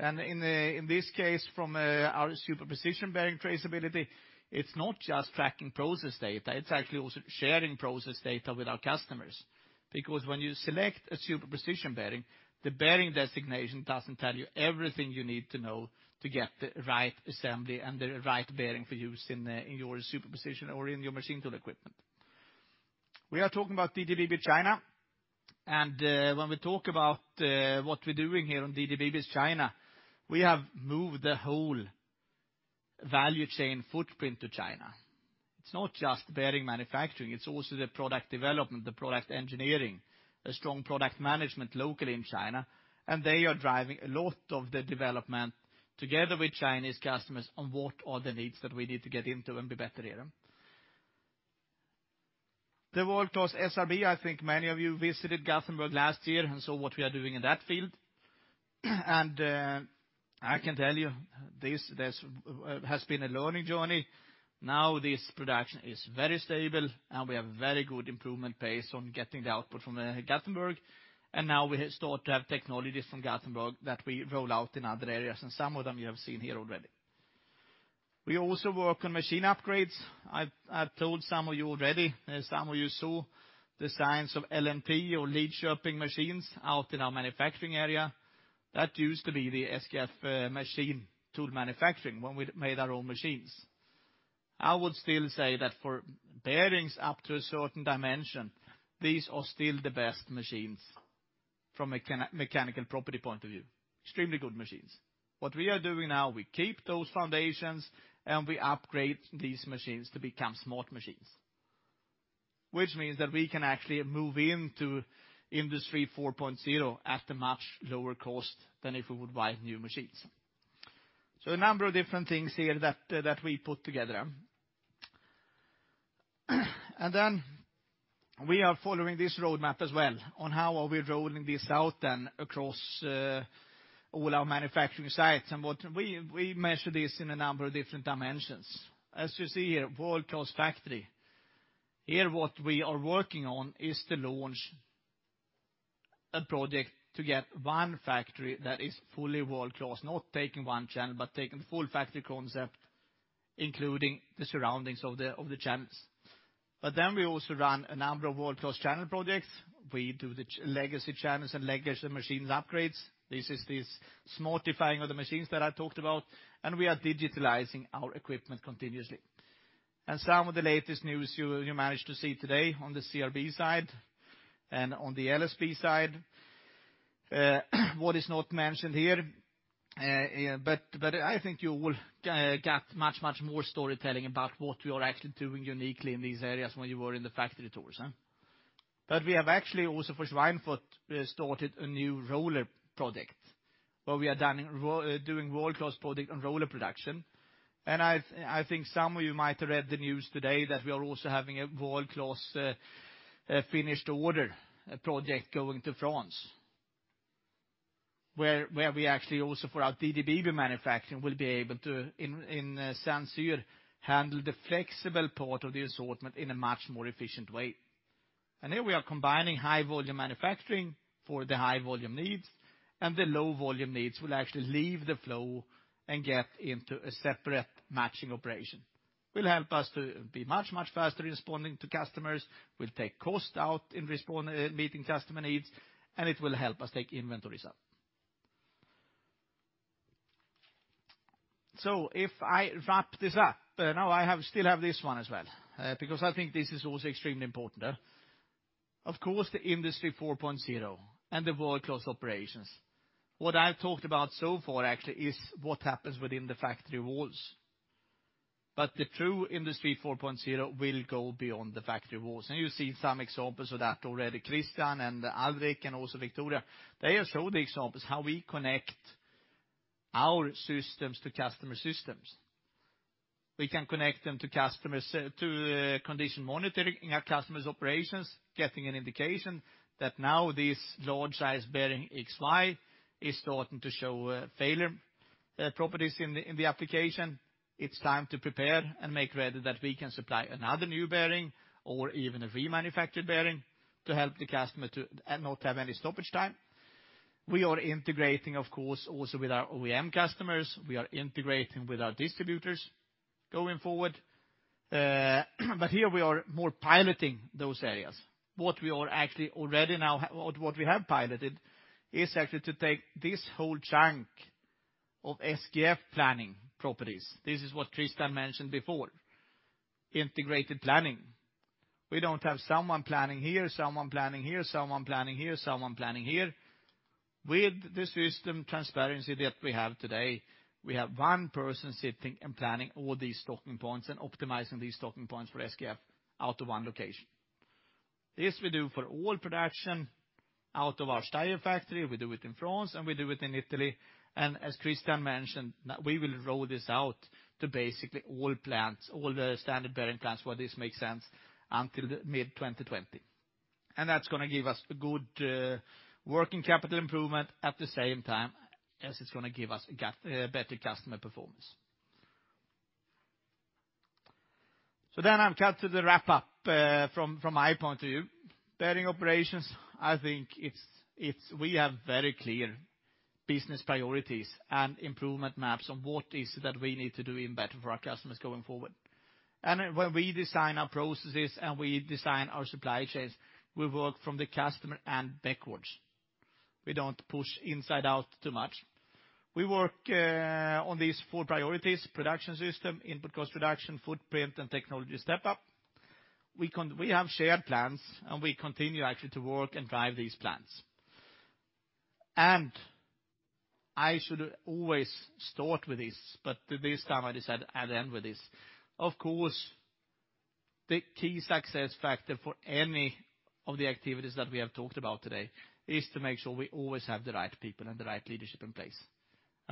In this case, from our super precision bearing traceability, it's not just tracking process data, it's actually also sharing process data with our customers. When you select a super precision bearing, the bearing designation doesn't tell you everything you need to know to get the right assembly and the right bearing for use in your super precision or in your machine tool equipment. We are talking about DDBB China. When we talk about what we're doing here on DDBB China, we have moved the whole value chain footprint to China. It's not just bearing manufacturing, it's also the product development, the product engineering, a strong product management locally in China. They are driving a lot of the development together with Chinese customers on what are the needs that we need to get into and be better here. The world-class SRB, I think many of you visited Gothenburg last year and saw what we are doing in that field. I can tell you this has been a learning journey. Now this production is very stable. We have very good improvement pace on getting the output from Gothenburg. Now we have started to have technologies from Gothenburg that we roll out in other areas, and some of them you have seen here already. We also work on machine upgrades. I've told some of you already. Some of you saw the signs of LMP or Lidköping machines out in our manufacturing area. That used to be the SKF machine tool manufacturing when we made our own machines. I would still say that for bearings up to a certain dimension, these are still the best machines from a mechanical property point of view. Extremely good machines. What we are doing now, we keep those foundations. We upgrade these machines to become smart machines, which means that we can actually move into Industry 4.0 at a much lower cost than if we would buy new machines. A number of different things here that we put together. We are following this roadmap as well on how are we rolling this out then across all our manufacturing sites. We measure this in a number of different dimensions. As you see here, world-class factory. Here, what we are working on is to launch a project to get one factory that is fully world-class, not taking one channel, but taking the full factory concept, including the surroundings of the channels. We also run a number of world-class channel projects. We do the legacy channels and legacy machines upgrades. This is this smartifying of the machines that I talked about. We are digitalizing our equipment continuously. Some of the latest news you managed to see today on the CRB side and on the LSP side, what is not mentioned here, but I think you will get much more storytelling about what we are actually doing uniquely in these areas when you are in the factory tours. We have actually also for Schweinfurt started a new roller project where we are doing world-class project on roller production. I think some of you might read the news today that we are also having a world-class finished order project going to France, where we actually also for our TRB manufacturing will be able to in Saint-Cyr handle the flexible part of the assortment in a much more efficient way. Here we are combining high volume manufacturing for the high volume needs, the low volume needs will actually leave the flow and get into a separate matching operation. It will help us to be much faster responding to customers, it will take cost out in meeting customer needs, and it will help us take inventories up. If I wrap this up, now I still have this one as well, because I think this is also extremely important. Of course, the Industry 4.0 and the world-class operations. What I've talked about so far actually is what happens within the factory walls. The true Industry 4.0 will go beyond the factory walls. You see some examples of that already. Christian and Alrik and also Victoria, they show the examples how we connect our systems to customer systems. We can connect them to condition monitoring in our customers' operations, getting an indication that now this large size bearing XY is starting to show failure properties in the application. It's time to prepare and make ready that we can supply another new bearing or even a remanufactured bearing to help the customer to not have any stoppage time. We are integrating, of course, also with our OEM customers. We are integrating with our distributors going forward. Here we are more piloting those areas. What we have piloted is actually to take this whole chunk of SKF planning properties. This is what Christian mentioned before, integrated planning. We don't have someone planning here, someone planning here, someone planning here, someone planning here. With the system transparency that we have today, we have one person sitting and planning all these stocking points and optimizing these stocking points for SKF out of one location. This we do for all production out of our Steyr factory, we do it in France, and we do it in Italy. As Christian mentioned, we will roll this out to basically all the standard bearing plants where this makes sense until mid 2020. That's going to give us a good working capital improvement at the same time as it's going to give us better customer performance. I'll cut to the wrap up from my point of view. Bearing operations, I think we have very clear business priorities and improvement maps on what is that we need to do even better for our customers going forward. When we design our processes and we design our supply chains, we work from the customer and backwards. We don't push inside out too much. We work on these four priorities, production system, input cost reduction, footprint, and technology step-up. We have shared plans, we continue actually to work and drive these plans. I should always start with this, but this time I decide I'll end with this. Of course, the key success factor for any of the activities that we have talked about today is to make sure we always have the right people and the right leadership in place.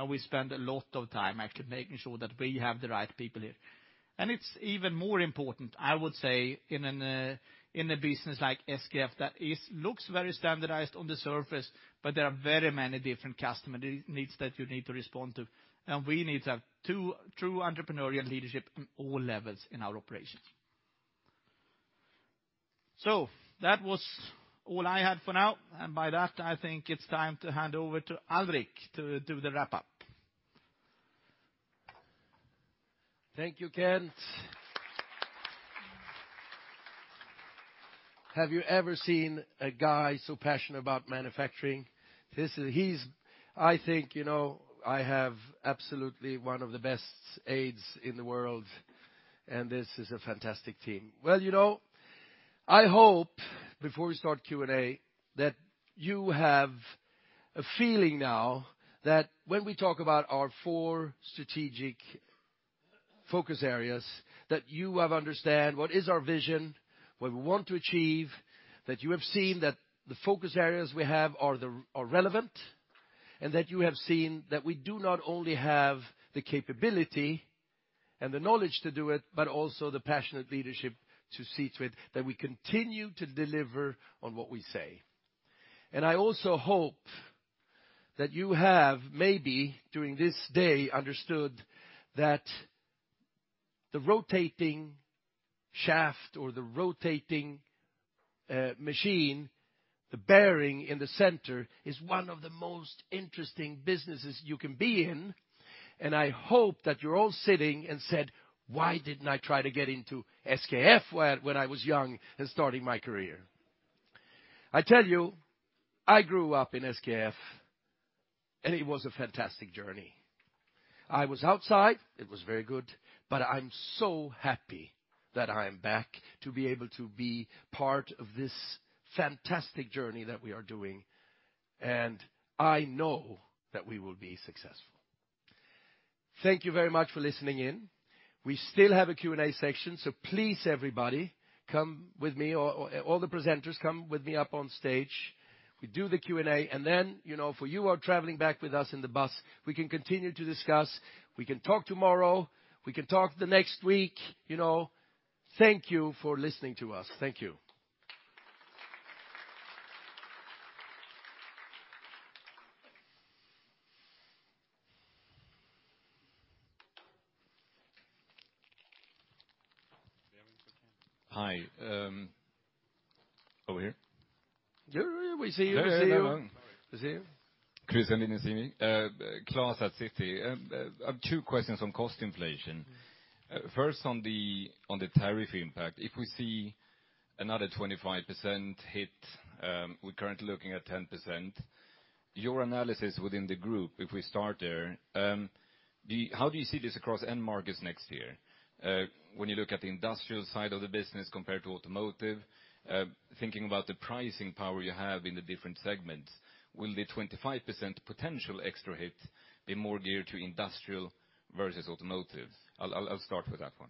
We spend a lot of time actually making sure that we have the right people here. It's even more important, I would say, in a business like SKF that looks very standardized on the surface, but there are very many different customer needs that you need to respond to. We need to have true entrepreneurial leadership in all levels in our operations. That was all I had for now, and by that, I think it's time to hand over to Alrik to do the wrap-up.
Thank you, Kent. Have you ever seen a guy so passionate about manufacturing? I think I have absolutely one of the best aides in the world, and this is a fantastic team. I hope, before we start Q&A, that you have a feeling now that when we talk about our four strategic focus areas, that you understand what is our vision, what we want to achieve, that you have seen that the focus areas we have are relevant, and that you have seen that we do not only have the capability and the knowledge to do it, but also the passionate leadership to see to it that we continue to deliver on what we say. I also hope that you have maybe during this day understood that the rotating shaft or the rotating machine, the bearing in the center, is one of the most interesting businesses you can be in. I hope that you're all sitting and said, "Why didn't I try to get into SKF when I was young and starting my career?" I tell you, I grew up in SKF, and it was a fantastic journey. I was outside. It was very good, but I'm so happy that I'm back to be able to be part of this fantastic journey that we are doing, and I know that we will be successful. Thank you very much for listening in. We still have a Q&A section, please, everybody, all the presenters come with me up on stage. We do the Q&A, for you who are traveling back with us in the bus, we can continue to discuss. We can talk tomorrow. We can talk the next week. Thank you for listening to us. Thank you.
Hi. Over here?
Yeah. We see you.
There.
We see you.
Chris and Linnesini. Klas at Citi. I have two questions on cost inflation. First on the tariff impact. If we see another 25% hit, we're currently looking at 10%. Your analysis within the group, if we start there, how do you see this across end markets next year? When you look at the industrial side of the business compared to automotive, thinking about the pricing power you have in the different segments, will the 25% potential extra hit be more geared to industrial versus automotive? I'll start with that one.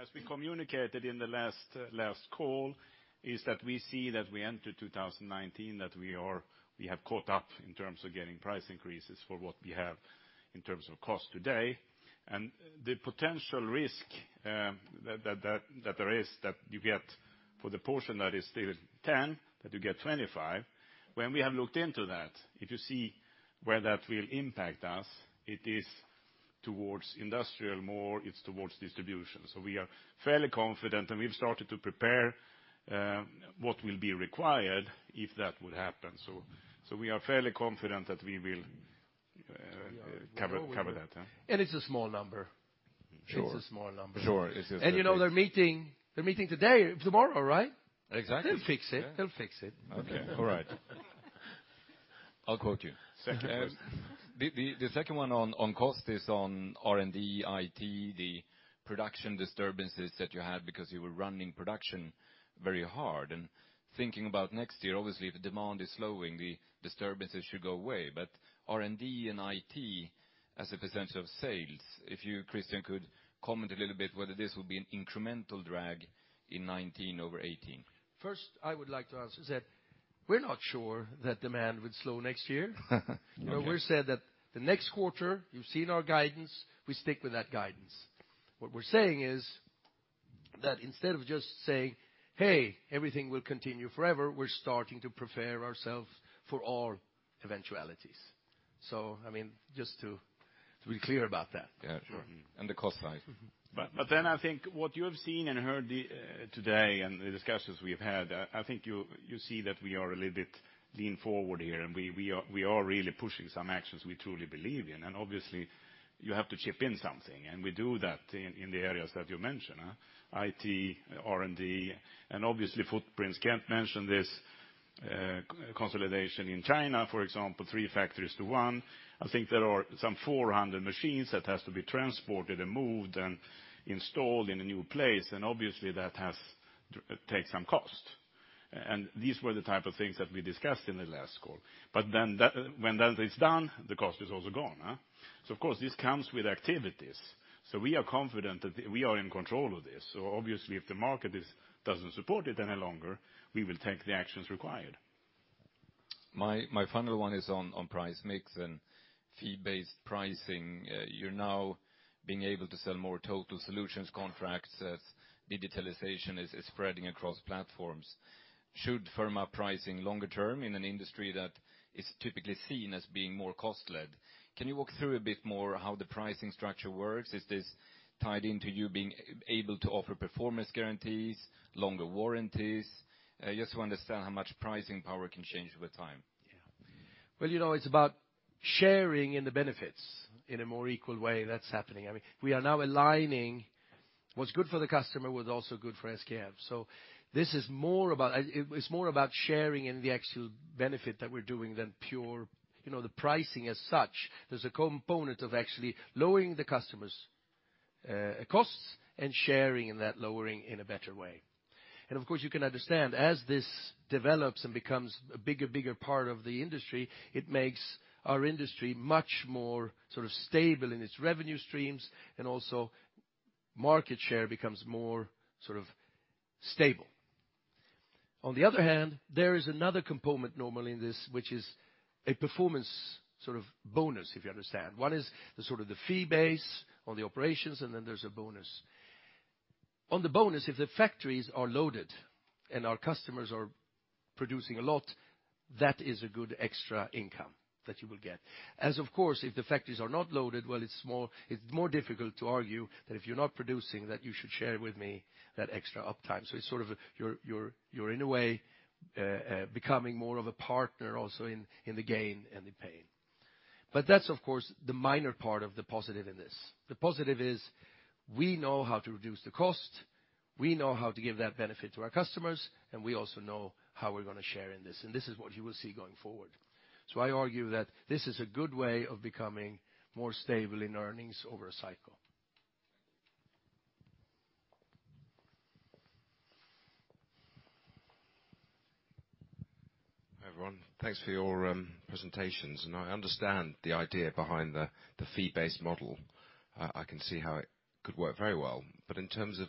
As we communicated in the last call, is that we see that we enter 2019, that we have caught up in terms of getting price increases for what we have in terms of cost today. The potential risk that there is that you get for the portion that is still 10%, that you get 25%. When we have looked into that, if you see where that will impact us, it is towards industrial more, it's towards distribution. We are fairly confident, and we've started to prepare what will be required if that would happen. We are fairly confident that we will cover that.
It's a small number.
Sure.
It's a small number.
Sure.
They're meeting tomorrow, right?
Exactly.
They'll fix it.
Okay. All right. I'll quote you.
Second question.
The second one on cost is on R&D, IT, the production disturbances that you had because you were running production very hard. Thinking about next year, obviously, if the demand is slowing, the disturbances should go away. R&D and IT as a percentage of sales, if you, Christian, could comment a little bit whether this will be an incremental drag in 2019 over 2018.
First, I would like to answer that we're not sure that demand would slow next year.
Okay.
What we said that the next quarter, you've seen our guidance, we stick with that guidance. What we're saying is that instead of just saying, "Hey, everything will continue forever," we're starting to prepare ourselves for all eventualities. Just to be clear about that.
Yeah, sure. The cost side.
I think what you have seen and heard today and the discussions we've had, I think you see that we are a little bit lean forward here, and we are really pushing some actions we truly believe in. Obviously, you have to chip in something, and we do that in the areas that you mentioned, IT, R&D, and obviously footprints. Kent mentioned this consolidation in China, for example, three factories to one. I think there are some 400 machines that has to be transported and moved and installed in a new place, obviously that takes some cost. These were the type of things that we discussed in the last call. When that is done, the cost is also gone. Of course, this comes with activities. We are confident that we are in control of this. If the market doesn't support it any longer, we will take the actions required.
My final one is on price mix and fee-based pricing. You're now being able to sell more total solutions contracts as digitalization is spreading across platforms. Should firm up pricing longer term in an industry that is typically seen as being more cost-led. Can you walk through a bit more how the pricing structure works? Is this tied into you being able to offer performance guarantees, longer warranties? Just to understand how much pricing power can change over time.
Yeah. Well, it's about sharing in the benefits in a more equal way. That's happening. We are now aligning what's good for the customer, with also good for SKF. This is more about sharing in the actual benefit that we're doing than the pricing as such. There's a component of actually lowering the customer's costs and sharing in that lowering in a better way. Of course, you can understand, as this develops and becomes a bigger part of the industry, it makes our industry much more stable in its revenue streams, and also market share becomes more stable. The other hand, there is another component normally in this, which is a performance bonus, if you understand. One is the fee base on the operations, and then there's a bonus. On the bonus, if the factories are loaded and our customers are producing a lot, that is a good extra income that you will get. Of course, if the factories are not loaded, well, it's more difficult to argue that if you're not producing that you should share with me that extra uptime. You're in a way becoming more of a partner also in the gain and the pain. That's, of course, the minor part of the positive in this. The positive is we know how to reduce the cost, we know how to give that benefit to our customers, and we also know how we're going to share in this, and this is what you will see going forward. I argue that this is a good way of becoming more stable in earnings over a cycle.
Hi, everyone. Thanks for your presentations. I understand the idea behind the fee-based model. I can see how it could work very well. In terms of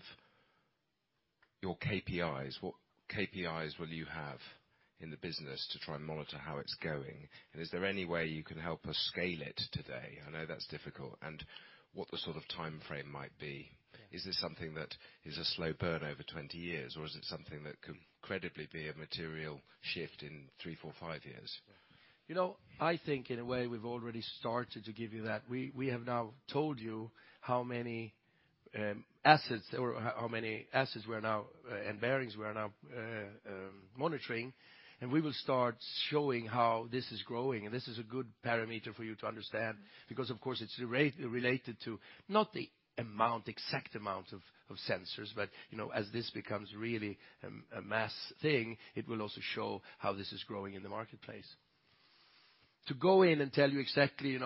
your KPIs, what KPIs will you have in the business to try and monitor how it's going? Is there any way you can help us scale it today? I know that's difficult. What the sort of timeframe might be.
Yeah.
Is this something that is a slow burn over 20 years, or is it something that could credibly be a material shift in three, four, five years?
I think in a way we've already started to give you that. We have now told you how many assets we're now, and bearings we're now monitoring. We will start showing how this is growing. This is a good parameter for you to understand because of course, it's related to not the exact amount of sensors, but as this becomes really a mass thing, it will also show how this is growing in the marketplace. To go in and tell you exactly,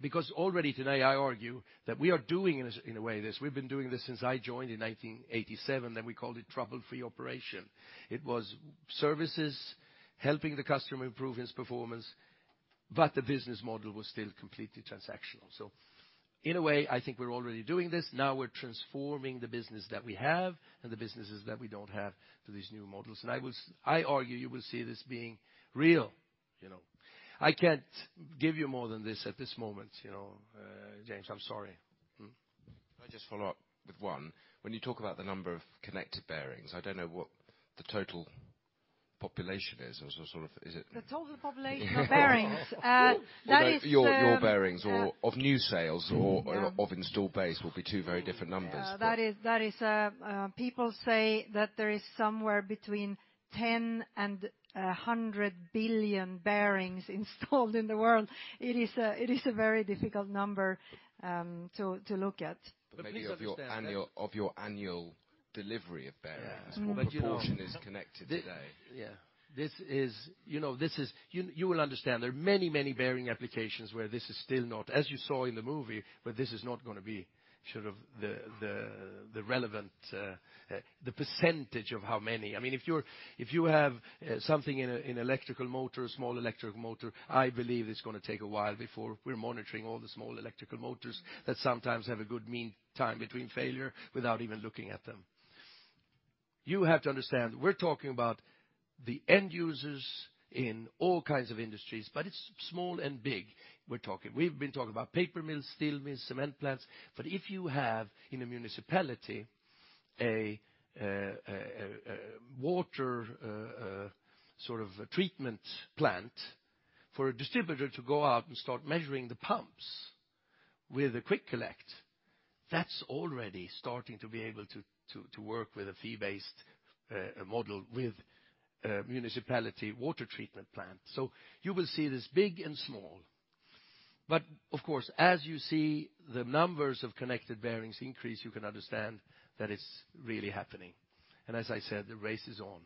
because already today I argue that we are doing this in a way. We've been doing this since I joined in 1987. We called it trouble-free operation. It was services helping the customer improve his performance, the business model was still completely transactional. In a way, I think we're already doing this. Now we're transforming the business that we have and the businesses that we don't have to these new models. I argue you will see this being real. I can't give you more than this at this moment, James. I'm sorry.
Can I just follow up with one? When you talk about the number of connected bearings, I don't know what the total population is. Or is it-
The total population of bearings?
Your bearings or of new sales or of installed base will be two very different numbers.
People say that there is somewhere between 10 billion and 100 billion bearings installed in the world. It is a very difficult number to look at.
please understand that.
maybe of your annual delivery of bearings.
Yeah. you know.
what proportion is connected today?
Yeah. You will understand. There are many bearing applications where this is still not, as you saw in the movie, this is not going to be the relevant percentage of how many. If you have something in a small electric motor, I believe it's going to take a while before we're monitoring all the small electrical motors that sometimes have a good mean time between failure without even looking at them. You have to understand, we're talking about the end users in all kinds of industries, it's small and big we're talking. We've been talking about paper mills, steel mills, cement plants, if you have, in a municipality, a water treatment plant, for a distributor to go out and start measuring the pumps with a QuickCollect, that's already starting to be able to work with a fee-based model with a municipality water treatment plant. You will see this big and small. Of course, as you see the numbers of connected bearings increase, you can understand that it's really happening. As I said, the race is on.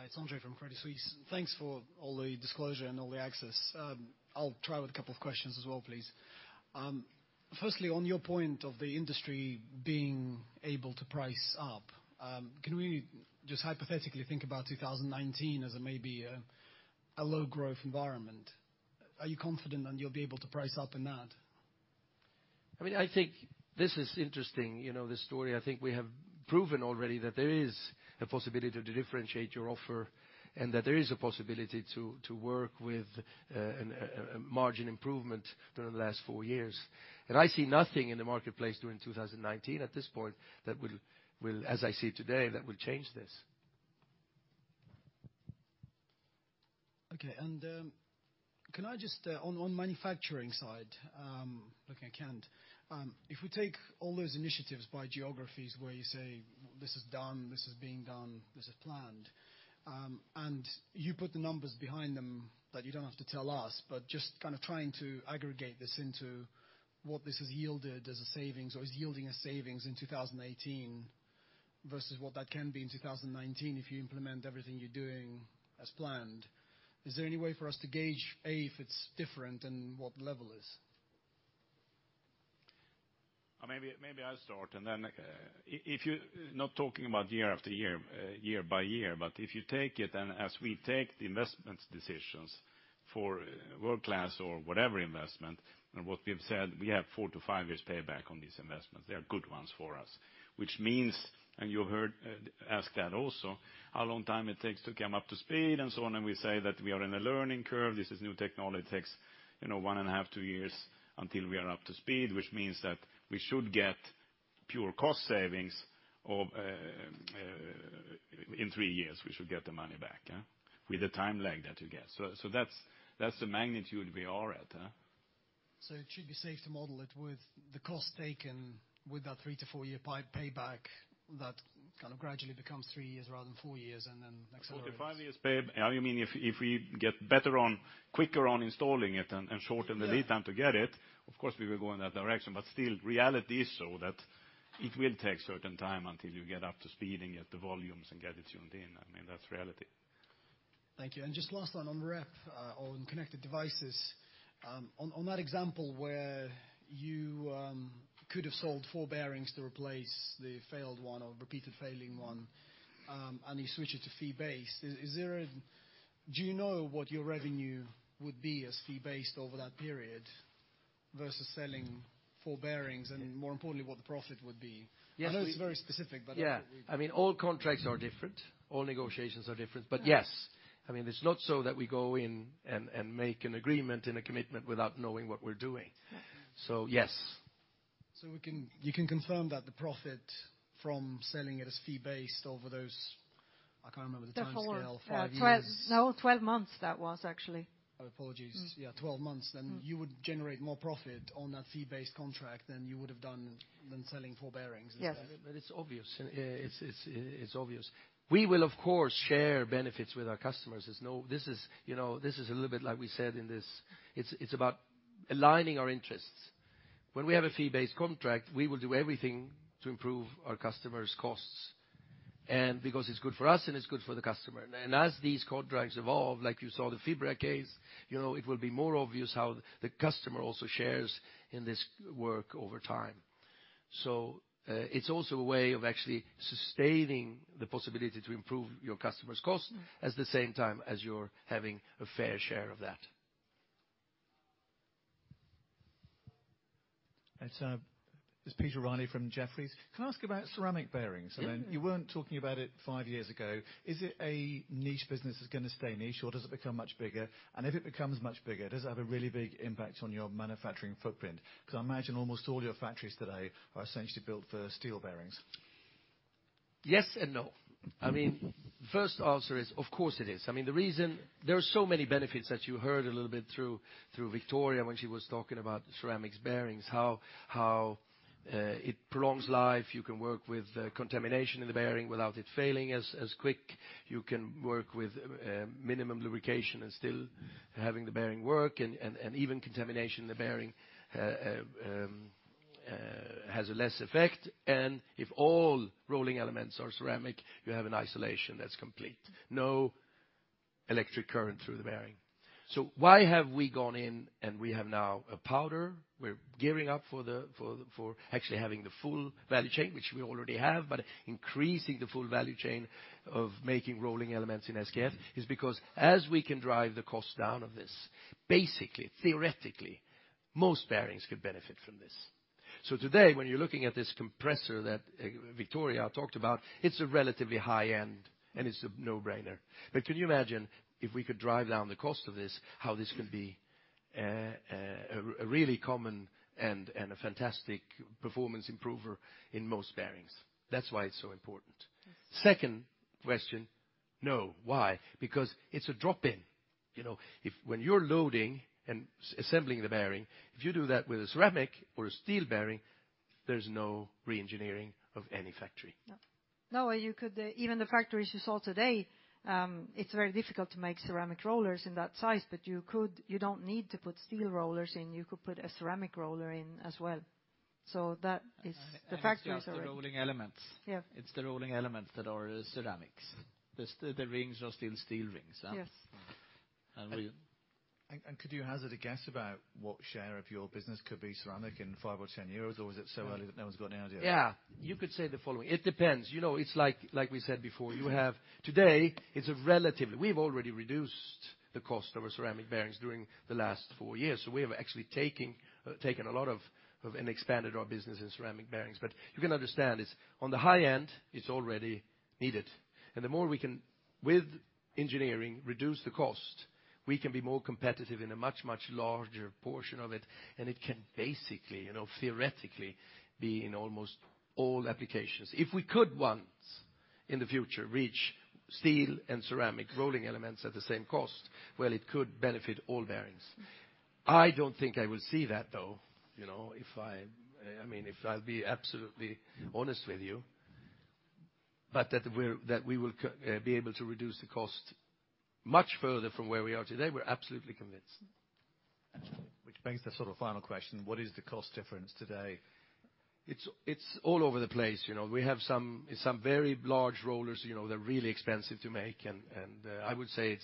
Hi, it's Andre from Credit Suisse. Thanks for all the disclosure and all the access. I'll try with a couple of questions as well, please. Firstly, on your point of the industry being able to price up, can we just hypothetically think about 2019 as maybe a low growth environment? Are you confident that you'll be able to price up in that?
I think this is interesting, this story. I think we have proven already that there is a possibility to differentiate your offer, that there is a possibility to work with a margin improvement during the last four years. I see nothing in the marketplace during 2019 at this point that will, as I see it today, that will change this.
Okay. Can I just, on manufacturing side, looking at Kent, if we take all those initiatives by geographies where you say this is done, this is being done, this is planned, and you put the numbers behind them, that you don't have to tell us, but just trying to aggregate this into what this has yielded as a savings or is yielding a savings in 2018 versus what that can be in 2019 if you implement everything you're doing as planned. Is there any way for us to gauge, A, if it's different and what level it is?
Maybe I'll start. If you're not talking about year by year, but if you take it and as we take the investment decisions for world-class or whatever investment, what we have said, we have four to five years payback on these investments. They are good ones for us. Which means, you heard ask that also, how long time it takes to come up to speed and so on, and we say that we are in a learning curve. This is new technology. It takes one and a half, two years until we are up to speed, which means that we should get pure cost savings in three years, we should get the money back with a time lag there to get. That's the magnitude we are at.
It should be safe to model it with the cost taken with that three to four-year pipe payback that gradually becomes three years rather than four years, and then accelerates.
Four to five years. You mean if we get quicker on installing it and shorten the lead time to get it, of course, we will go in that direction. Still reality is so that it will take certain time until you get up to speed and get the volumes and get it tuned in. That's reality.
Thank you. Just last one on REP on connected devices. On that example where you could've sold four bearings to replace the failed one or repeated failing one, and you switch it to fee-based, do you know what your revenue would be as fee-based over that period versus selling four bearings? More importantly, what the profit would be?
Yes. I know it's very specific. Yeah. All contracts are different, all negotiations are different. Yes. It's not so that we go in and make an agreement and a commitment without knowing what we're doing. Yes.
You can confirm that the profit from selling it as fee-based over those, I can't remember the time scale, five years-
12 months that was actually.
My apologies. Yeah, 12 months, you would generate more profit on that fee-based contract than you would've done than selling four bearings.
Yes.
It's obvious. We will, of course, share benefits with our customers. This is a little bit like we said in this, it's about aligning our interests. When we have a fee-based contract, we will do everything to improve our customers' costs. Because it's good for us and it's good for the customer. As these contracts evolve, like you saw the Fibria case, it will be more obvious how the customer also shares in this work over time. It's also a way of actually sustaining the possibility to improve your customer's cost at the same time as you're having a fair share of that.
It's Peter Reilly from Jefferies. Can I ask about ceramic bearings? You weren't talking about it five years ago. Is it a niche business that's going to stay niche, or does it become much bigger? If it becomes much bigger, does it have a really big impact on your manufacturing footprint? I imagine almost all your factories today are essentially built for steel bearings.
Yes and no. First answer is, of course, it is. There are so many benefits that you heard a little bit through Victoria when she was talking about ceramic bearings, how it prolongs life. You can work with contamination in the bearing without it failing as quick. You can work with minimum lubrication and still having the bearing work, and even contamination in the bearing has a less effect. If all rolling elements are ceramic, you have an isolation that's complete. No electric current through the bearing. Why have we gone in and we have now a powder? We're gearing up for actually having the full value chain, which we already have, but increasing the full value chain of making rolling elements in SKF is as we can drive the cost down of this, basically, theoretically, most bearings could benefit from this. Today, when you're looking at this compressor that Victoria talked about, it's a relatively high-end, and it's a no-brainer. Can you imagine if we could drive down the cost of this, how this could be a really common and a fantastic performance improver in most bearings. That's why it's so important.
Yes.
Second question. No. Why? Because it's a drop-in. When you're loading and assembling the bearing, if you do that with a ceramic or a steel bearing, there's no re-engineering of any factory.
No. Even the factories you saw today, it's very difficult to make ceramic rollers in that size, but you don't need to put steel rollers in, you could put a ceramic roller in as well. That is the factories already.
It's the rolling elements.
Yeah.
It's the rolling elements that are ceramics. The rings are still steel rings.
Yes.
And we-
Could you hazard a guess about what share of your business could be ceramic in five or 10 years? Or is it so early that no one's got any idea?
You could say the following. It depends. It's like we said before, today, we've already reduced the cost of our ceramic bearings during the last four years. We have actually taken a lot of, and expanded our business in ceramic bearings. You can understand, on the high end, it's already needed. The more we can, with engineering, reduce the cost, we can be more competitive in a much, much larger portion of it, and it can basically, theoretically, be in almost all applications. If we could, once in the future, reach steel and ceramic rolling elements at the same cost, well, it could benefit all bearings. I don't think I will see that, though, if I'll be absolutely honest with you. That we will be able to reduce the cost much further from where we are today, we're absolutely convinced.
Which begs the sort of final question, what is the cost difference today?
It's all over the place. We have some very large rollers, they're really expensive to make, I would say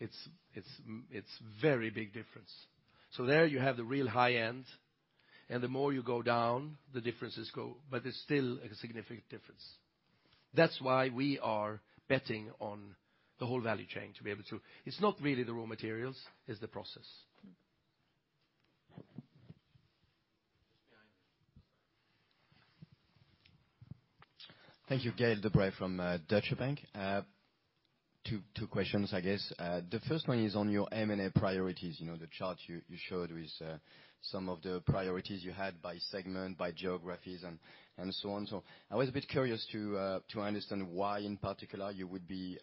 it's very big difference. There you have the real high end, and the more you go down, the differences go, but there's still a significant difference. That's why we are betting on the whole value chain, to be able to. It's not really the raw materials, it's the process.
Just behind you.
Thank you. Gaël de-Bray from Deutsche Bank. Two questions, I guess. The first one is on your M&A priorities. The chart you showed with some of the priorities you had by segment, by geographies, and so on. I was a bit curious to understand why, in particular, you would be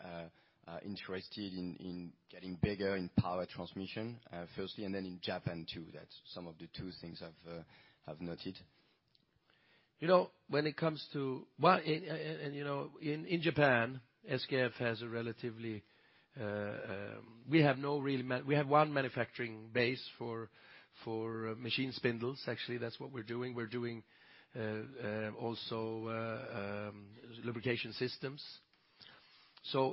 interested in getting bigger in power transmission, firstly, and then in Japan too. That's some of the two things I've noted.
In Japan, SKF has a relatively. We have one manufacturing base for machine spindles, actually. That's what we're doing. We're doing also lubrication systems.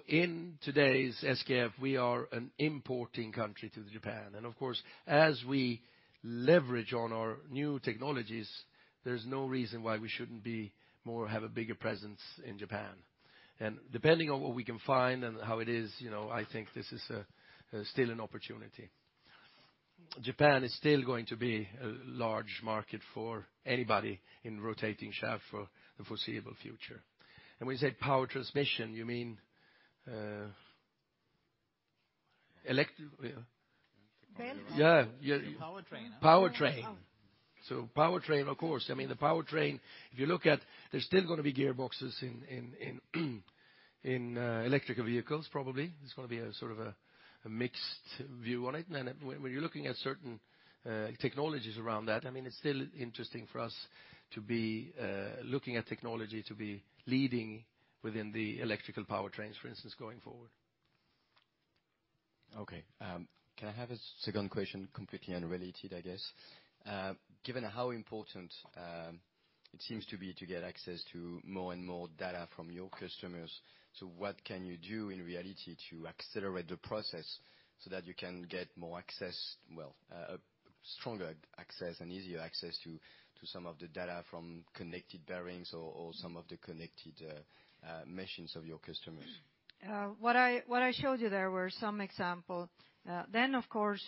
In today's SKF, we are an importing country to Japan. Of course, as we leverage on our new technologies, there's no reason why we shouldn't have a bigger presence in Japan. Depending on what we can find and how it is, I think this is still an opportunity. Japan is still going to be a large market for anybody in rotating shaft for the foreseeable future. When you say power transmission, you mean elect.
Rail?
Yeah.
The powertrain.
Powertrain. Powertrain, of course. I mean, the powertrain, if you look at, there's still going to be gearboxes in electrical vehicles, probably. There's going to be a sort of a mixed view on it. When you're looking at certain technologies around that, it's still interesting for us to be looking at technology to be leading within the electrical powertrains, for instance, going forward.
Okay. Can I have a second question? Completely unrelated, I guess. Given how important it seems to be to get access to more and more data from your customers, what can you do in reality to accelerate the process so that you can get more access? Well, a stronger access and easier access to some of the data from connected bearings or some of the connected machines of your customers.
What I showed you there were some example. Of course,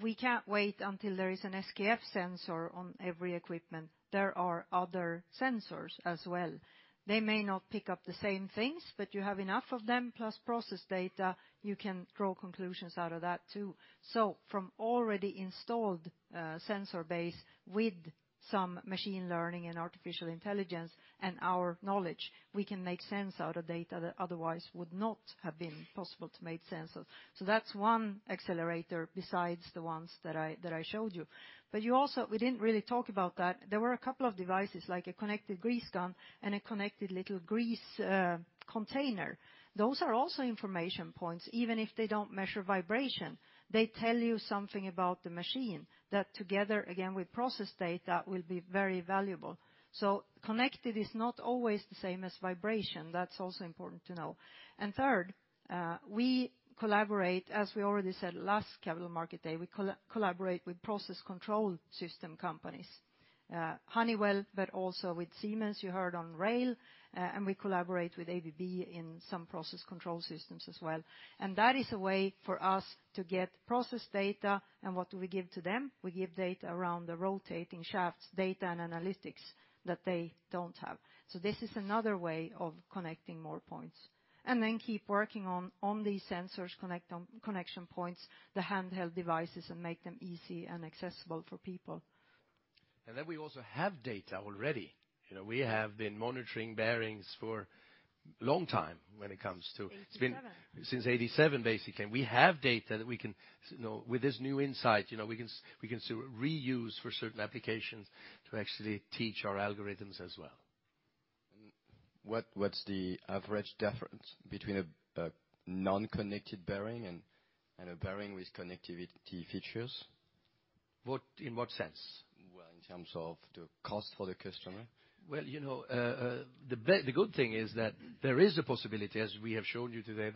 we can't wait until there is an SKF sensor on every equipment. There are other sensors as well. They may not pick up the same things, but you have enough of them, plus process data, you can draw conclusions out of that, too. From already installed sensor base with some machine learning and artificial intelligence and our knowledge, we can make sense out of data that otherwise would not have been possible to make sense of. That's one accelerator besides the ones that I showed you. We didn't really talk about that, there were a couple of devices like a connected grease gun and a connected little grease container. Those are also information points. Even if they don't measure vibration, they tell you something about the machine that together, again, with process data, will be very valuable. Connected is not always the same as vibration. That's also important to know. Third, we collaborate, as we already said last Capital Market Day, we collaborate with process control system companies. Honeywell, but also with Siemens, you heard on rail. We collaborate with ABB in some process control systems as well. That is a way for us to get process data. What do we give to them? We give data around the rotating shafts, data and analytics that they don't have. This is another way of connecting more points. Then keep working on these sensors, connection points, the handheld devices, and make them easy and accessible for people.
Then we also have data already. We have been monitoring bearings for long time when it comes to-
'87.
Since 1987, basically. We have data that we can, with this new SKF Insight, we can reuse for certain applications to actually teach our algorithms as well.
What's the average difference between a non-connected bearing and a bearing with connectivity features?
In what sense?
In terms of the cost for the customer.
The good thing is that there is a possibility, as we have shown you today,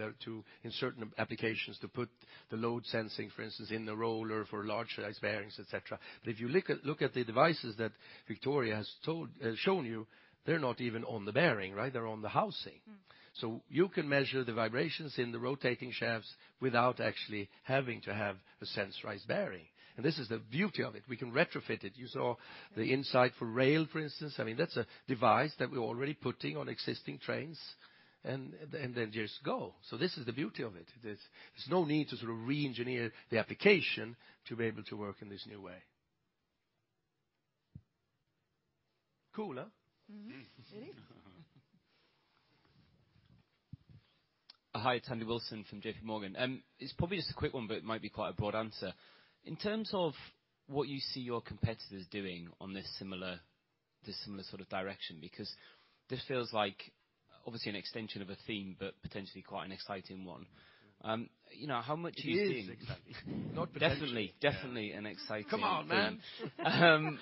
in certain applications to put the load sensing, for instance, in the roller for large size bearings, et cetera. If you look at the devices that Victoria has shown you, they're not even on the bearing, right? They're on the housing. You can measure the vibrations in the rotating shafts without actually having to have a sensorized bearing. This is the beauty of it. We can retrofit it. You saw the Insight for rail, for instance. I mean, that's a device that we're already putting on existing trains, and then just go. This is the beauty of it. There's no need to sort of re-engineer the application to be able to work in this new way. Cool, huh?
Mm-hmm. It is.
Hi, Tandy O'Donoghue from J.P. Morgan. It is probably just a quick one, but it might be quite a broad answer. In terms of what you see your competitors doing on this similar sort of direction, because this feels like obviously an extension of a theme, but potentially quite an exciting one. How much are you seeing-
It is exciting. Not potentially.
Definitely an exciting-
Come on, man.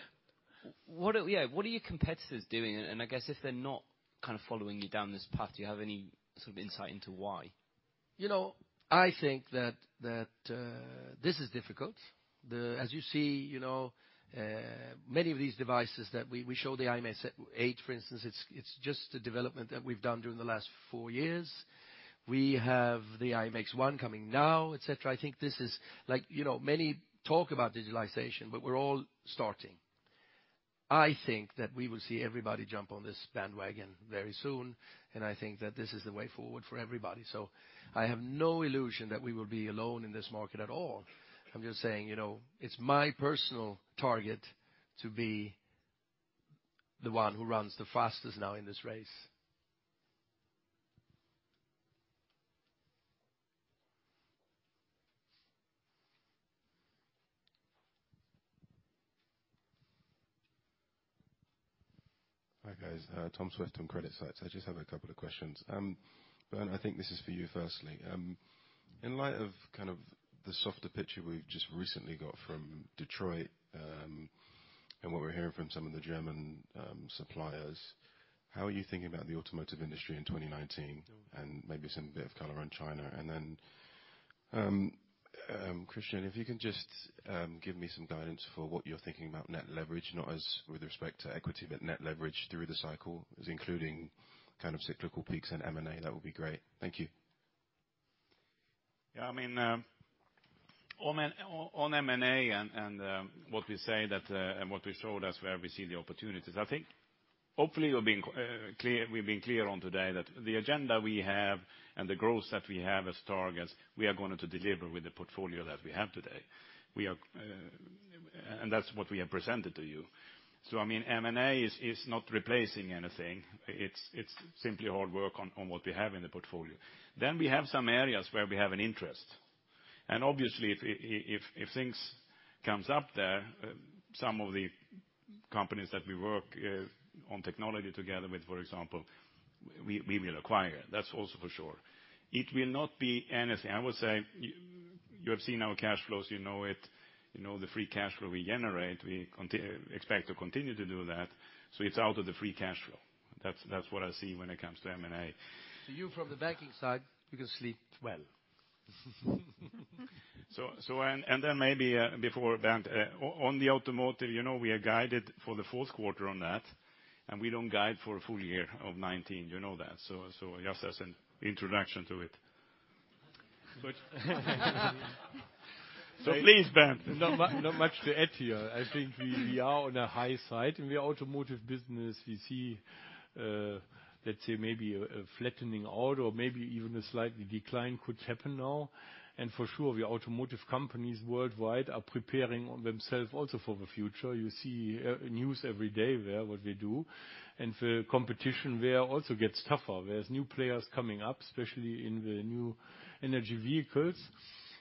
What are your competitors doing? I guess if they're not kind of following you down this path, do you have any sort of insight into why?
I think that this is difficult. As you see, many of these devices that we show the IMx-8, for instance, it's just a development that we've done during the last four years. We have the IMx-1 coming now, et cetera. I think this is like many talk about digitalization, but we're all starting. I think that we will see everybody jump on this bandwagon very soon, and I think that this is the way forward for everybody. I have no illusion that we will be alone in this market at all. I'm just saying, it's my personal target to be the one who runs the fastest now in this race.
Hi, guys. Tom Swift on Credit Suisse. I just have a couple of questions. Bernd, I think this is for you, firstly. In light of kind of the softer picture we've just recently got from Detroit, and what we're hearing from some of the German suppliers, how are you thinking about the automotive industry in 2019 and maybe some bit of color on China? Then, Christian, if you can just give me some guidance for what you're thinking about net leverage, not as with respect to equity, but net leverage through the cycle as including kind of cyclical peaks and M&A. That would be great. Thank you.
On M&A and what we say that and what we showed as where we see the opportunities, I think hopefully we've been clear on today that the agenda we have and the growth that we have as targets, we are going to deliver with the portfolio that we have today. That's what we have presented to you. I mean, M&A is not replacing anything. It's simply hard work on what we have in the portfolio. We have some areas where we have an interest. Obviously if things comes up there, some of the companies that we work on technology together with, for example, we will acquire. That's also for sure. It will not be anything. I would say you have seen our cash flows, you know it. You know the free cash flow we generate. We expect to continue to do that. It's out of the free cash flow. That's what I see when it comes to M&A.
You from the banking side, you can sleep well.
Maybe before Bernd, on the automotive, we are guided for the fourth quarter on that, and we don't guide for a full year of 2019. You know that. Just as an introduction to it.
But-
Please, Bernd.
Not much to add here. I think we are on a high side in the automotive business. We see maybe a flattening out or maybe even a slight decline could happen now. For sure, the automotive companies worldwide are preparing themselves also for the future. You see news every day there, what they do. The competition there also gets tougher. There is new players coming up, especially in the new energy vehicles.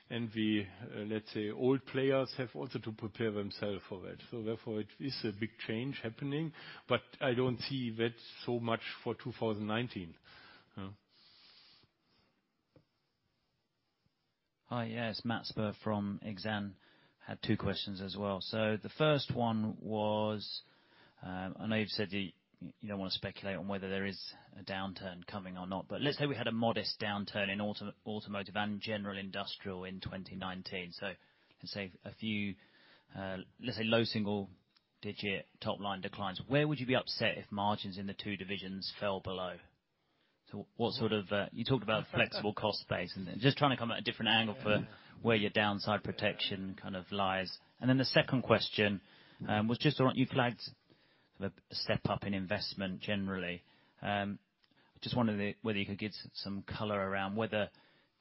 The old players have also to prepare themselves for it. It is a big change happening, but I don't see that so much for 2019.
Hi, yes, Matt Spurr from Exane BNP Paribas. I had two questions as well. The first one was, I know you've said that you don't want to speculate on whether there is a downturn coming or not, but we had a modest downturn in automotive and general industrial in 2019. A few low single-digit top line declines. Where would you be upset if margins in the two divisions fell below? You talked about flexible cost base and just trying to come at a different angle for where your downside protection kind of lies. The second question was just around you flagged a step up in investment generally. Just wondering whether you could give some color around whether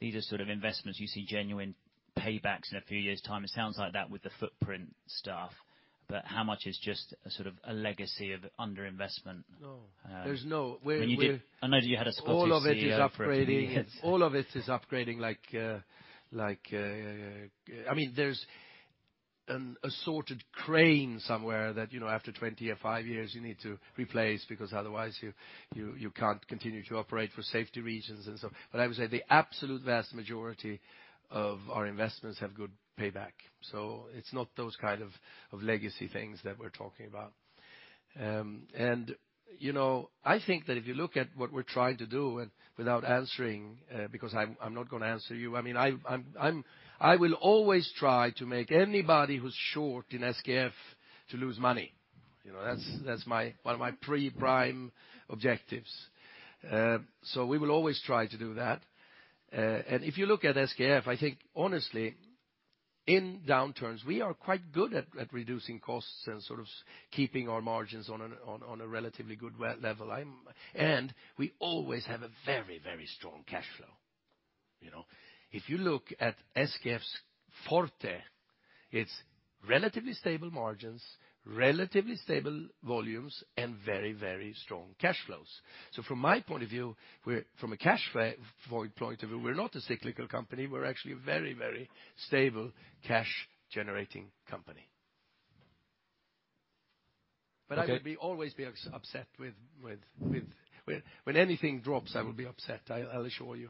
these are sort of investments you see genuine paybacks in a few years' time. It sounds like that with the footprint stuff, but how much is just a sort of a legacy of underinvestment?
No.
I know you had a supportive CEO for a few years.
All of it is upgrading. I mean, there's an assorted crane somewhere that after 25 years, you need to replace because otherwise you can't continue to operate for safety reasons and so forth. I would say the absolute vast majority of our investments have good payback. It's not those kind of legacy things that we're talking about. I think that if you look at what we're trying to do, without answering, because I'm not going to answer you, I will always try to make anybody who's short in SKF to lose money. That's one of my pre-prime objectives. We will always try to do that. If you look at SKF, I think honestly, in downturns, we are quite good at reducing costs and keeping our margins on a relatively good level. We always have a very strong cash flow. If you look at SKF's forte, it's relatively stable margins, relatively stable volumes, and very strong cash flows. From a cash flow point of view, we're not a cyclical company. We're actually a very stable, cash-generating company. Okay. I will always be upset. When anything drops, I will be upset, I'll assure you.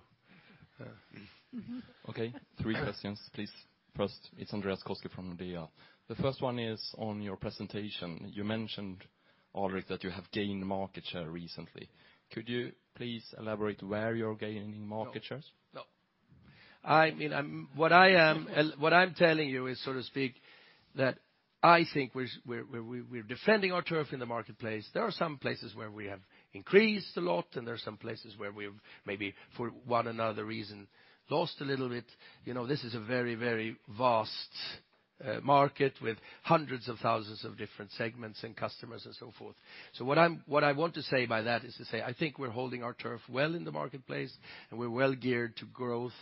Okay. 3 questions, please. First it's Andreas Koski from Nordea. The first one is on your presentation. You mentioned, Alrik, that you have gained market share recently. Could you please elaborate where you're gaining market shares?
No. What I'm telling you is, so to speak, that I think we're defending our turf in the marketplace. There are some places where we have increased a lot, and there are some places where we've maybe, for one another reason, lost a little bit. This is a very vast market with hundreds of thousands of different segments and customers and so forth. What I want to say by that is that I think we're holding our turf well in the marketplace, and we're well-geared to growth.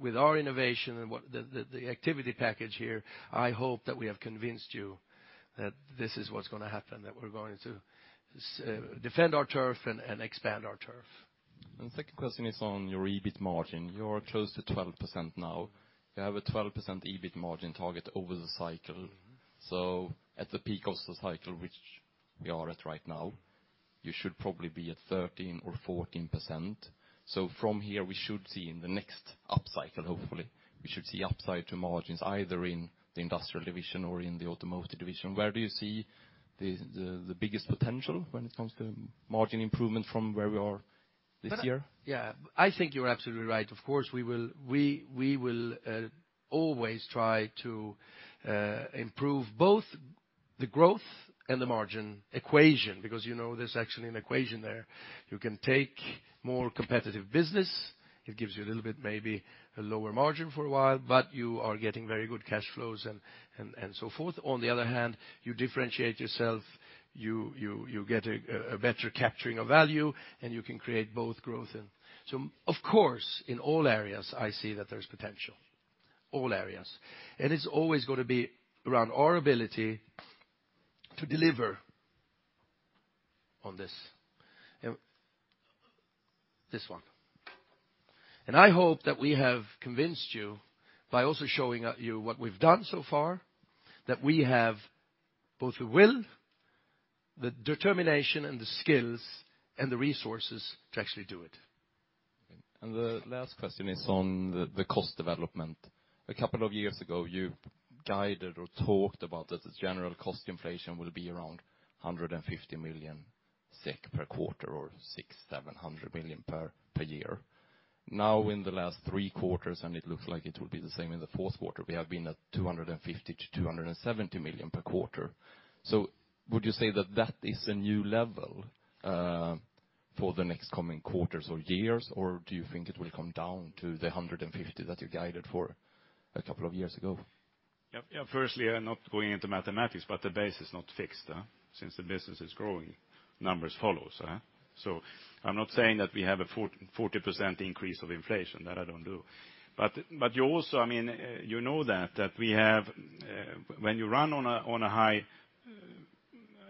With our innovation and the activity package here, I hope that we have convinced you that this is what's going to happen, that we're going to defend our turf and expand our turf.
Second question is on your EBIT margin. You are close to 12% now. You have a 12% EBIT margin target over the cycle. At the peak of the cycle, which we are at right now, you should probably be at 13% or 14%. From here, we should see in the next upcycle, hopefully, we should see upside to margins, either in the Industrial division or in the Automotive division. Where do you see the biggest potential when it comes to margin improvement from where we are this year?
Yeah. I think you're absolutely right. Of course, we will always try to improve both the growth and the margin equation, because there's actually an equation there. You can take more competitive business. It gives you a little bit, maybe a lower margin for a while, but you are getting very good cash flows and so forth. On the other hand, you differentiate yourself, you get a better capturing of value, and you can create both growth. Of course, in all areas, I see that there's potential. All areas. It's always going to be around our ability to deliver on this one. I hope that we have convinced you by also showing you what we've done so far, that we have both the will, the determination, and the skills and the resources to actually do it.
The last question is on the cost development. A couple of years ago, you guided or talked about that the general cost inflation will be around 150 million SEK per quarter or 600 million-700 million per year. Now in the last three quarters, and it looks like it will be the same in the fourth quarter, we have been at 250 million-270 million per quarter. Would you say that that is a new level for the next coming quarters or years, or do you think it will come down to the 150 that you guided for a couple of years ago?
Yeah. Firstly, I'm not going into mathematics, but the base is not fixed, since the business is growing, numbers follow. I'm not saying that we have a 40% increase of inflation. That I don't do. You know that, when you run on a high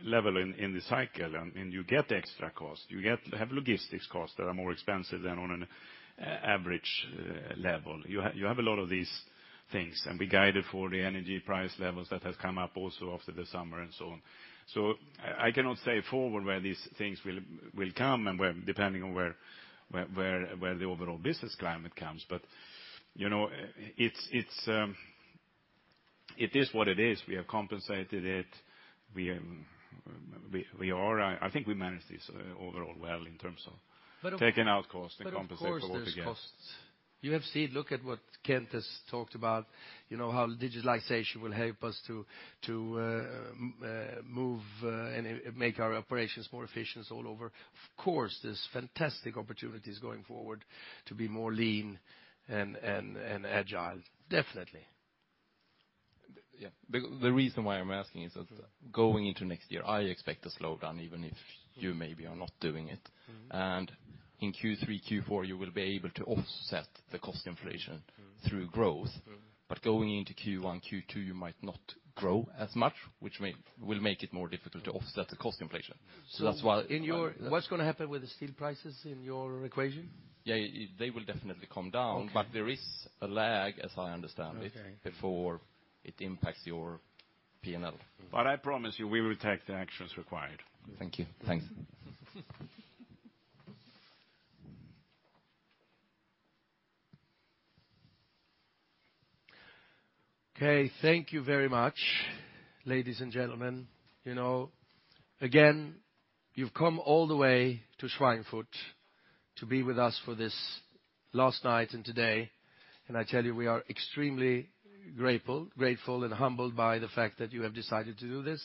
level in the cycle, and you get extra cost, you have logistics costs that are more expensive than on an average level. You have a lot of these things, and we guided for the energy price levels that have come up also after the summer and so on. I cannot say forward where these things will come and depending on where the overall business climate comes. It is what it is. We have compensated it. I think we managed this overall well in terms of taking out costs to compensate for what we get.
Of course, there's costs. You have seen. Look at what Kent has talked about, how digitalization will help us to move and make our operations more efficient all over. Of course, there's fantastic opportunities going forward to be more lean and agile. Definitely.
Yeah. The reason why I'm asking is that going into next year, I expect a slowdown, even if you maybe are not doing it. In Q3, Q4, you will be able to offset the cost inflation through growth. Going into Q1, Q2, you might not grow as much, which will make it more difficult to offset the cost inflation. That's why I'm-
What's going to happen with the steel prices in your equation?
Yeah, they will definitely come down. Okay. There is a lag, as I understand it. Okay before it impacts your P&L.
I promise you, we will take the actions required.
Thank you. Thanks.
Okay. Thank you very much, ladies and gentlemen. Again, you've come all the way to Schweinfurt to be with us for this last night and today, and I tell you, we are extremely grateful and humbled by the fact that you have decided to do this.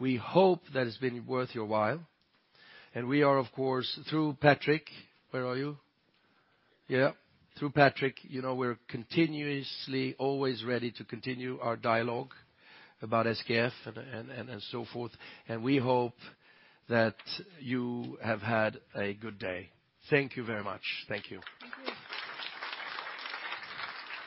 We hope that it's been worth your while, and we are, of course, through Patrick. Where are you? Yeah. Through Patrick, we're continuously always ready to continue our dialogue about SKF and so forth, and we hope that you have had a good day. Thank you very much. Thank you.